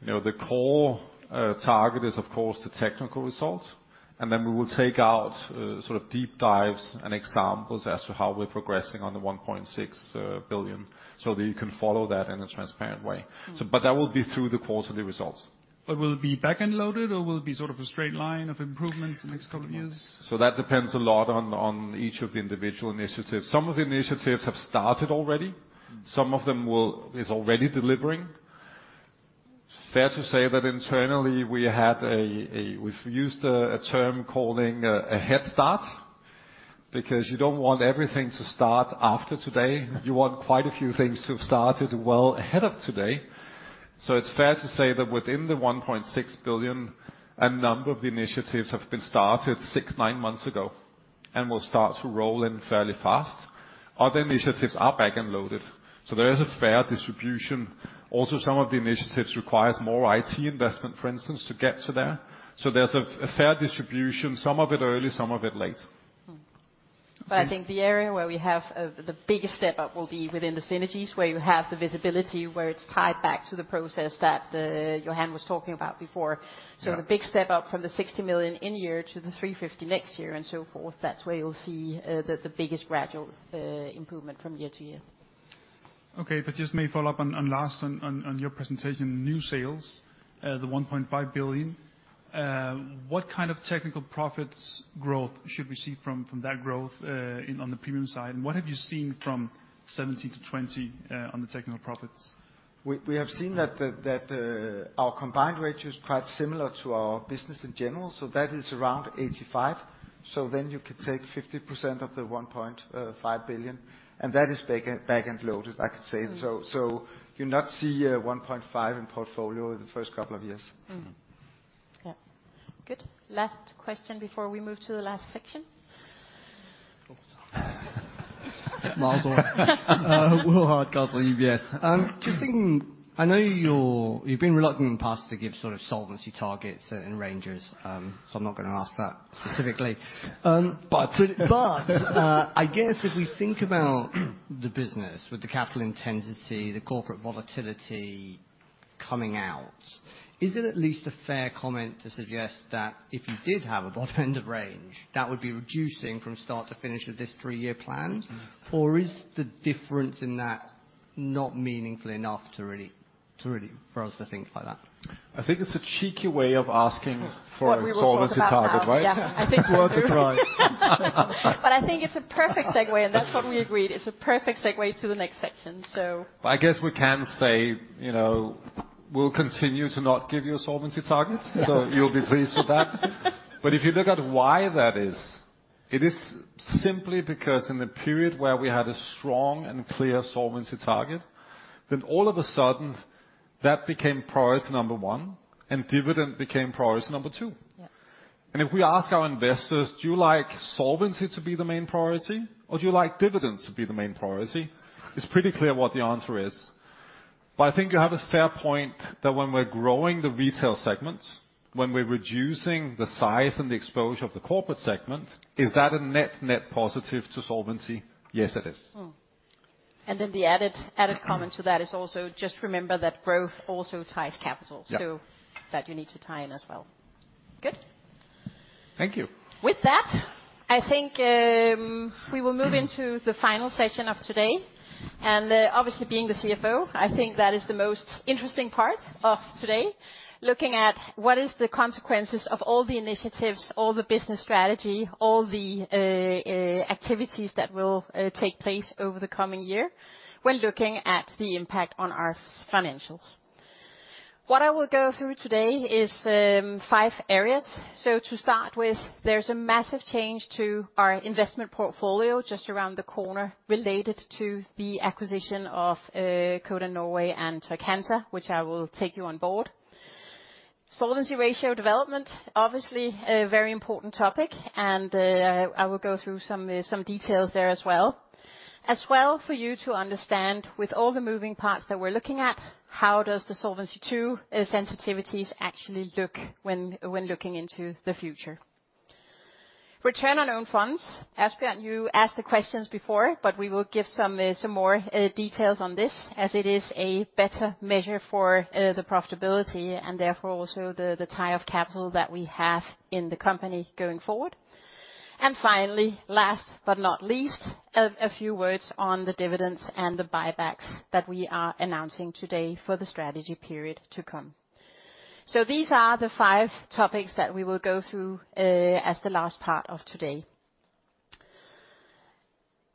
you know, the core target is, of course, the technical result. Then we will take out sort of deep dives and examples as to how we're progressing on the 1.6 billion, so that you can follow that in a transparent way. That will be through the quarterly results. Will it be back-end loaded or will it be sort of a straight line of improvements the next couple of years? That depends a lot on each of the individual initiatives. Some of the initiatives have started already. Some of them is already delivering. It's fair to say that internally we've used a term calling a head start, because you don't want everything to start after today. You want quite a few things to have started well ahead of today. It's fair to say that within the 1.6 billion, a number of the initiatives have been started 6-9 months ago and will start to roll in fairly fast. Other initiatives are back-end loaded. There is a fair distribution. Also, some of the initiatives requires more IT investment, for instance, to get there. There's a fair distribution, some of it early, some of it late. I think the area where we have the biggest step up will be within the synergies, where you have the visibility, where it's tied back to the process that Johan was talking about before. Yeah. The big step up from the 60 million in year to the 350 million next year and so forth, that's where you'll see the biggest gradual improvement from year to year. Just to follow up on Lars' presentation on new sales, the 1.5 billion. What kind of technical result growth should we see from that growth on the premium side? And what have you seen from 2017 to 2020 on the technical result? We have seen that our combined ratio is quite similar to our business in general, so that is around 85%. Then you could take 50% of the 1.5 billion, and that is back-end loaded, I could say. You'll not see 1.5 billion in portfolio in the first couple of years. Mm-hmm. Yeah. Good. Last question before we move to the last section. Will Hardcastle, Analyst, UBS. Just thinking, I know you've been reluctant in the past to give sort of solvency targets and ranges, so I'm not gonna ask that specifically. But- But. I guess if we think about the business with the capital intensity, the corporate volatility coming out, is it at least a fair comment to suggest that if you did have a bottom end of range, that would be reducing from start to finish of this three-year plan? Or is the difference in that not meaningful enough to really for us to think like that? I think it's a cheeky way of asking for a solvency target, right? What we will talk about now. Yeah. I think so too. Worth a try. I think it's a perfect segue, and that's what we agreed. It's a perfect segue to the next section. I guess we can say, you know, we'll continue to not give you a solvency target, so you'll be pleased with that. If you look at why that is, it is simply because in the period where we had a strong and clear solvency target, then all of a sudden that became priority number one, and dividend became priority number two. If we ask our investors, do you like solvency to be the main priority, or do you like dividends to be the main priority? It's pretty clear what the answer is. I think you have a fair point that when we're growing the retail segment, when we're reducing the size and the exposure of the Corporate segment, is that a net positive to solvency? Yes, it is. The added comment to that is also just remember that growth also ties capital. Yeah. That you need to tie in as well. Good. Thank you. With that, I think we will move into the final session of today. Obviously being the CFO, I think that is the most interesting part of today, looking at what is the consequences of all the initiatives, all the business strategy, all the activities that will take place over the coming year when looking at the impact on our financials. What I will go through today is five areas. To start with, there's a massive change to our investment portfolio just around the corner related to the acquisition of Codan Norway and Trygg-Hansa, which I will take you on board. Solvency ratio development, obviously a very important topic, and I will go through some details there as well. As well for you to understand with all the moving parts that we're looking at, how does the Solvency II sensitivities actually look when looking into the future? Return on own funds. Asbjørn, you asked the questions before, but we will give some more details on this as it is a better measure for the profitability and therefore also the type of capital that we have in the company going forward. Finally, last but not least, a few words on the dividends and the buybacks that we are announcing today for the strategy period to come. These are the five topics that we will go through as the last part of today.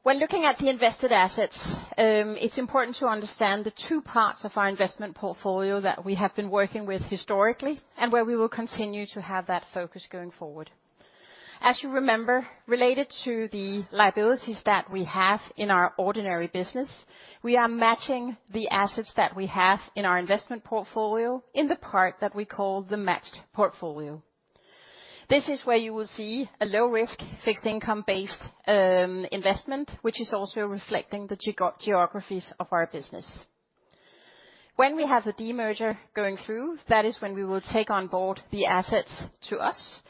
When looking at the invested assets, it's important to understand the two parts of our investment portfolio that we have been working with historically and where we will continue to have that focus going forward. As you remember, related to the liabilities that we have in our ordinary business, we are matching the assets that we have in our investment portfolio in the part that we call the matched portfolio. This is where you will see a low risk fixed income-based investment, which is also reflecting the geographies of our business. When we have the de-merger going through, that is when we will take on board the assets to us,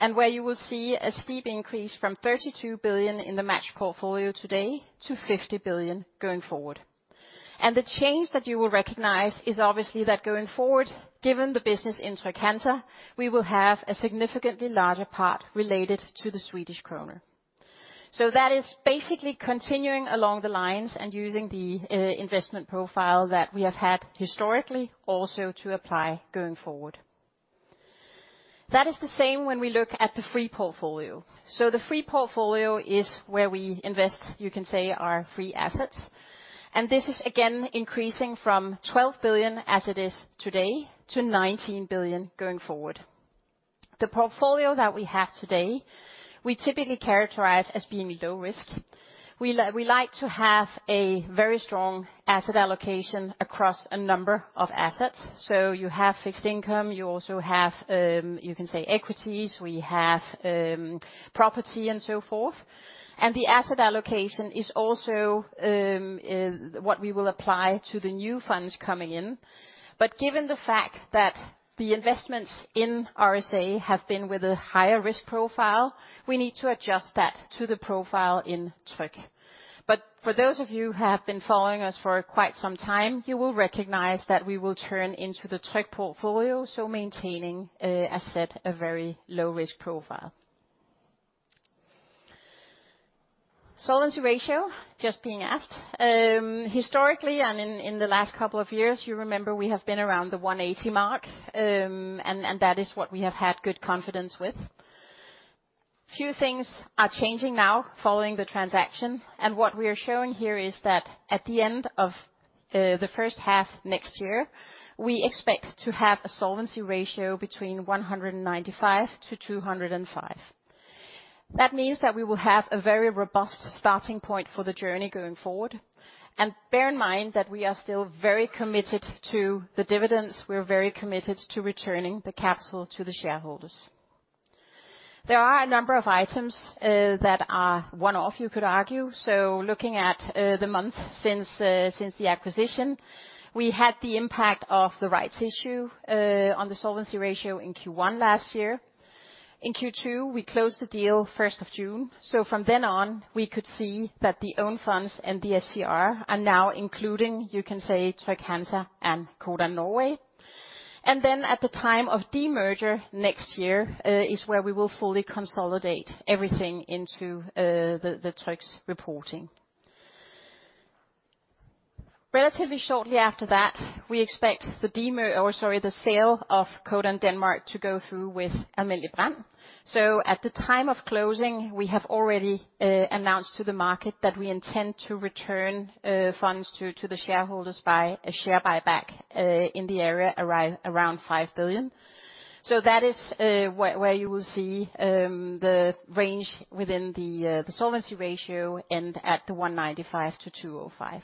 and where you will see a steep increase from 32 billion in the matched portfolio today to 50 billion going forward. The change that you will recognize is obviously that going forward, given the business in Trygg-Hansa, we will have a significantly larger part related to the Swedish krona. That is basically continuing along the lines and using the investment profile that we have had historically also to apply going forward. That is the same when we look at the free portfolio. The free portfolio is where we invest, you can say, our free assets, and this is again increasing from 12 billion as it is today to 19 billion going forward. The portfolio that we have today, we typically characterize as being low risk. We like to have a very strong asset allocation across a number of assets. You have fixed income, you also have, you can say, equities, we have property and so forth. The asset allocation is also what we will apply to the new funds coming in. Given the fact that the investments in RSA have been with a higher risk profile, we need to adjust that to the profile in Tryg. For those of you who have been following us for quite some time, you will recognize that we will turn into the Tryg portfolio, so maintaining, as said, a very low risk profile. Solvency ratio just being asked. Historically and in the last couple of years, you remember we have been around the 180 mark, and that is what we have had good confidence with. few things are changing now following the transaction, and what we are showing here is that at the end of the first half next year, we expect to have a solvency ratio between 195%-205%. That means that we will have a very robust starting point for the journey going forward. Bear in mind that we are still very committed to the dividends. We are very committed to returning the capital to the shareholders. There are a number of items that are one-off, you could argue. Looking at the months since the acquisition, we had the impact of the rights issue on the solvency ratio in Q1 last year. In Q2, we closed the deal first of June, so from then on, we could see that the own funds and the SCR are now including, you can say, Trygg-Hansa and Codan Norway. At the time of de-merger next year is where we will fully consolidate everything into the Tryg's reporting. Relatively shortly after that, we expect the sale of Codan Denmark to go through with Alm. Brand. At the time of closing, we have already announced to the market that we intend to return funds to the shareholders by a share buyback in the area around five billion. That is where you will see the range within the solvency ratio and at the 195%-205%.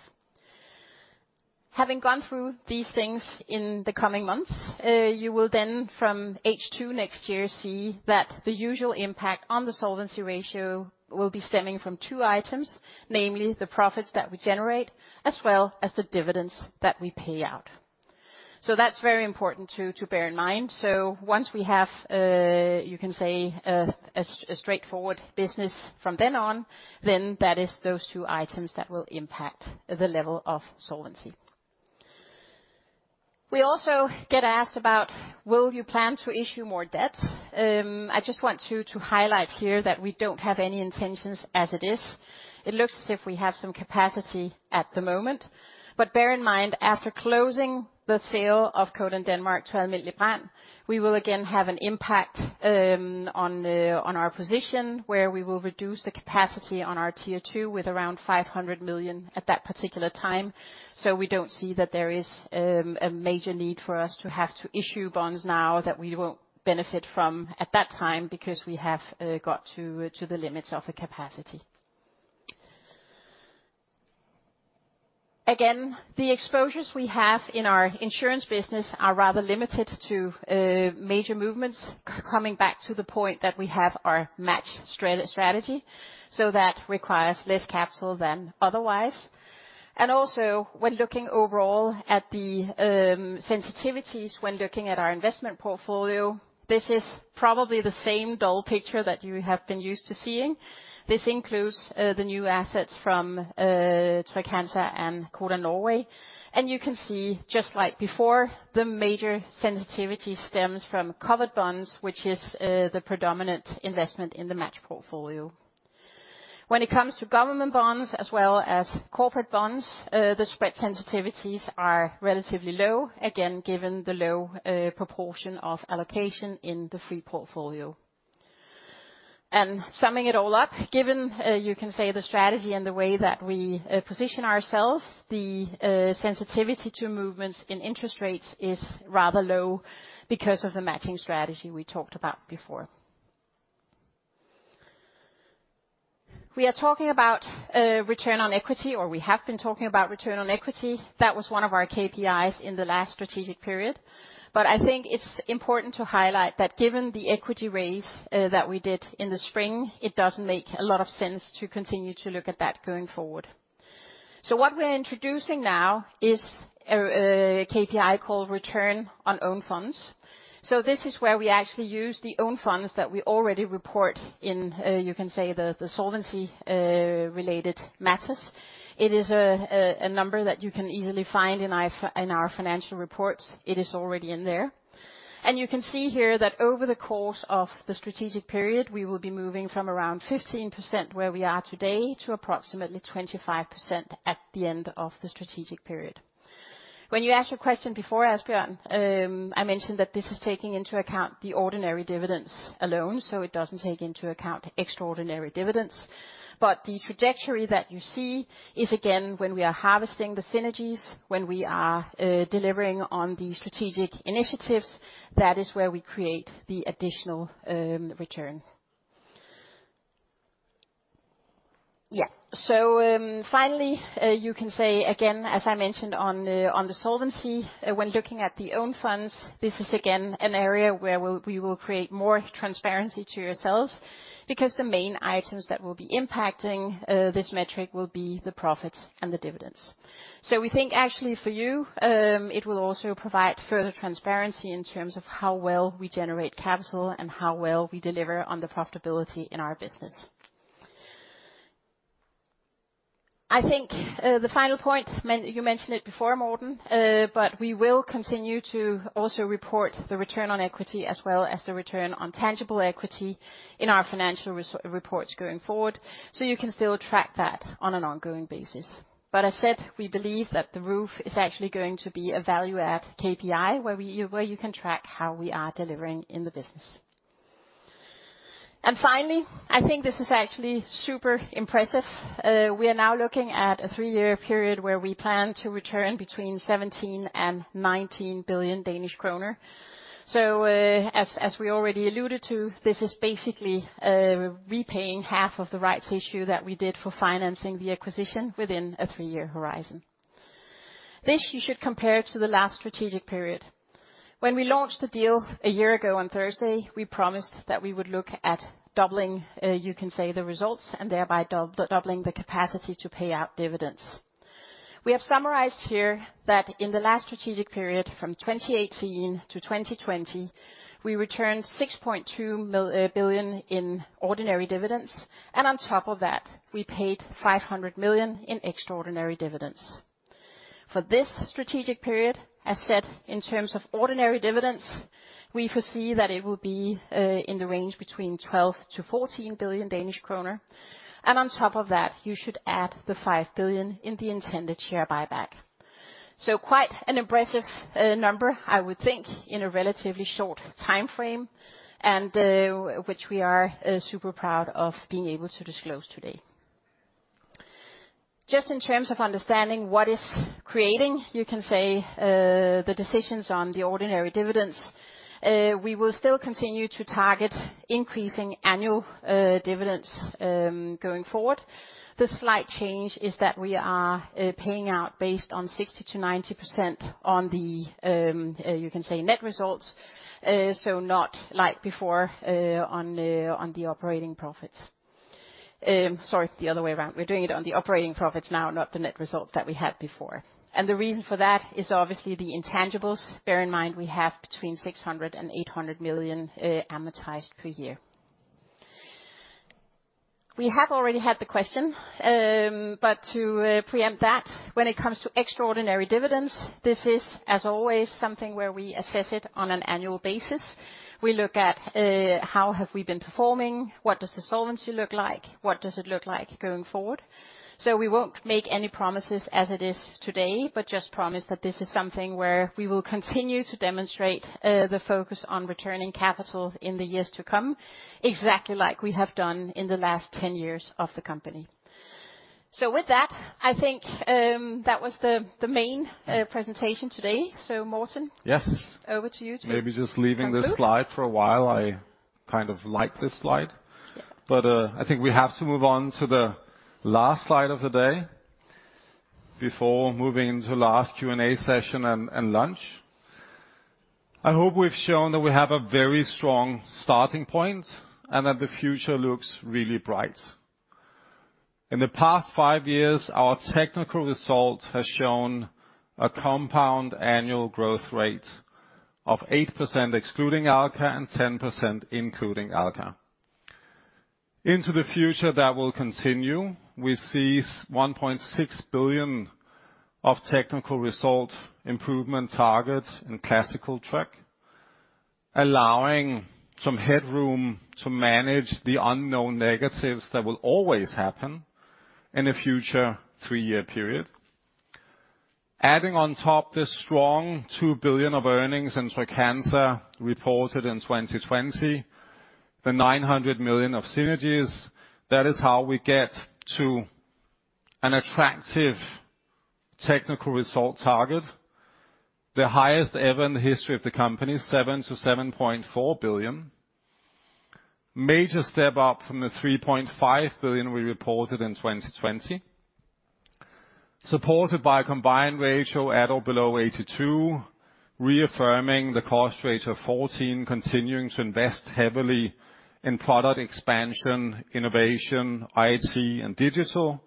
Having gone through these things in the coming months, you will then from H2 next year see that the usual impact on the solvency ratio will be stemming from two items. Namely, the profits that we generate, as well as the dividends that we pay out. That's very important to bear in mind. Once we have, you can say, a straightforward business from then on, then that is those two items that will impact the level of solvency. We also get asked about will you plan to issue more debts? I just want to highlight here that we don't have any intentions as it is. It looks as if we have some capacity at the moment. Bear in mind, after closing the sale of Codan Denmark to Alm. Brand, we will again have an impact on our position, where we will reduce the capacity on our Tier two with around 500 million at that particular time. We don't see that there is a major need for us to have to issue bonds now that we won't benefit from at that time, because we have got to the limits of the capacity. Again, the exposures we have in our insurance business are rather limited to major movements. Coming back to the point that we have our match strategy, that requires less capital than otherwise. When looking overall at the sensitivities when looking at our investment portfolio, this is probably the same dull picture that you have been used to seeing. This includes the new assets from Trygg-Hansa and Codan Norway. You can see just like before, the major sensitivity stems from covered bonds, which is the predominant investment in the matched portfolio. When it comes to government bonds as well as corporate bonds, the spread sensitivities are relatively low, again, given the low proportion of allocation in the FI portfolio. Summing it all up, given you can say the strategy and the way that we position ourselves, the sensitivity to movements in interest rates is rather low because of the matching strategy we talked about before. We are talking about return on equity, or we have been talking about return on equity. That was one of our KPIs in the last strategic period. I think it's important to highlight that given the equity raise that we did in the spring, it doesn't make a lot of sense to continue to look at that going forward. What we're introducing now is a KPI called Return on Own Funds. This is where we actually use the own funds that we already report in you can say the solvency related matters. It is a number that you can easily find in our financial reports. It is already in there. You can see here that over the course of the strategic period, we will be moving from around 15% where we are today to approximately 25% at the end of the strategic period. When you asked your question before, Asbjørn, I mentioned that this is taking into account the ordinary dividends alone, so it doesn't take into account extraordinary dividends. The trajectory that you see is again, when we are harvesting the synergies, when we are delivering on the strategic initiatives, that is where we create the additional return. Yeah. Finally, you can say again, as I mentioned on the solvency, when looking at the own funds, this is again, an area where we will create more transparency to yourselves because the main items that will be impacting this metric will be the profits and the dividends. We think actually for you, it will also provide further transparency in terms of how well we generate capital and how well we deliver on the profitability in our business. I think, the final point, you mentioned it before, Morten, but we will continue to also report the return on equity as well as the return on tangible equity in our financial reports going forward, so you can still track that on an ongoing basis. I said we believe that the ROOF is actually going to be a value add KPI, where you can track how we are delivering in the business. Finally, I think this is actually super impressive. We are now looking at a three-year period where we plan to return between 17 billion and 19 billion Danish kroner. As we already alluded to, this is basically repaying half of the rights issue that we did for financing the acquisition within a three-year horizon. This you should compare to the last strategic period. When we launched the deal a year ago on Thursday, we promised that we would look at doubling, you can say, the results, and thereby doubling the capacity to pay out dividends. We have summarized here that in the last strategic period, from 2018-2020, we returned 6.2 billion in ordinary dividends, and on top of that, we paid 500 million in extraordinary dividends. For this strategic period, as said, in terms of ordinary dividends, we foresee that it will be in the range between 12 billion-14 billion Danish kroner. On top of that, you should add the 5 billion in the intended share buyback. Quite an impressive number, I would think, in a relatively short timeframe, which we are super proud of being able to disclose today. Just in terms of understanding what is creating, you can say, the decisions on the ordinary dividends. We will still continue to target increasing annual dividends going forward. The slight change is that we are paying out based on 60%-90% on the, you can say, net results. Not like before, on the operating profits. Sorry, the other way around. We're doing it on the operating profits now, not the net results that we had before. The reason for that is obviously the intangibles. Bear in mind we have between 600 million and 800 million amortized per year. We have already had the question, but to preempt that, when it comes to extraordinary dividends, this is, as always, something where we assess it on an annual basis. We look at how have we been performing? What does the solvency look like? What does it look like going forward? We won't make any promises as it is today, but just promise that this is something where we will continue to demonstrate the focus on returning capital in the years to come, exactly like we have done in the last 10 years of the company. With that, I think that was the main presentation today. Morten. Yes. Over to you to conclude. Maybe just leaving this slide for a while. I kind of like this slide. I think we have to move on to the last slide of the day before moving to last Q&A session and lunch. I hope we've shown that we have a very strong starting point, and that the future looks really bright. In the past five years, our technical result has shown a compound annual growth rate of 8% excluding Alka, and 10% including Alka. Into the future that will continue. We see 1.6 billion of technical result improvement targets in classical track, allowing some headroom to manage the unknown negatives that will always happen in a future three-year period. Adding on top this strong 2 billion of earnings in Tryg + RSA reported in 2020, the 900 million of synergies, that is how we get to an attractive technical result target, the highest ever in the history of the company, 7 billion-7.4 billion. Major step up from the 3.5 billion we reported in 2020. Supported by a combined ratio at or below 82%, reaffirming the cost ratio of 14%, continuing to invest heavily in product expansion, innovation, IT, and digital.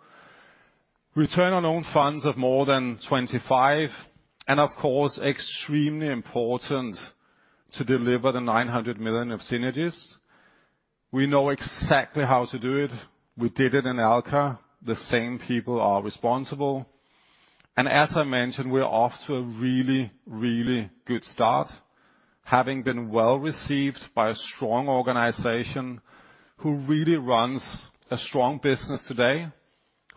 Return on own funds of more than 25%, and of course, extremely important to deliver the 900 million of synergies. We know exactly how to do it. We did it in Alka. The same people are responsible. As I mentioned, we're off to a really, really good start, having been well-received by a strong organization who really runs a strong business today,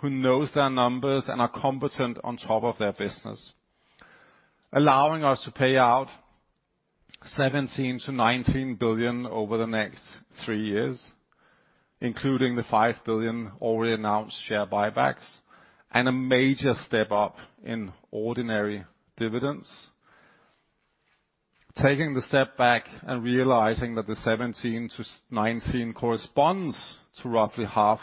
who knows their numbers and are competent on top of their business. Allowing us to pay out 17 billion-19 billion over the next three years, including the 5 billion already announced share buybacks, and a major step up in ordinary dividends. Taking the step back and realizing that the 17 to nineteen corresponds to roughly half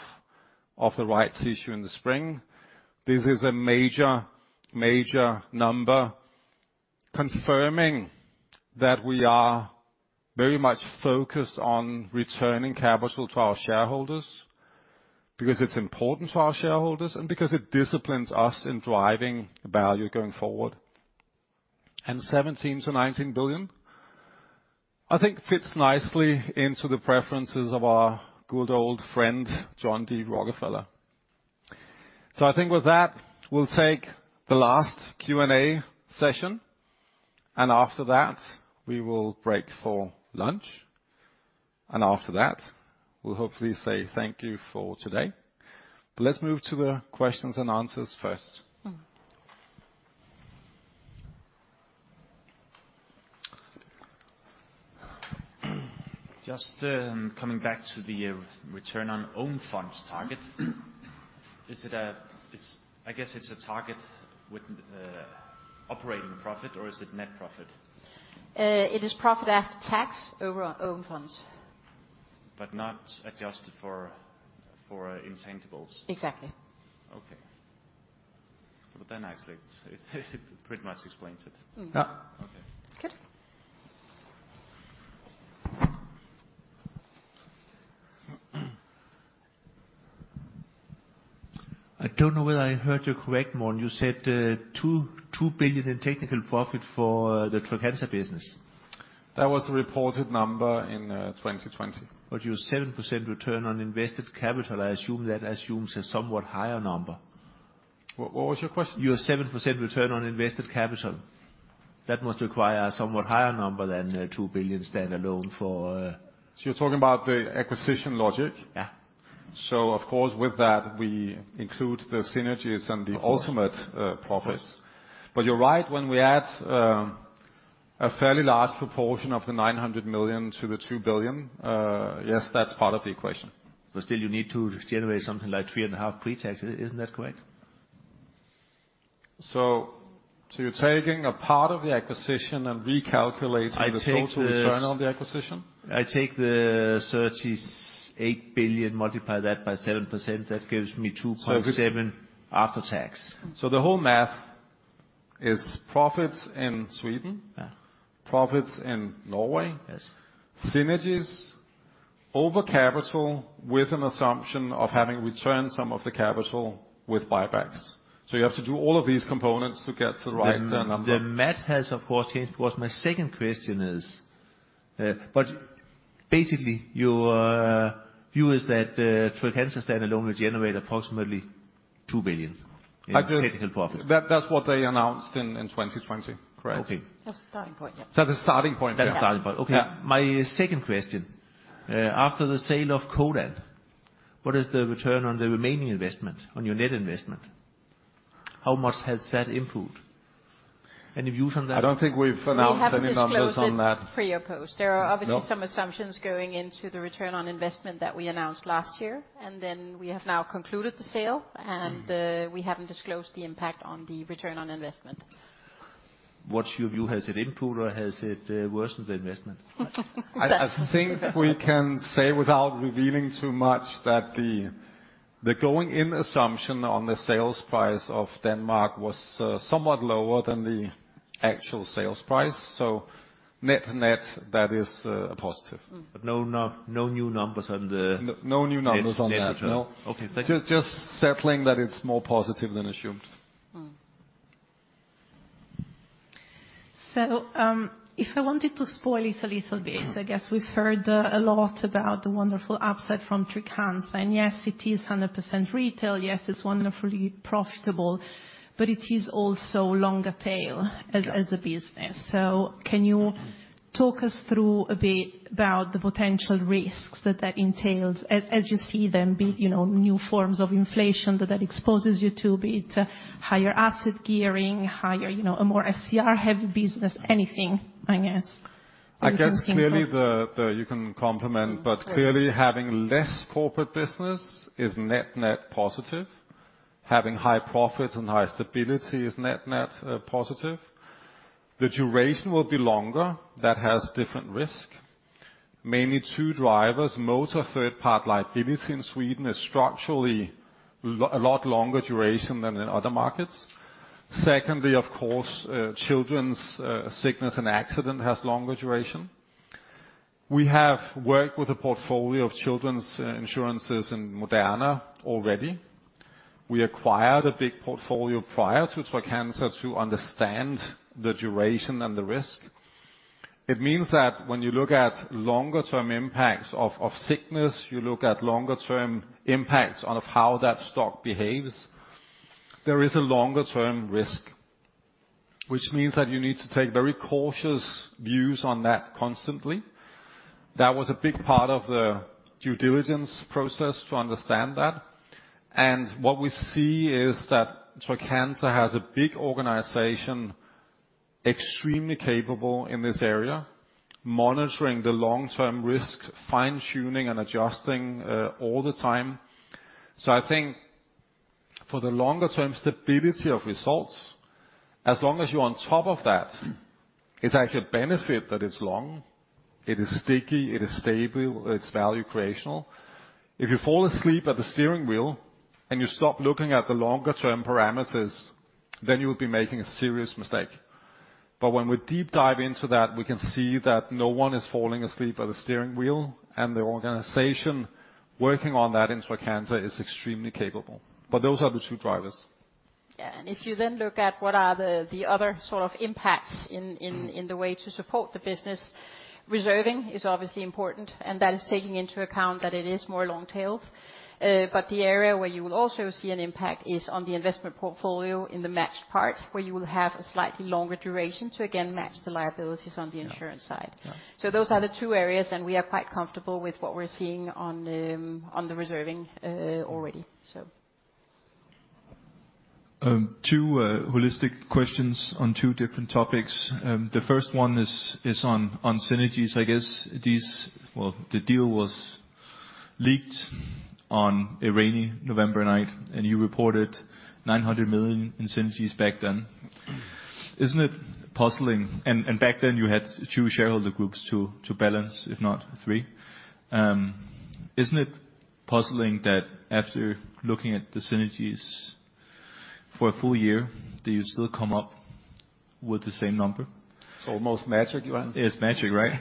of the rights issue in the spring. This is a major number confirming that we are very much focused on returning capital to our shareholders because it's important to our shareholders, and because it disciplines us in driving value going forward. 17$-$19 billion, I think fits nicely into the preferences of our good old friend, John D. Rockefeller. I think with that, we'll take the last Q&A session, and after that we will break for lunch. after that, we'll hopefully say thank you for today. let's move to the questions and answers first. Mm-hmm. Just, coming back to the return on own funds target. Is it a target with operating profit or is it net profit? It is profit after tax over own funds. not adjusted for intangibles. Exactly. Okay. Actually it pretty much explains it. Mm-hmm. Yeah. Okay. Good. I don't know whether I heard you correctly, Morten. You said 2 billion in technical profit for the Trygg-Hansa business. That was the reported number in 2020. Your 7% return on invested capital, I assume that assumes a somewhat higher number. What was your question? Your 7% return on invested capital, that must require a somewhat higher number than, 2 billion standalone for, You're talking about the acquisition logic? Yeah. Of course, with that we include the synergies and the ultimate. Of course. Profits. You're right, when we add a fairly large proportion of the 900 million to the 2 billion, yes, that's part of the equation. Still you need to generate something like 3.5 pre-tax, isn't that correct? You're taking a part of the acquisition and recalculating- I take the s The total return on the acquisition? I take the 38 billion, multiply that by 7%, that gives me 2.7 billion after tax. The whole math is profits in Sweden. Yeah. Profits in Norway. Yes. Synergies over capital with an assumption of having returned some of the capital with buybacks. You have to do all of these components to get to the right number. The math has, of course, changed. What my second question is, but basically your view is that Trygg-Hansa stand alone will generate approximately 2 billion in technical profit. That's what they announced in 2020, correct? Okay. That's a starting point, yeah. The starting point, yeah. That's the starting point. Yeah. Okay. My second question, after the sale of Codan, what is the return on the remaining investment, on your net investment? How much has that improved? Any view from that? I don't think we've announced any numbers on that. We haven't disclosed it for your post. No. There are obviously some assumptions going into the return on investment that we announced last year, and then we have now concluded the sale, and we haven't disclosed the impact on the return on investment. What's your view? Has it improved or has it worsened the investment? I think we can say without revealing too much that the going-in assumption on the sales price of Denmark was somewhat lower than the actual sales price. Net-net, that is a positive. No new numbers on the. No new numbers on that, no. Net return. Okay, thank you. Just settling that it's more positive than assumed. Mm. If I wanted to spoil it a little bit. Mm-hmm. I guess we've heard a lot about the wonderful upside from Trygg-Hansa. Yes, it is 100% retail. Yes, it's wonderfully profitable, but it is also long-tail as a business. Can you talk us through a bit about the potential risks that entails as you see them, be it, you know, new forms of inflation that exposes you to, be it higher asset gearing, you know, a more SCR-heavy business, anything, I guess. I guess clearly you can comment, but clearly having less corporate business is net-net positive. Having high profits and high stability is net-net positive. The duration will be longer. That has different risk. Mainly two drivers, most are third party liability in Sweden is structurally a lot longer duration than in other markets. Secondly, of course, children's sickness and accident has longer duration. We have worked with a portfolio of children's insurances in Moderna already. We acquired a big portfolio prior to Trygg-Hansa to understand the duration and the risk. It means that when you look at longer term impacts of sickness, you look at longer term impacts on how that stock behaves, there is a longer term risk, which means that you need to take very cautious views on that constantly. That was a big part of the due diligence process to understand that. What we see is that Trygg-Hansa has a big organization, extremely capable in this area, monitoring the long-term risk, fine-tuning and adjusting, all the time. I think for the longer term stability of results, as long as you're on top of that, it's actually a benefit that it's long, it is sticky, it is stable, it's value creating. If you fall asleep at the steering wheel and you stop looking at the longer term parameters, then you will be making a serious mistake. When we deep dive into that, we can see that no one is falling asleep at the steering wheel, and the organization working on that in Trygg-Hansa is extremely capable. Those are the two drivers. If you then look at what are the other sort of impacts in the way to support the business, reserving is obviously important, and that is taking into account that it is more long-tailed. The area where you will also see an impact is on the investment portfolio in the matched part, where you will have a slightly longer duration to again match the liabilities on the insurance side. Yeah. Those are the two areas, and we are quite comfortable with what we're seeing on the reserving already so. Two holistic questions on two different topics. The first one is on synergies. I guess these, well, the deal was leaked on a rainy November night, and you reported 900 million in synergies back then. Isn't it puzzling? And back then you had two shareholder groups to balance, if not three. Isn't it puzzling that after looking at the synergies for a full year, do you still come up with the same number? It's almost magic, Johan. It's magic, right?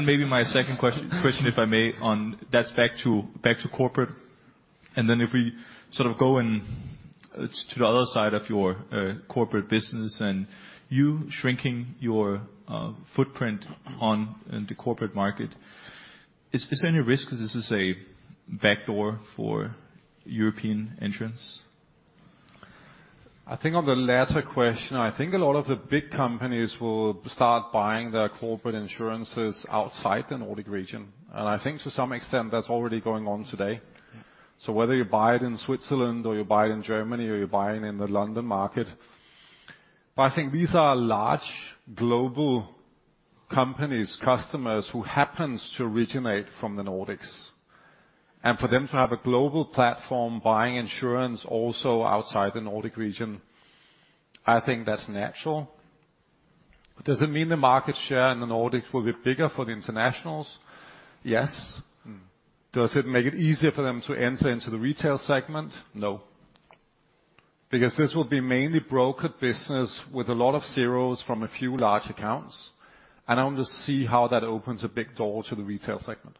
Maybe my second question, if I may, on that's back to Corporate. If we sort of go into the other side of your Corporate business and you shrinking your footprint on the Corporate market, is there any risk that this is a backdoor for European entrants? I think on the latter question, I think a lot of the big companies will start buying their corporate insurances outside the Nordic region. I think to some extent that's already going on today. Whether you buy it in Switzerland or you buy it in Germany or you're buying in the London market. But I think these are large global companies, customers who happens to originate from the Nordics. For them to have a global platform buying insurance also outside the Nordic region, I think that's natural. Does it mean the market share in the Nordics will get bigger for the internationals? Yes. Mm. Does it make it easier for them to enter into the retail segment? No. Because this will be mainly brokered business with a lot of zeros from a few large accounts, and I want to see how that opens a big door to the retail segment.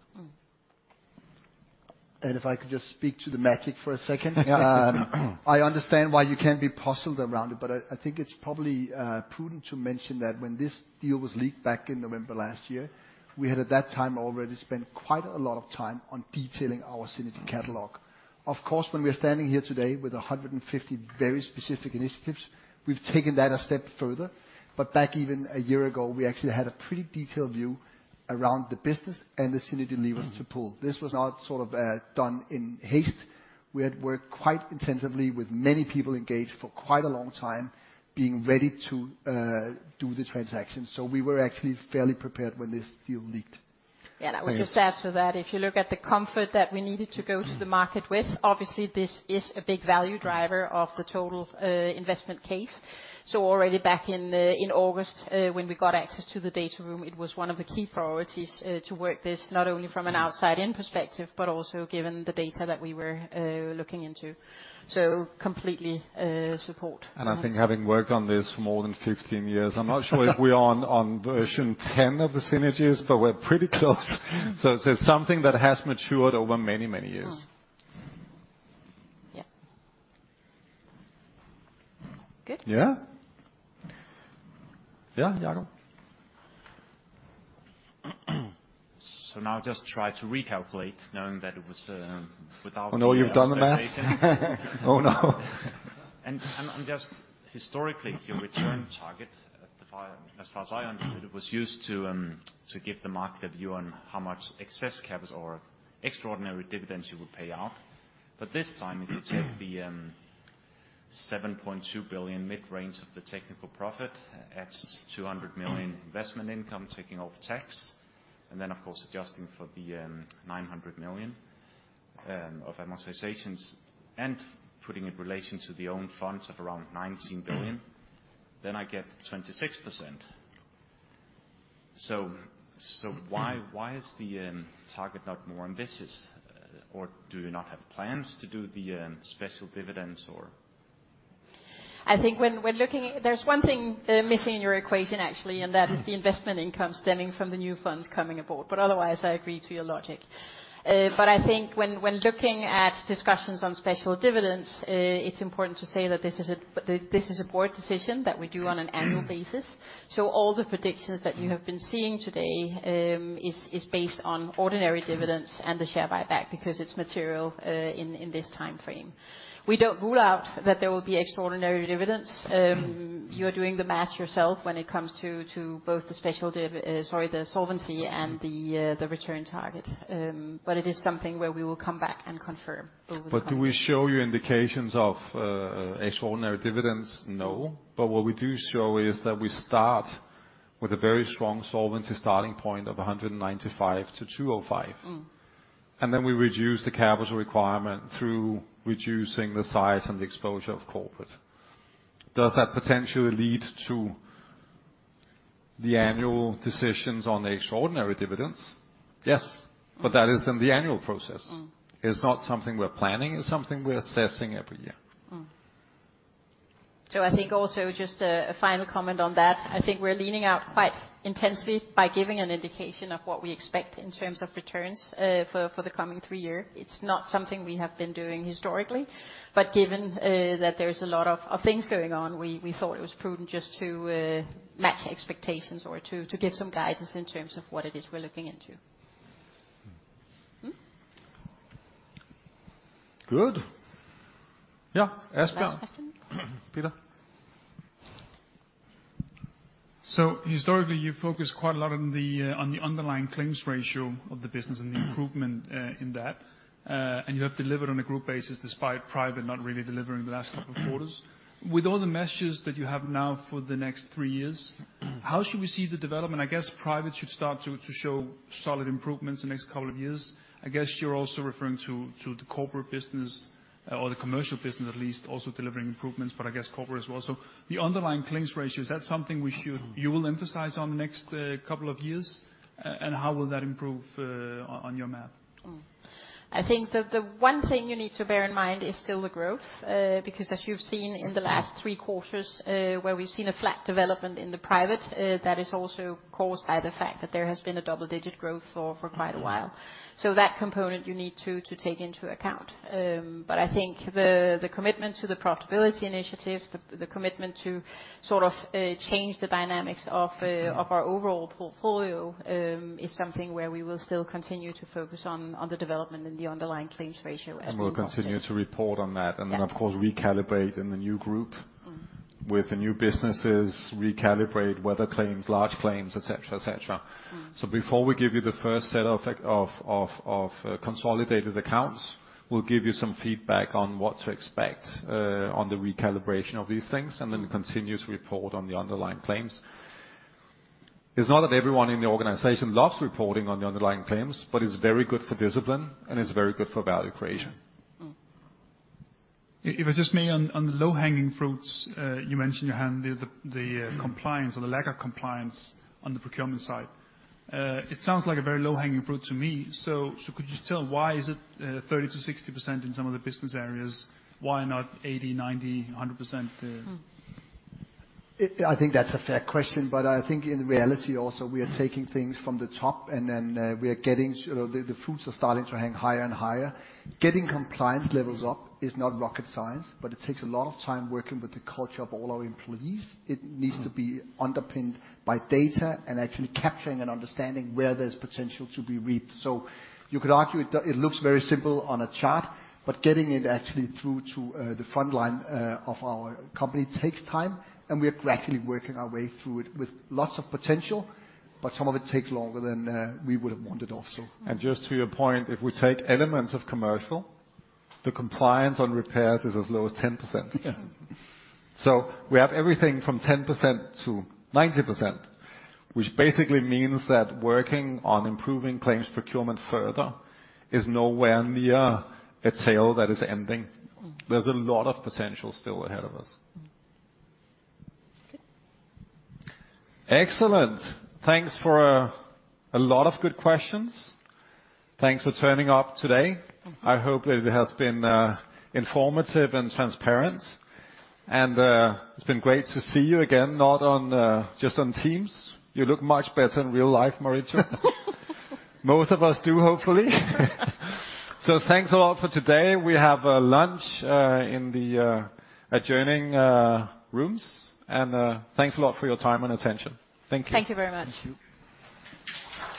Mm. If I could just speak to the magic for a second. Yeah. I understand why you can be puzzled around it, but I think it's probably prudent to mention that when this deal was leaked back in November last year, we had at that time already spent quite a lot of time on detailing our synergy catalog. Of course, when we are standing here today with 150 very specific initiatives, we've taken that a step further. But back even a year ago, we actually had a pretty detailed view around the business and the synergy levers to pull. This was not sort of done in haste. We had worked quite intensively with many people engaged for quite a long time, being ready to do the transaction. We were actually fairly prepared when this deal leaked. Yeah. I would just add to that, if you look at the comfort that we needed to go to the market with, obviously this is a big value driver of the total investment case. Already back in August, when we got access to the data room, it was one of the key priorities to work this not only from an outside-in perspective, but also given the data that we were looking into. Completely support on this. I think having worked on this for more than 15 years, I'm not sure if we are on version 10 of the synergies, but we're pretty close. It's something that has matured over many, many years. Yeah. Good? Yeah. Yeah, Jaro? Now just try to recalculate knowing that it was without the amortization. I know you've done the math. Oh, no. Just historically, your return target at the full, as far as I understood, it was used to give the market a view on how much excess capital or extraordinary dividends you would pay out. This time, if you take the 7.2 billion mid-range of the technical profit, adds 200 million investment income, taking off tax, and then of course, adjusting for the 900 million of amortizations and putting in relation to the own funds of around 19 billion, then I get 26%. Why is the target not more ambitious? Or do you not have plans to do the special dividends or? I think when looking, there's one thing missing in your equation, actually, and that is the investment income stemming from the new funds coming aboard. Otherwise, I agree to your logic. I think when looking at discussions on special dividends, it's important to say that this is a board decision that we do on an annual basis. All the predictions that you have been seeing today is based on ordinary dividends and the share buyback because it's material in this time frame. We don't rule out that there will be extraordinary dividends. You are doing the math yourself when it comes to both the solvency and the return target. It is something where we will come back and confirm over the coming years. Do we show you indications of extraordinary dividends? No. What we do show is that we start with a very strong solvency starting point of 195%-205%. Mm. We reduce the capital requirement through reducing the size and the exposure of Corporate. Does that potentially lead to the annual decisions on the extraordinary dividends? Yes. That is in the annual process. Mm. It's not something we're planning. It's something we're assessing every year. I think also just a final comment on that. I think we're leaning out quite intensely by giving an indication of what we expect in terms of returns for the coming three-year. It's not something we have been doing historically, but given that there is a lot of things going on, we thought it was prudent just to match expectations or to give some guidance in terms of what it is we're looking into. Good. Yeah, Asbjørn. Last question. Peter. Historically, you focus quite a lot on the underlying claims ratio of the business and the improvement in that. You have delivered on a group basis despite private not really delivering the last couple of quarters. With all the messages that you have now for the next three years, how should we see the development? I guess private should start to show solid improvements in the next couple of years. I guess you're also referring to the Corporate business or the commercial business at least also delivering improvements, but I guess Corporate as well. The underlying claims ratio, is that something you will emphasize on next couple of years? And how will that improve on your map? I think the one thing you need to bear in mind is still the growth. Because as you've seen in the last three quarters, where we've seen a flat development in the private, that is also caused by the fact that there has been a double-digit growth for quite a while. That component you need to take into account. I think the commitment to the profitability initiatives, the commitment to sort of change the dynamics of our overall portfolio, is something where we will still continue to focus on the development in the underlying claims ratio as we move forward. We'll continue to report on that. Yeah. Of course recalibrate in the new group. Mm. with the new businesses, recalibrate weather claims, large claims, et cetera, et cetera. Mm. Before we give you the first set of consolidated accounts, we'll give you some feedback on what to expect on the recalibration of these things, and then continue to report on the underlying claims. It's not that everyone in the organization loves reporting on the underlying claims, but it's very good for discipline, and it's very good for value creation. If it's just me on the low-hanging fruits, you mentioned earlier the compliance or the lack of compliance on the procurement side. It sounds like a very low-hanging fruit to me. Could you just tell why is it 30%-60% in some of the business areas? Why not 80%, 90%, 100%? I think that's a fair question, but I think in reality also, we are taking things from the top, and then we are getting the fruits are starting to hang higher and higher. Getting compliance levels up is not rocket science, but it takes a lot of time working with the culture of all our employees. It needs to be underpinned by data and actually capturing and understanding where there's potential to be reaped. You could argue it looks very simple on a chart, but getting it actually through to the front line of our company takes time, and we are gradually working our way through it with lots of potential, but some of it takes longer than we would have wanted also. Just to your point, if we take elements of commercial, the compliance on repairs is as low as 10%. Yeah. We have everything from 10%90%, which basically means that working on improving claims procurement further is nowhere near a tale that is ending. Mm. There's a lot of potential still ahead of us. Good. Excellent. Thanks for a lot of good questions. Thanks for turning up today. I hope that it has been informative and transparent, and it's been great to see you again, not just on Teams. You look much better in real life, Marita. Most of us do, hopefully. Thanks a lot for today. We have lunch in the adjoining rooms, and thanks a lot for your time and attention. Thank you. Thank you very much. Thank you.